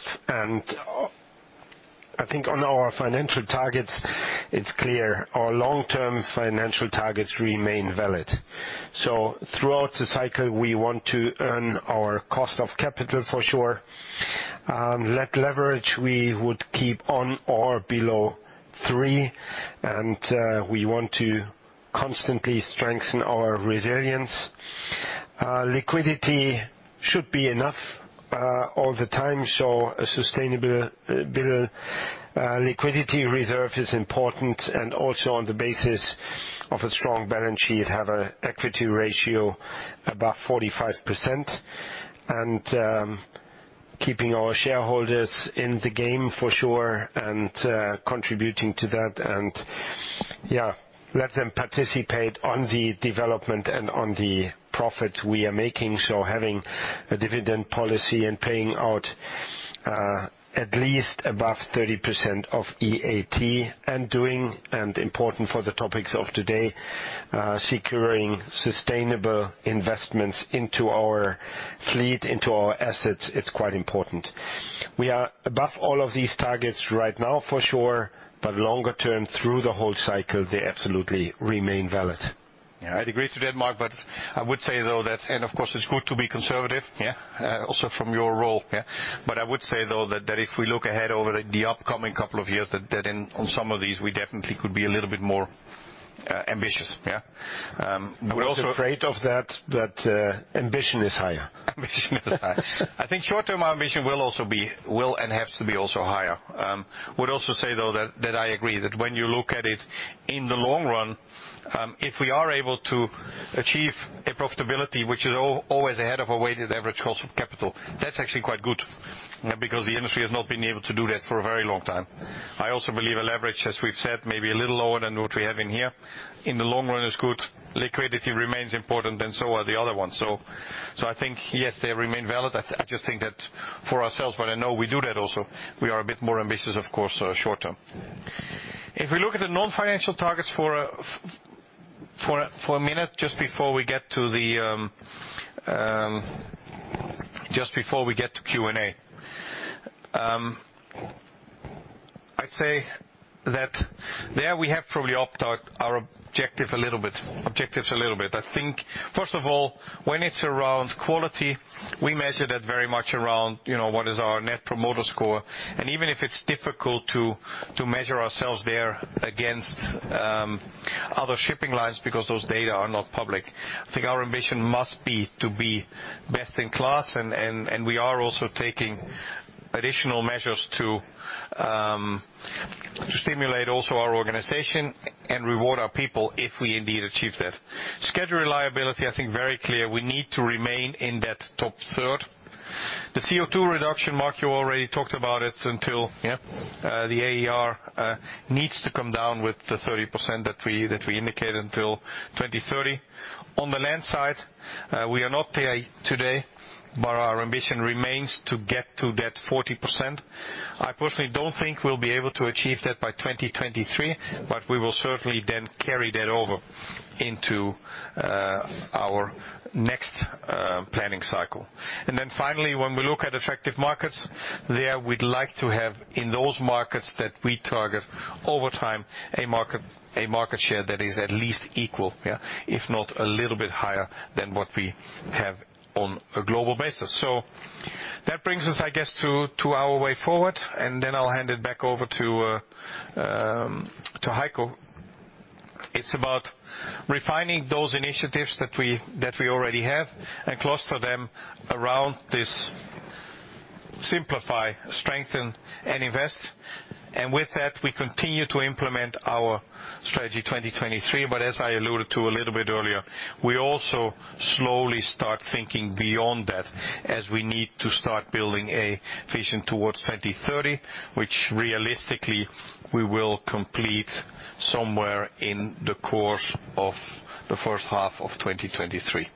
I think on our financial targets, it's clear our long-term financial targets remain valid. Throughout the cycle, we want to earn our cost of capital for sure. Net leverage we would keep on or below 3, and we want to constantly strengthen our resilience. Liquidity should be enough all the time. A sustainable liquidity reserve is important. Also, on the basis of a strong balance sheet, have an equity ratio above 45%. Keeping our shareholders in the game for sure and contributing to that and let them participate on the development and on the profit we are making. Having a dividend policy and paying out at least above 30% of EAT and important for the topics of today securing sustainable investments into our fleet, into our assets, it's quite important. We are above all of these targets right now for sure, but longer term through the whole cycle, they absolutely remain valid. I'd agree to that, Mark, but I would say though that of course it's good to be conservative also from your role. I would say though that if we look ahead over the upcoming couple of years, that in on some of these, we definitely could be a little bit more ambitious. I was afraid of that, but ambition is high. I think short-term ambition will also be and has to be higher. I would also say though that I agree that when you look at it in the long run, if we are able to achieve a profitability which is always ahead of our weighted average cost of capital, that's actually quite good, because the industry has not been able to do that for a very long time. I also believe a leverage, as we've said, maybe a little lower than what we have in here. In the long run it's good. Liquidity remains important, and so are the other ones. So I think, yes, they remain valid. I just think that for ourselves, but I know we do that also, we are a bit more ambitious, of course, short term. If we look at the non-financial targets for a minute just before we get to Q&A. I'd say that there we have probably upped our objective a little bit. I think, first of all, when it's around quality, we measure that very much around, you know, what is our Net Promoter Score. Even if it's difficult to measure ourselves there against other shipping lines because those data are not public, I think our ambition must be to be best in class. We are also taking additional measures to stimulate also our organization and reward our people if we indeed achieve that. Schedule reliability, I think very clear. We need to remain in that top third. The CO2 reduction, Mark, you already talked about it until. Yeah. The AER needs to come down with the 30% that we indicated until 2030. On the land side, we are not there today, but our ambition remains to get to that 40%. I personally don't think we'll be able to achieve that by 2023, but we will certainly then carry that over into our next planning cycle. Finally, when we look at attractive markets, there we'd like to have, in those markets, that we target over time a market share that is at least equal, yeah, if not a little bit higher than what we have on a global basis. That brings us, I guess, to our way forward, and then I'll hand it back over to Heiko. It's about refining those initiatives that we already have and cluster them around this simplify, strengthen, and invest. With that, we continue to implement our Strategy 2023. As I alluded to a little bit earlier, we also slowly start thinking beyond that as we need to start building a vision towards 2030, which realistically we will complete somewhere in the course of the first half of 2023.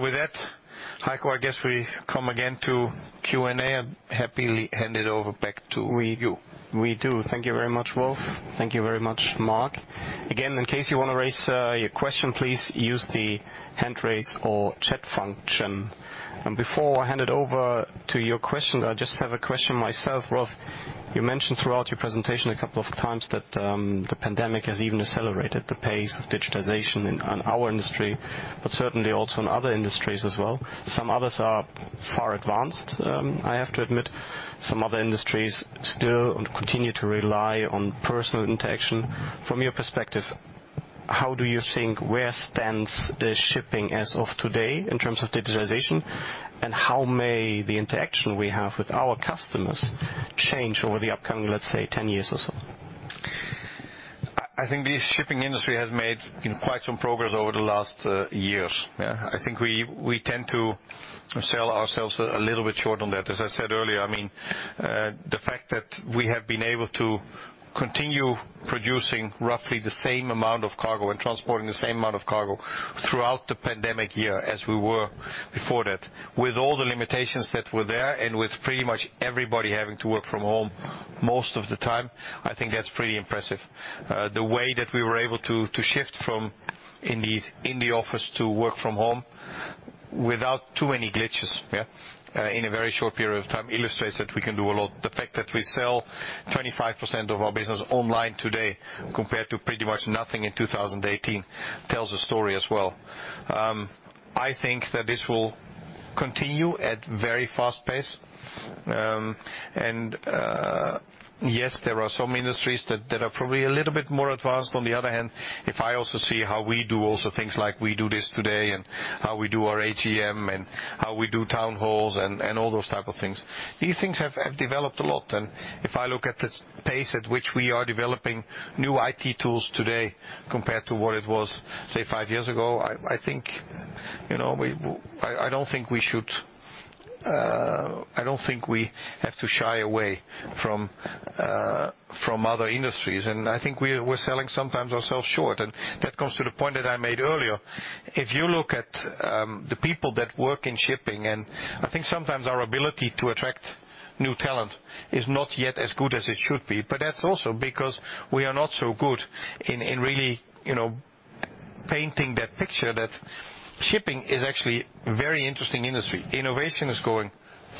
With that, Heiko, I guess we come again to Q&A. I happily hand it over back to you. We do. Thank you very much, Rolf. Thank you very much, Mark. Again, in case you wanna raise your question, please use the hand raise or chat function. Before I hand it over to your question, I just have a question myself. Rolf, you mentioned throughout your presentation a couple of times that the pandemic has even accelerated the pace of digitization in our industry, but certainly also in other industries as well. Some others are far advanced, I have to admit. Some other industries still and continue to rely on personal interaction. From your perspective, how do you think where stands the shipping as of today in terms of digitization, and how may the interaction we have with our customers change over the upcoming, let's say, 10 years or so? I think the shipping industry has made, you know, quite some progress over the last years, yeah. I think we tend to sell ourselves a little bit short on that. As I said earlier, I mean, the fact that we have been able to continue producing roughly the same amount of cargo and transporting the same amount of cargo throughout the pandemic year as we were before that, with all the limitations that were there and with pretty much everybody having to work from home most of the time, I think that's pretty impressive. The way that we were able to shift from the office to work from home without too many glitches, yeah, in a very short period of time illustrates that we can do a lot. The fact that we sell 25% of our business online today compared to pretty much nothing in 2018 tells a story as well. I think that this will continue at very fast pace. Yes, there are some industries that are probably a little bit more advanced. On the other hand, if I also see how we do also things like we do this today and how we do our ATM and how we do town halls and all those type of things. These things have developed a lot, and if I look at the pace at which we are developing new IT tools today compared to what it was, say, five years ago, I think, you know, I don't think we have to shy away from other industries. I think we're selling sometimes ourselves short. That comes to the point that I made earlier. If you look at the people that work in shipping, I think sometimes our ability to attract new talent is not yet as good as it should be, but that's also because we are not so good in really, you know, painting that picture that shipping is actually a very interesting industry. Innovation is growing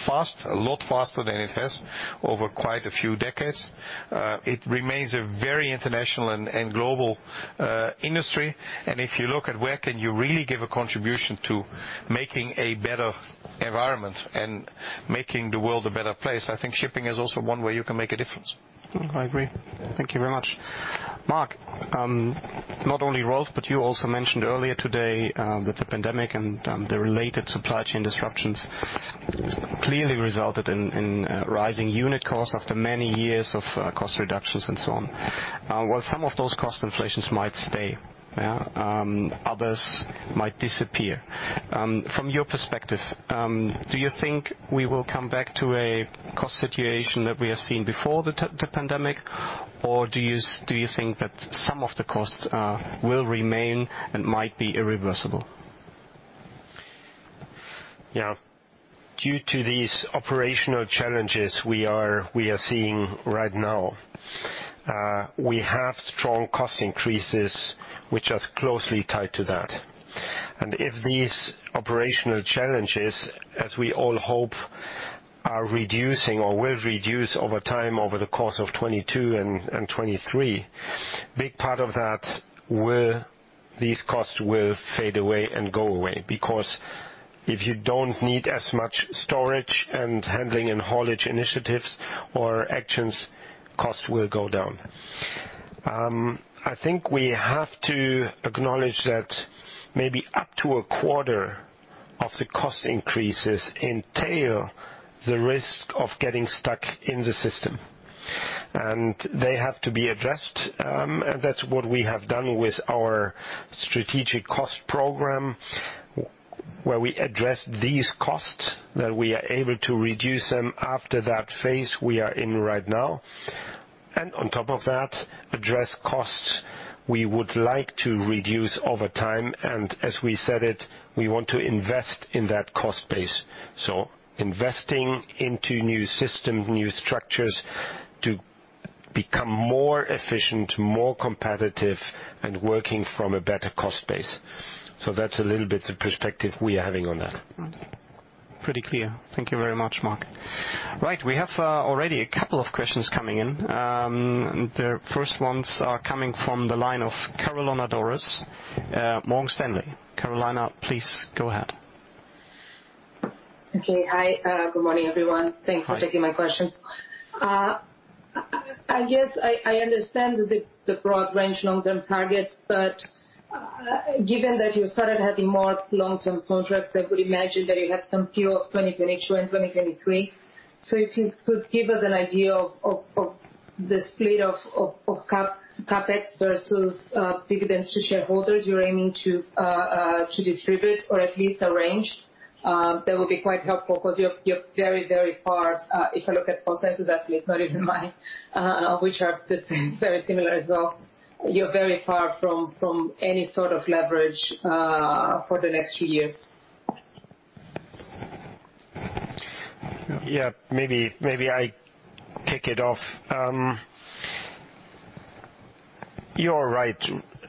fast, a lot faster than it has over quite a few decades. It remains a very international and global industry. If you look at where can you really give a contribution to making a better environment and making the world a better place, I think shipping is also one way you can make a difference. I agree. Thank you very much. Mark, not only Rolf, but you also mentioned earlier today that the pandemic and the related supply chain disruptions clearly resulted in rising unit costs after many years of cost reductions and so on. While some of those cost inflations might stay, others might disappear. From your perspective, do you think we will come back to a cost situation that we have seen before the pandemic, or do you think that some of the costs will remain and might be irreversible? Yeah. Due to these operational challenges we are seeing right now, we have strong cost increases which are closely tied to that. If these operational challenges, as we all hope, are reducing or will reduce over time over the course of 2022 and 2023, big part of that will these costs will fade away and go away. Because if you don't need as much storage and handling and haulage initiatives or actions, costs will go down. I think we have to acknowledge that maybe up to a quarter of the cost increases entail the risk of getting stuck in the system, and they have to be addressed. That's what we have done with our strategic cost program where we address these costs, that we are able to reduce them after that phase we are in right now. On top of that, address costs we would like to reduce over time, and as we said it, we want to invest in that cost base. Investing into new systems, new structures to become more efficient, more competitive, and working from a better cost base. That's a little bit the perspective we are having on that. Right. Pretty clear. Thank you very much, Mark. Right, we have already a couple of questions coming in. The first ones are coming from the line of Carolina Dores, Morgan Stanley. Carolina, please go ahead. Okay. Hi. Good morning, everyone. Hi. Thanks for taking my questions. I guess I understand the broad range long-term targets, but given that you started having more long-term contracts, I would imagine that you have some view of 2022 and 2023. If you could give us an idea of the split of CapEx versus dividends to shareholders you're aiming to distribute or at least a range, that would be quite helpful 'cause you're very far, if I look at processes, actually it's not even mine, which are just very similar as well. You're very far from any sort of leverage for the next few years. Yeah. Maybe I kick it off. You're right.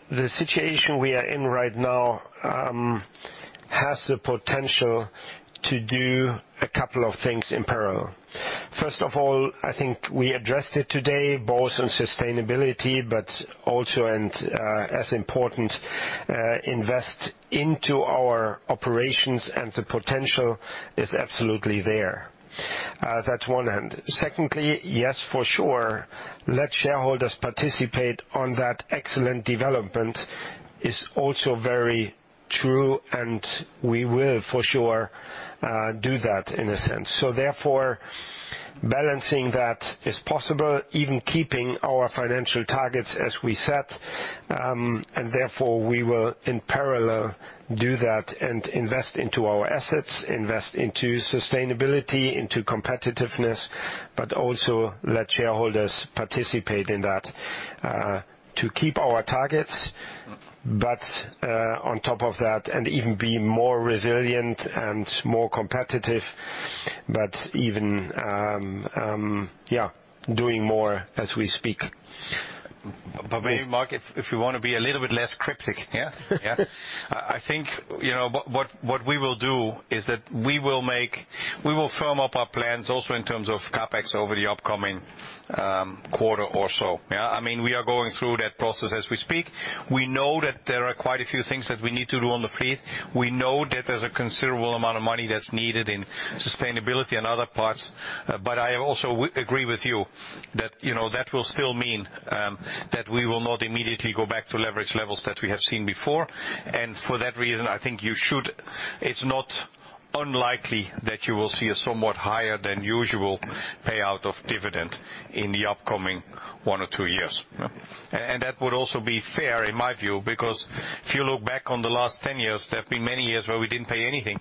The situation we are in right now has the potential to do a couple of things in parallel. First of all, I think we addressed it today, both on sustainability, but also and as important, invest into our operations and the potential is absolutely there. That's one hand. Secondly, yes, for sure, let shareholders participate on that excellent development is also very true, and we will for sure do that in a sense. Balancing that is possible, even keeping our financial targets as we set. Therefore we will in parallel do that and invest into our assets, invest into sustainability, into competitiveness, but also let shareholders participate in that to keep our targets. On top of that, we will even be more resilient and more competitive, but even doing more as we speak. Maybe Mark, if you wanna be a little bit less cryptic, yeah? Yeah. I think, you know, what we will do is that we will firm up our plans also in terms of CapEx over the upcoming quarter or so, yeah. I mean, we are going through that process as we speak. We know that there are quite a few things that we need to do on the fleet. We know that there's a considerable amount of money that's needed in sustainability and other parts. I also agree with you that, you know, that will still mean that we will not immediately go back to leverage levels that we have seen before. For that reason, I think you should It's not unlikely that you will see a somewhat higher than usual payout of dividend in the upcoming one or two years. That would also be fair in my view, because if you look back on the last 10 years, there have been many years where we didn't pay anything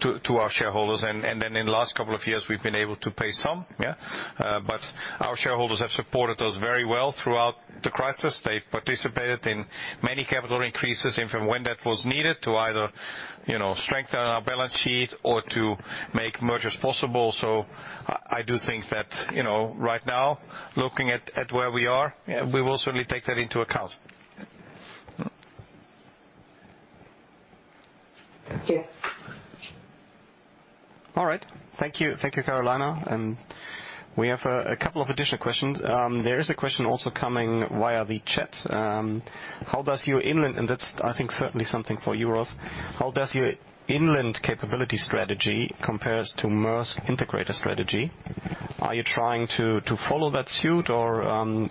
to our shareholders. Then in the last couple of years, we've been able to pay some. But our shareholders have supported us very well throughout the crisis. They've participated in many capital increases and from when that was needed to either, you know, strengthen our balance sheet or to make mergers possible. I do think that, you know, right now, looking at where we are, we will certainly take that into account. Thank you. All right. Thank you. Thank you, Carolina. We have a couple of additional questions. There is a question also coming via the chat, how does your inland, and that's, I think, certainly something for you, Rolf: how does your inland capability strategy compare to Maersk integrated strategy? Are you trying to follow that suit, or,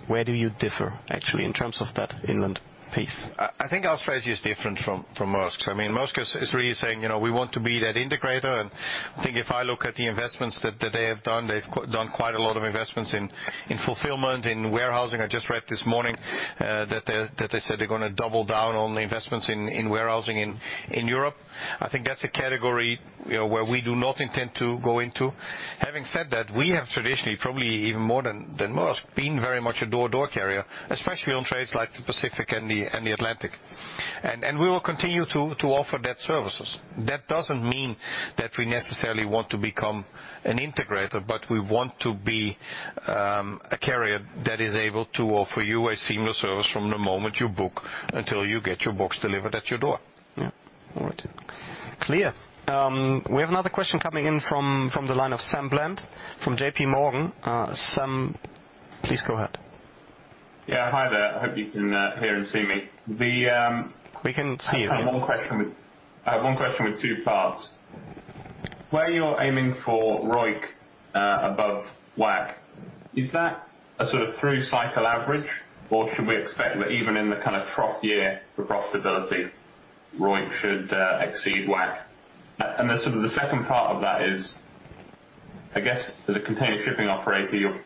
where do you differ actually, in terms of that inland piece? I think our strategy is different from Maersk. I mean, Maersk is really saying, you know, we want to be that integrator. I think if I look at the investments that they have done, they've done quite a lot of investments in fulfillment, in warehousing. I just read this morning that they said they're gonna double down on the investments in warehousing in Europe. I think that's a category, you know, where we do not intend to go into. Having said that, we have traditionally, probably even more than most, been very much a door-to-door carrier, especially on trades like the Pacific and the Atlantic. We will continue to offer that services. That doesn't mean that we necessarily want to become an integrator, but we want to be a carrier that is able to offer you a seamless service from the moment you book until you get your goods delivered at your door. Yeah. All right. Clear. We have another question coming in from the line of Sam Bland from JPMorgan. Sam, please go ahead. Yeah. Hi there. I hope you can hear and see me. We can see you. I have one question with two parts. Where you're aiming for ROIC above WACC, is that a sort of through cycle average, or should we expect that even in the kind of trough year for profitability, ROIC should exceed WACC? Sort of the second part of that is, I guess, as a container shipping operator, you're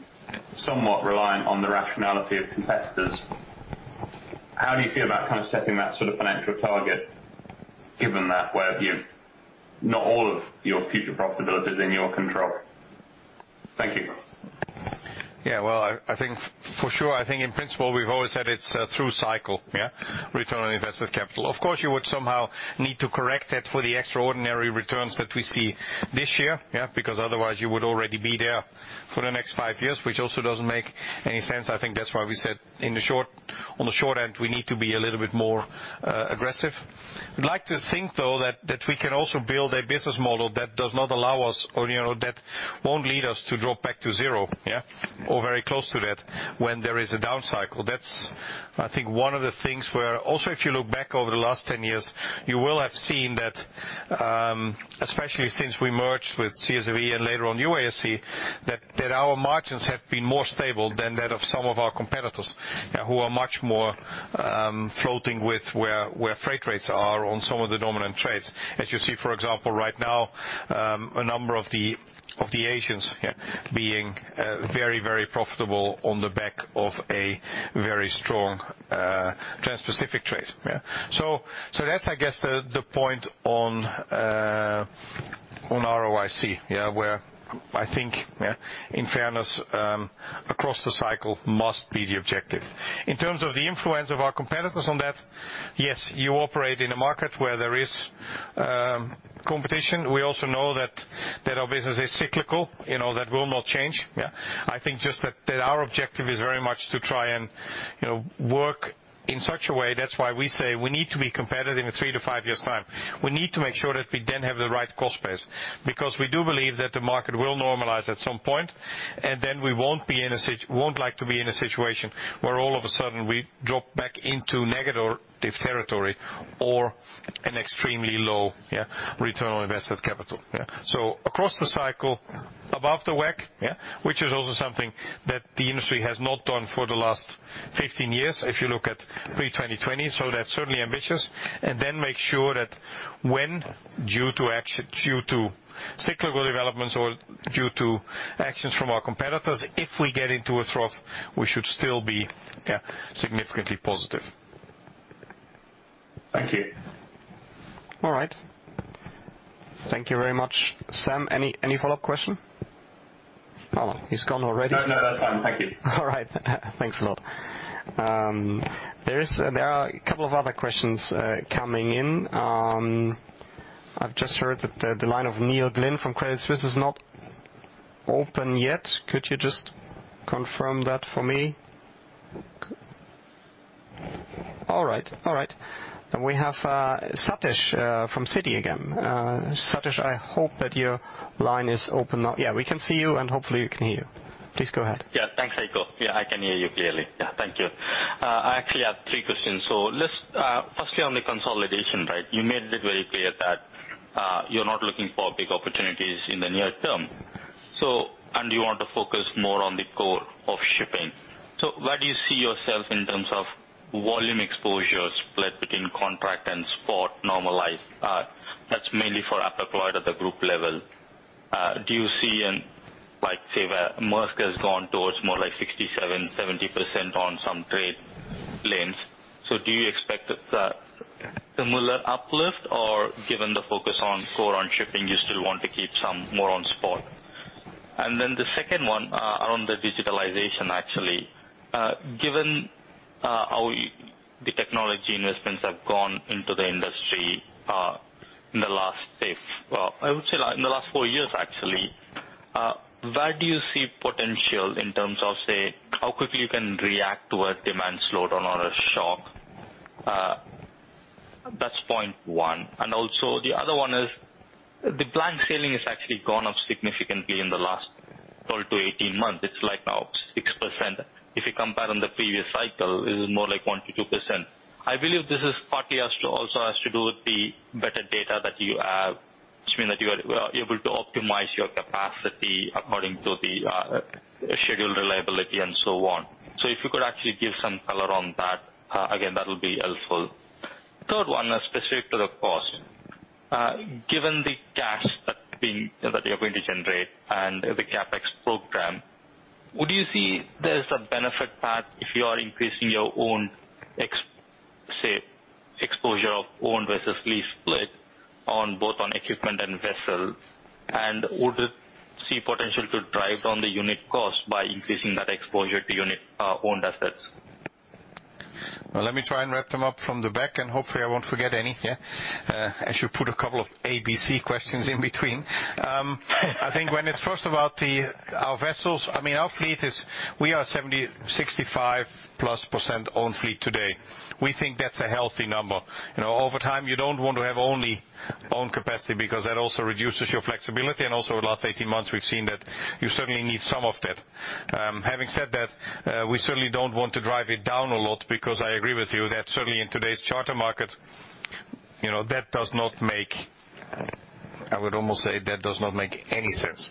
somewhat reliant on the rationality of competitors. How do you feel about kind of setting that sort of financial target given that not all of your future profitability is in your control? Thank you. Well, I think in principle, we've always said it's through-cycle return on invested capital. Of course, you would somehow need to correct it for the extraordinary returns that we see this year, because otherwise you would already be there for the next five years, which also doesn't make any sense. I think that's why we said on the short end, we need to be a little bit more aggressive. We'd like to think, though, that we can also build a business model that does not allow us or, you know, that won't lead us to drop back to zero or very close to that when there is a down cycle. Also, if you look back over the last 10 years, you will have seen that especially since we merged with CSAV and later on UASC, that our margins have been more stable than that of some of our competitors, yeah, who are much more floating with where freight rates are on some of the dominant trades. As you see, for example, right now, a number of the Asians, yeah, being very profitable on the back of a very strong trans-Pacific trade, yeah. That's, I guess, the point on ROIC, yeah, where I think, in fairness, across the cycle must be the objective. In terms of the influence of our competitors on that, yes, you operate in a market where there is competition. We also know that our business is cyclical, you know, that will not change, yeah. I think just that our objective is very much to try and, you know, work in such a way, that's why we say we need to be competitive in 3-5 years' time. We need to make sure that we then have the right cost base. Because we do believe that the market will normalize at some point, and then we won't like to be in a situation where all of a sudden we drop back into negative territory or an extremely low, yeah, return on invested capital, yeah. Across the cycle, above the WACC, yeah, which is also something that the industry has not done for the last 15 years, if you look at pre-2020, so that's certainly ambitious. Make sure that when, due to cyclical developments or due to actions from our competitors, if we get into a trough, we should still be, yeah, significantly positive. Thank you. All right. Thank you very much. Sam, any follow-up question? Oh, he's gone already. No, no, that's fine. Thank you. All right. Thanks a lot. There are a couple of other questions coming in. I've just heard that the line of Neil Glynn from Credit Suisse is not open yet. Could you just confirm that for me? All right. All right. We have Sathish from Citi again. Sathish, I hope that your line is open now. Yeah, we can see you, and hopefully we can hear you. Please go ahead. Yeah. Thanks, Heiko. Yeah, I can hear you clearly. Yeah, thank you. I actually have three questions. Let's firstly on the consolidation, right? You made it very clear that you're not looking for big opportunities in the near term. You want to focus more on the core of shipping. Where do you see yourself in terms of volume exposure split between contract and spot normalized? That's mainly for A.P. Moller at the group level. Do you see in, like, say, where Maersk has gone towards more like 67%-70% on some trade lanes. Do you expect a similar uplift? Or given the focus on core of shipping, you still want to keep some more on spot. Then the second one around the digitalization, actually. Given how the technology investments have gone into the industry in the last say, well, I would say like in the last 4 years, actually, where do you see potential in terms of, say, how quickly you can react to a demand slowdown or a shock? That's point one. Also the other one is the blank sailing has actually gone up significantly in the last 12-18 months. It's like now 6%. If you compare on the previous cycle, it is more like 1%-2%. I believe this is partly also has to do with the better data that you have, which means that you are able to optimize your capacity according to the schedule reliability and so on. If you could actually give some color on that, again, that would be helpful. Third one is specific to the cost. Given the cash that you're going to generate and the CapEx program, would you see there's a benefit path if you are increasing your own exposure of own versus lease split on both equipment and vessels? Would see potential to drive down the unit cost by increasing that exposure to unit owned assets. Well, let me try and wrap them up from the back and hopefully I won't forget any. As you put a couple of ABC questions in between. I think when it's first about our vessels. I mean, our fleet, we are 65-plus% owned fleet today. We think that's a healthy number. You know, over time, you don't want to have only own capacity because that also reduces your flexibility. Also the last 18 months, we've seen that you certainly need some of that. Having said that, we certainly don't want to drive it down a lot because I agree with you that certainly in today's charter market, you know, that does not make any sense.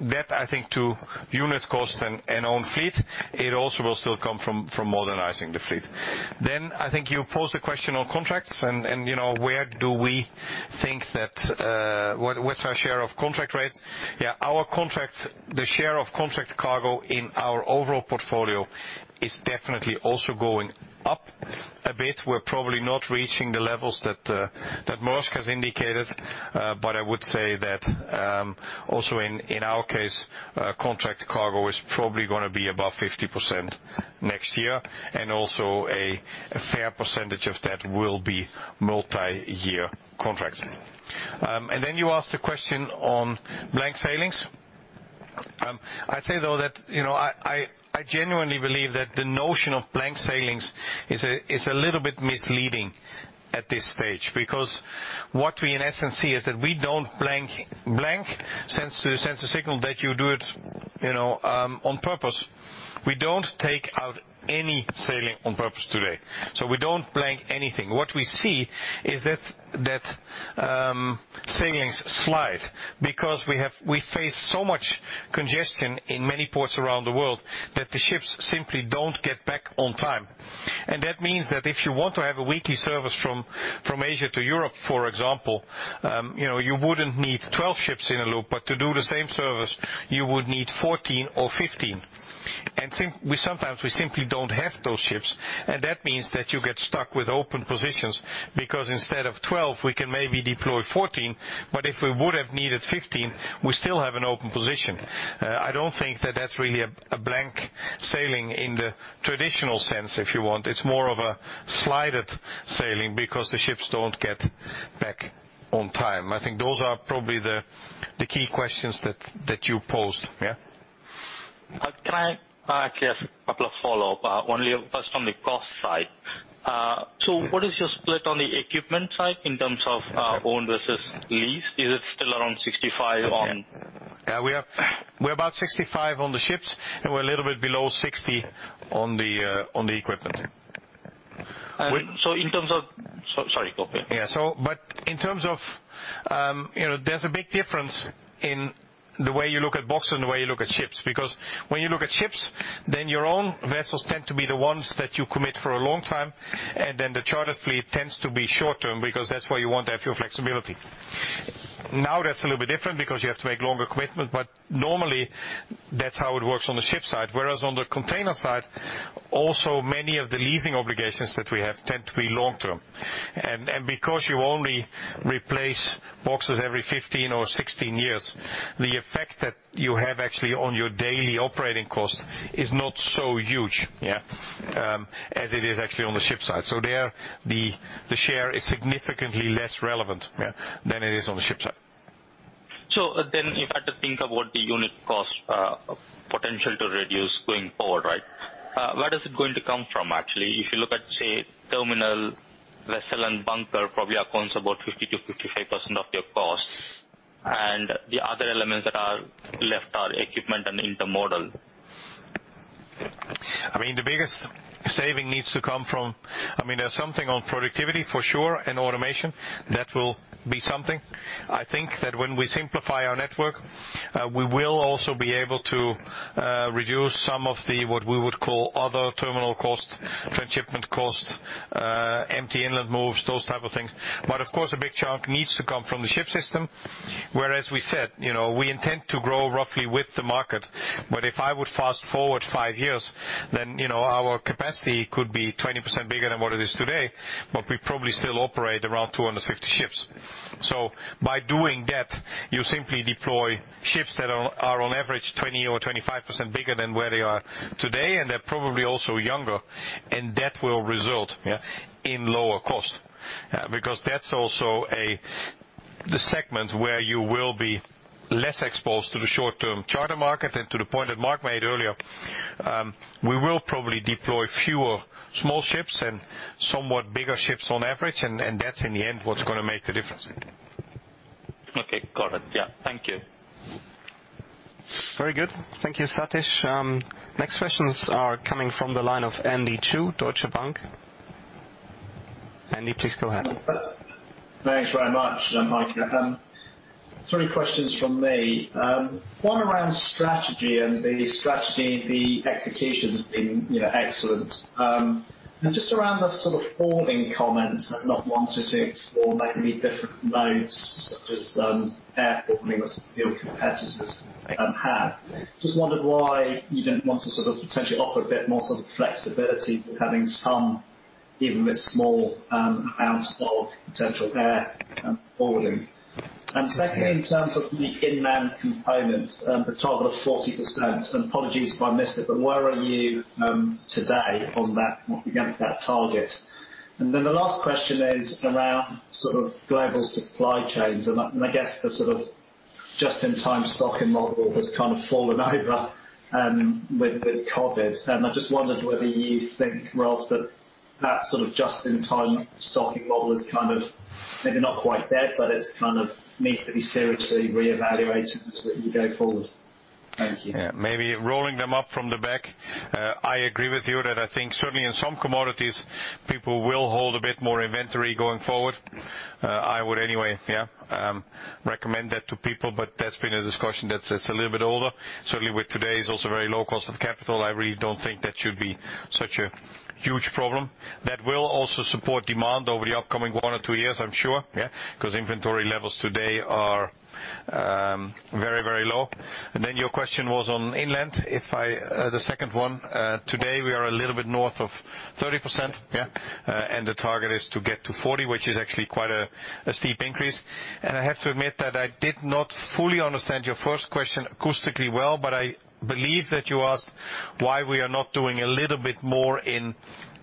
That I think to unit cost and own fleet, it also will still come from modernizing the fleet. I think you posed a question on contracts and you know, where do we think that what's our share of contract rates? Yeah, our contract, the share of contract cargo in our overall portfolio is definitely also going up a bit. We're probably not reaching the levels that that Maersk has indicated. But I would say that also in our case, contract cargo is probably gonna be above 50% next year, and also a fair percentage of that will be multi-year contracts. You asked a question on blank sailings. I'd say though that you know I genuinely believe that the notion of blank sailings is a little bit misleading at this stage. Because what we in essence see is that we don't blank sailings. Blank sailings sends a signal that you do it you know on purpose. We don't take out any sailing on purpose today. We don't blank anything. What we see is that sailings slide because we face so much congestion in many ports around the world that the ships simply don't get back on time. That means that if you want to have a weekly service from Asia to Europe for example you know you wouldn't need 12 ships in a loop but to do the same service you would need 14 or 15. We sometimes simply don't have those ships, and that means that you get stuck with open positions because instead of 12 we can maybe deploy 14, but if we would have needed 15, we still have an open position. I don't think that that's really a blank sailing in the traditional sense, if you want. It's more of a slide sailing because the ships don't get back on time. I think those are probably the key questions that you posed, yeah. Can I just a couple of follow-up. One first on the cost side. So what is your split on the equipment side in terms of own versus lease? Is it still around 65 on- Yeah, we're about 65 on the ships, and we're a little bit below 60 on the equipment. Sorry, go ahead. Yeah. In terms of, you know, there's a big difference in the way you look at boxes and the way you look at ships. Because when you look at ships, then your own vessels tend to be the ones that you commit for a long time, and then the charter fleet tends to be short term because that's where you want to have your flexibility. Now that's a little bit different because you have to make longer commitment, but normally that's how it works on the ship side. Whereas on the container side, also many of the leasing obligations that we have tend to be long term. Because you only replace boxes every 15 or 16 years, the effect that you have actually on your daily operating cost is not so huge as it is actually on the ship side. The share is significantly less relevant, yeah, than it is on the ship side. If I had to think about the unit cost, potential to reduce going forward, right, where is it going to come from actually? If you look at, say, terminal vessel and bunker probably accounts about 50%-55% of your costs. The other elements that are left are equipment and intermodal. Saving needs to come from. I mean, there's something on productivity for sure and automation, that will be something. I think that when we simplify our network, we will also be able to reduce some of the, what we would call other terminal costs, transshipment costs, empty inland moves, those type of things. Of course, a big chunk needs to come from the ship system. Whereas we said, you know, we intend to grow roughly with the market. If I would fast-forward 5 years then, you know, our capacity could be 20% bigger than what it is today, but we probably still operate around 250 ships. By doing that, you simply deploy ships that are on average 20% or 25% bigger than where they are today, and they're probably also younger. That will result, yeah, in lower cost. Because that's also the segment where you will be less exposed to the short-term charter market. To the point that Mark made earlier, we will probably deploy fewer small ships and somewhat bigger ships on average, and that's in the end what's gonna make the difference. Okay. Got it. Yeah. Thank you. Very good. Thank you, Satish. Next questions are coming from the line of Andy Chu, Deutsche Bank. Andy, please go ahead. Thanks very much, Heiko. Three questions from me. One around strategy, the execution's been, you know, excellent. Just around the sort of forward-looking comments and not wanting to explore maybe different modes such as air forwarding that some of your competitors have. Just wondered why you didn't want to sort of potentially offer a bit more sort of flexibility with having some, even if it's small, amount of potential air forwarding. Yeah. Secondly, in terms of the inland component, the target of 40%, and apologies if I missed it, but where are you today on that against that target? Then the last question is around sort of global supply chains and I guess the sort of just-in-time stocking model that's kind of fallen over with COVID. I just wondered whether you think, Rolf, that that sort of just-in-time stocking model is kind of maybe not quite dead, but it's kind of needs to be seriously reevaluated as we go forward. Thank you. Yeah. Maybe rolling them up from the back. I agree with you that I think certainly in some commodities, people will hold a bit more inventory going forward. I would anyway, yeah, recommend that to people, but that's been a discussion that's a little bit older. Certainly with today's also very low cost of capital, I really don't think that should be such a huge problem. That will also support demand over the upcoming 1 or 2 years, I'm sure, yeah, 'cause inventory levels today are very, very low. Your question was on inland. If I, the second one, today we are a little bit north of 30%, yeah. And the target is to get to 40, which is actually quite a steep increase. I have to admit that I did not fully understand your first question acoustically well, but I believe that you asked why we are not doing a little bit more in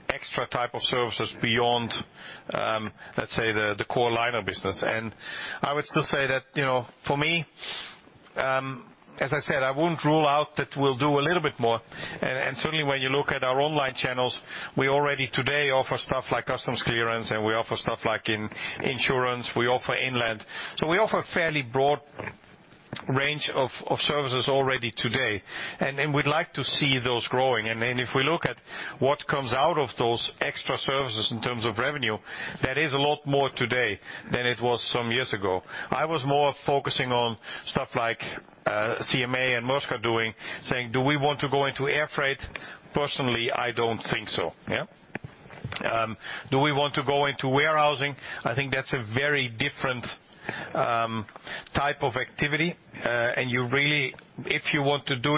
extra type of services beyond, let's say, the core liner business. I would still say that, you know, for me, as I said, I wouldn't rule out that we'll do a little bit more. Certainly when you look at our online channels, we already today offer stuff like customs clearance, and we offer stuff like in insurance, we offer inland. We offer a fairly broad range of services already today. We'd like to see those growing. Then if we look at what comes out of those extra services in terms of revenue, that is a lot more today than it was some years ago. I was more focusing on stuff like CMA and Maersk are doing, saying, "Do we want to go into air freight?" Personally, I don't think so. Yeah. Do we want to go into warehousing? I think that's a very different type of activity. If you want to do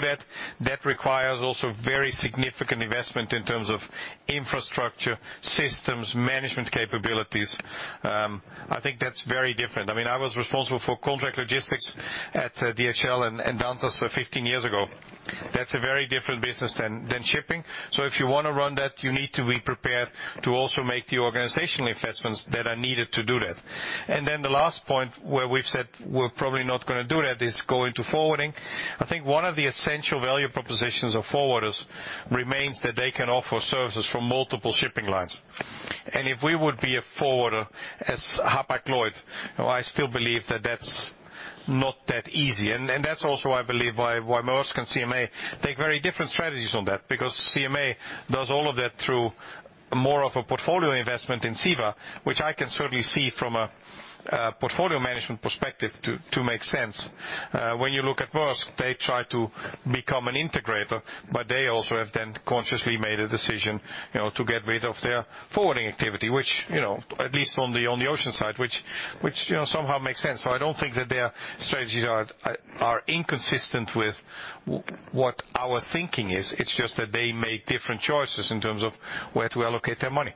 that requires also very significant investment in terms of infrastructure, systems, management capabilities. I think that's very different. I mean, I was responsible for contract logistics at DHL and Danske 15 years ago. That's a very different business than shipping. So if you wanna run that, you need to be prepared to also make the organizational investments that are needed to do that. Then the last point where we've said we're probably not gonna do that is go into forwarding. I think one of the essential value propositions of forwarders remains that they can offer services from multiple shipping lines. If we would be a forwarder as Hapag-Lloyd, I still believe that that's not that easy. That's also, I believe, why Maersk and CMA take very different strategies on that. Because CMA does all of that through more of a portfolio investment in CEVA, which I can certainly see from a portfolio management perspective to make sense. When you look at Maersk, they try to become an integrator, but they also have then consciously made a decision, you know, to get rid of their forwarding activity, which, you know, at least on the ocean side, which you know, somehow makes sense. I don't think that their strategies are inconsistent with what our thinking is. It's just that they make different choices in terms of where to allocate their money.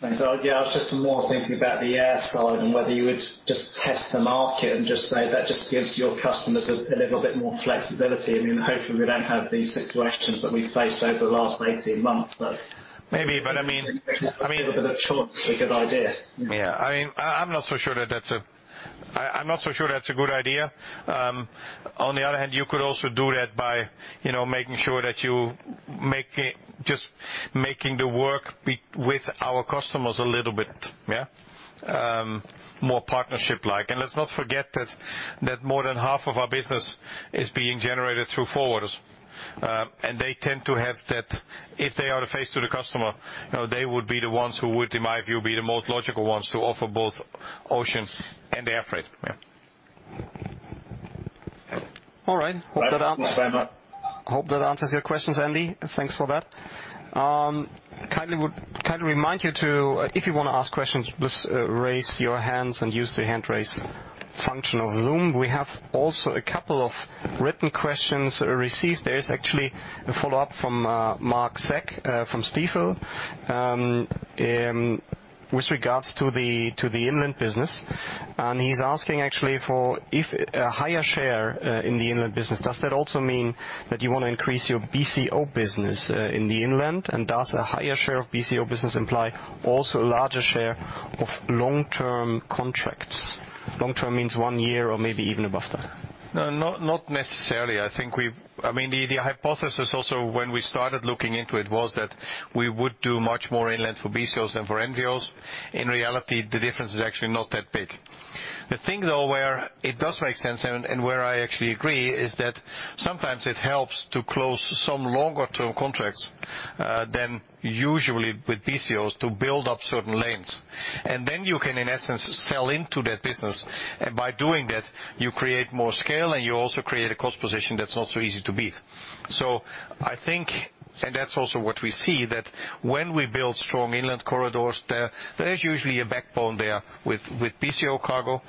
Thanks. Yeah, I was just more thinking about the air side and whether you would just test the market and just say that just gives your customers a little bit more flexibility. I mean, hopefully we don't have these situations that we faced over the last 18 months, but. Maybe, but I mean. A little bit of choice is a good idea. Yeah. I mean, I'm not so sure that's a good idea. On the other hand, you could also do that by, you know, making sure that you make the work with our customers a little bit, yeah, more partnership-like. Let's not forget that more than half of our business is being generated through forwarders. They tend to have that. If they are the face to the customer, you know, they would be the ones who would, in my view, be the most logical ones to offer both ocean and air freight. Yeah. All right. I hope that answers. Hope that answers your questions, Andy. Thanks for that. Kindly remind you to, if you wanna ask questions, just raise your hands and use the hand raise function of Zoom. We have also a couple of written questions received. There is actually a follow-up from Mark Sherlock from Stifel, and with regards to the inland business, and he's asking actually if a higher share in the inland business does that also mean that you wanna increase your BCO business in the inland? And does a higher share of BCO business imply also a larger share of long-term contracts? Long-term means one year or maybe even above that. No, not necessarily. I think, I mean, the hypothesis also when we started looking into it was that we would do much more inland for BCOs than for NVOs. In reality, the difference is actually not that big. The thing though, where it does make sense and where I actually agree, is that sometimes it helps to close some longer-term contracts than usually with BCOs to build up certain lanes. Then you can, in essence, sell into that business. By doing that, you create more scale, and you also create a cost position that's not so easy to beat. I think, and that's also what we see, that when we build strong inland corridors, there is usually a backbone there with BCO cargo.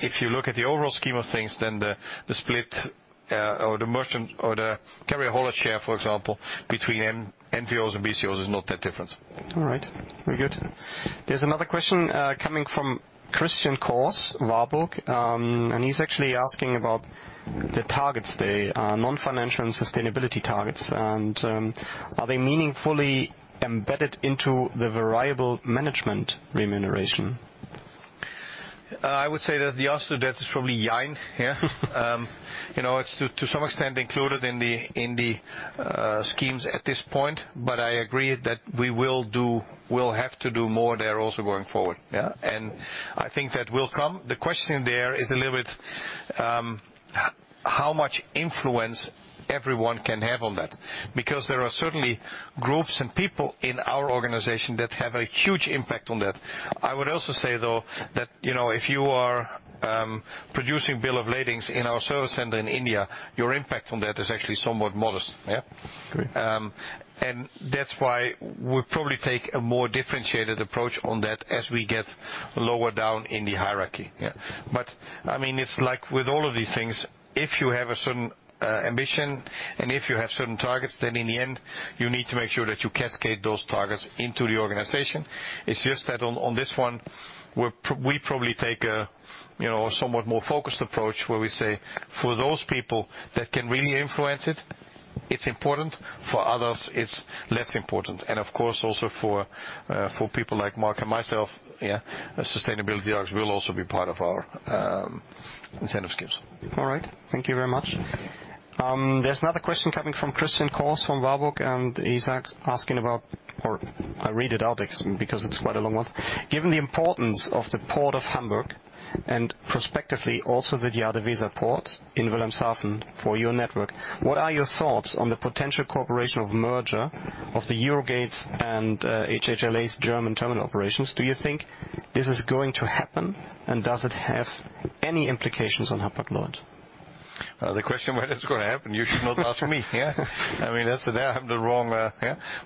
If you look at the overall scheme of things, then the split or the merchant or carrier haulage share, for example, between NVOs and BCOs is not that different. All right. Very good. There's another question coming from Christian Cohrs, Warburg, and he's actually asking about the targets, the non-financial and sustainability targets, and are they meaningfully embedded into the variable management remuneration? I would say that the answer to that is probably nein. You know, it's to some extent included in the schemes at this point, but I agree that we'll have to do more there also going forward. I think that will come. The question there is a little bit how much influence everyone can have on that. Because there are certainly groups and people in our organization that have a huge impact on that. I would also say, though, that you know, if you are producing bills of lading in our service center in India, your impact on that is actually somewhat modest. Agreed. That's why we probably take a more differentiated approach on that as we get lower down in the hierarchy. I mean, it's like with all of these things, if you have a certain ambition and if you have certain targets, then in the end, you need to make sure that you cascade those targets into the organization. It's just that on this one, we probably take a you know, a somewhat more focused approach where we say, for those people that can really influence it's important. For others, it's less important. Of course also for people like Mark and myself, sustainability will also be part of our incentive schemes. All right. Thank you very much. There's another question coming from Christian Cohrs from Warburg, and he's asking about. I read it out because it's quite a long one. Given the importance of the Port of Hamburg and prospectively also the JadeWeserPort in Wilhelmshaven for your network, what are your thoughts on the potential cooperation or merger of the Eurogate and HHLA's German terminal operations? Do you think this is going to happen, and does it have any implications on Hapag-Lloyd? The question when it's gonna happen, you should not ask me. I mean, I'm the wrong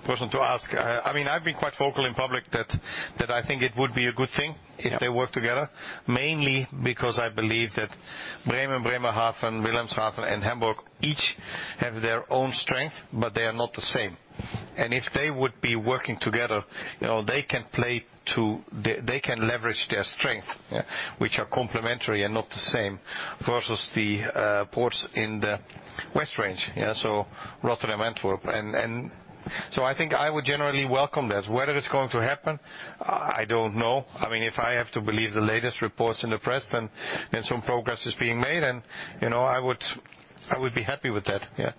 person to ask. I mean, I've been quite vocal in public that I think it would be a good thing. Yeah. If they work together, mainly because I believe that Bremen, Bremerhaven, Wilhelmshaven, and Hamburg each have their own strength, but they are not the same. If they would be working together, you know, they can play to their strength. They can leverage their strength, yeah, which are complementary and not the same, versus the ports in the west range, yeah, so Rotterdam, Antwerp. I think I would generally welcome that. Whether it's going to happen, I don't know. I mean, if I have to believe the latest reports in the press, then some progress is being made, and, you know, I would be happy with that. Yeah.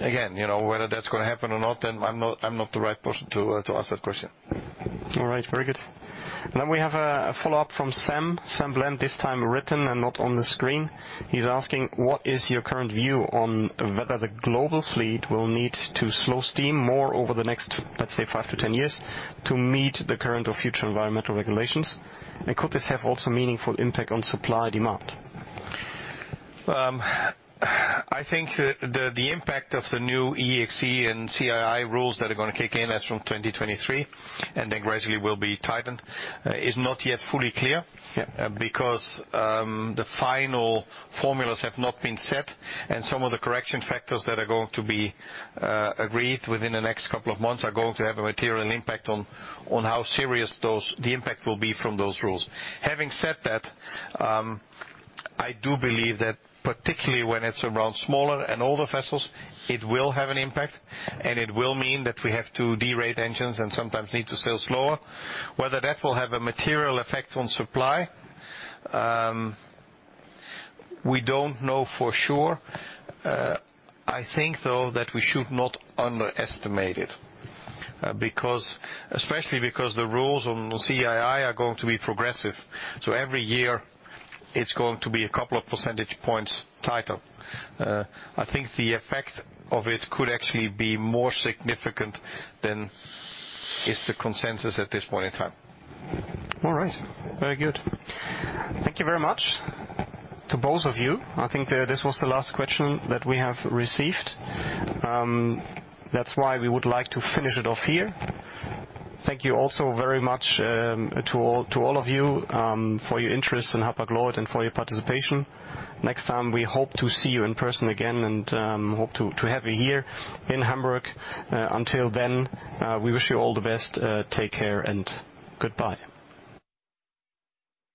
Again, you know, whether that's gonna happen or not, then I'm not the right person to ask that question. All right. Very good. We have a follow-up from Sam Bland, this time written and not on the screen. He's asking: What is your current view on whether the global fleet will need to slow steam more over the next, let's say, 5-10 years to meet the current or future environmental regulations? And could this have also meaningful impact on supply demand? I think the impact of the new EEXI and CII rules that are gonna kick in as from 2023, and then gradually will be tightened, is not yet fully clear. Yeah. The final formulas have not been set, and some of the correction factors that are going to be agreed within the next couple of months are going to have a material impact on how serious the impact will be from those rules. Having said that, I do believe that particularly when it's around smaller and older vessels, it will have an impact, and it will mean that we have to derate engines and sometimes need to sail slower. Whether that will have a material effect on supply, we don't know for sure. I think, though, that we should not underestimate it. Especially because the rules on CII are going to be progressive, so every year it's going to be a couple of percentage points tighter. I think the effect of it could actually be more significant than is the consensus at this point in time. All right. Very good. Thank you very much to both of you. I think this was the last question that we have received. That's why we would like to finish it off here. Thank you also very much to all of you for your interest in Hapag-Lloyd and for your participation. Next time we hope to see you in person again and hope to have you here in Hamburg. Until then, we wish you all the best. Take care and goodbye.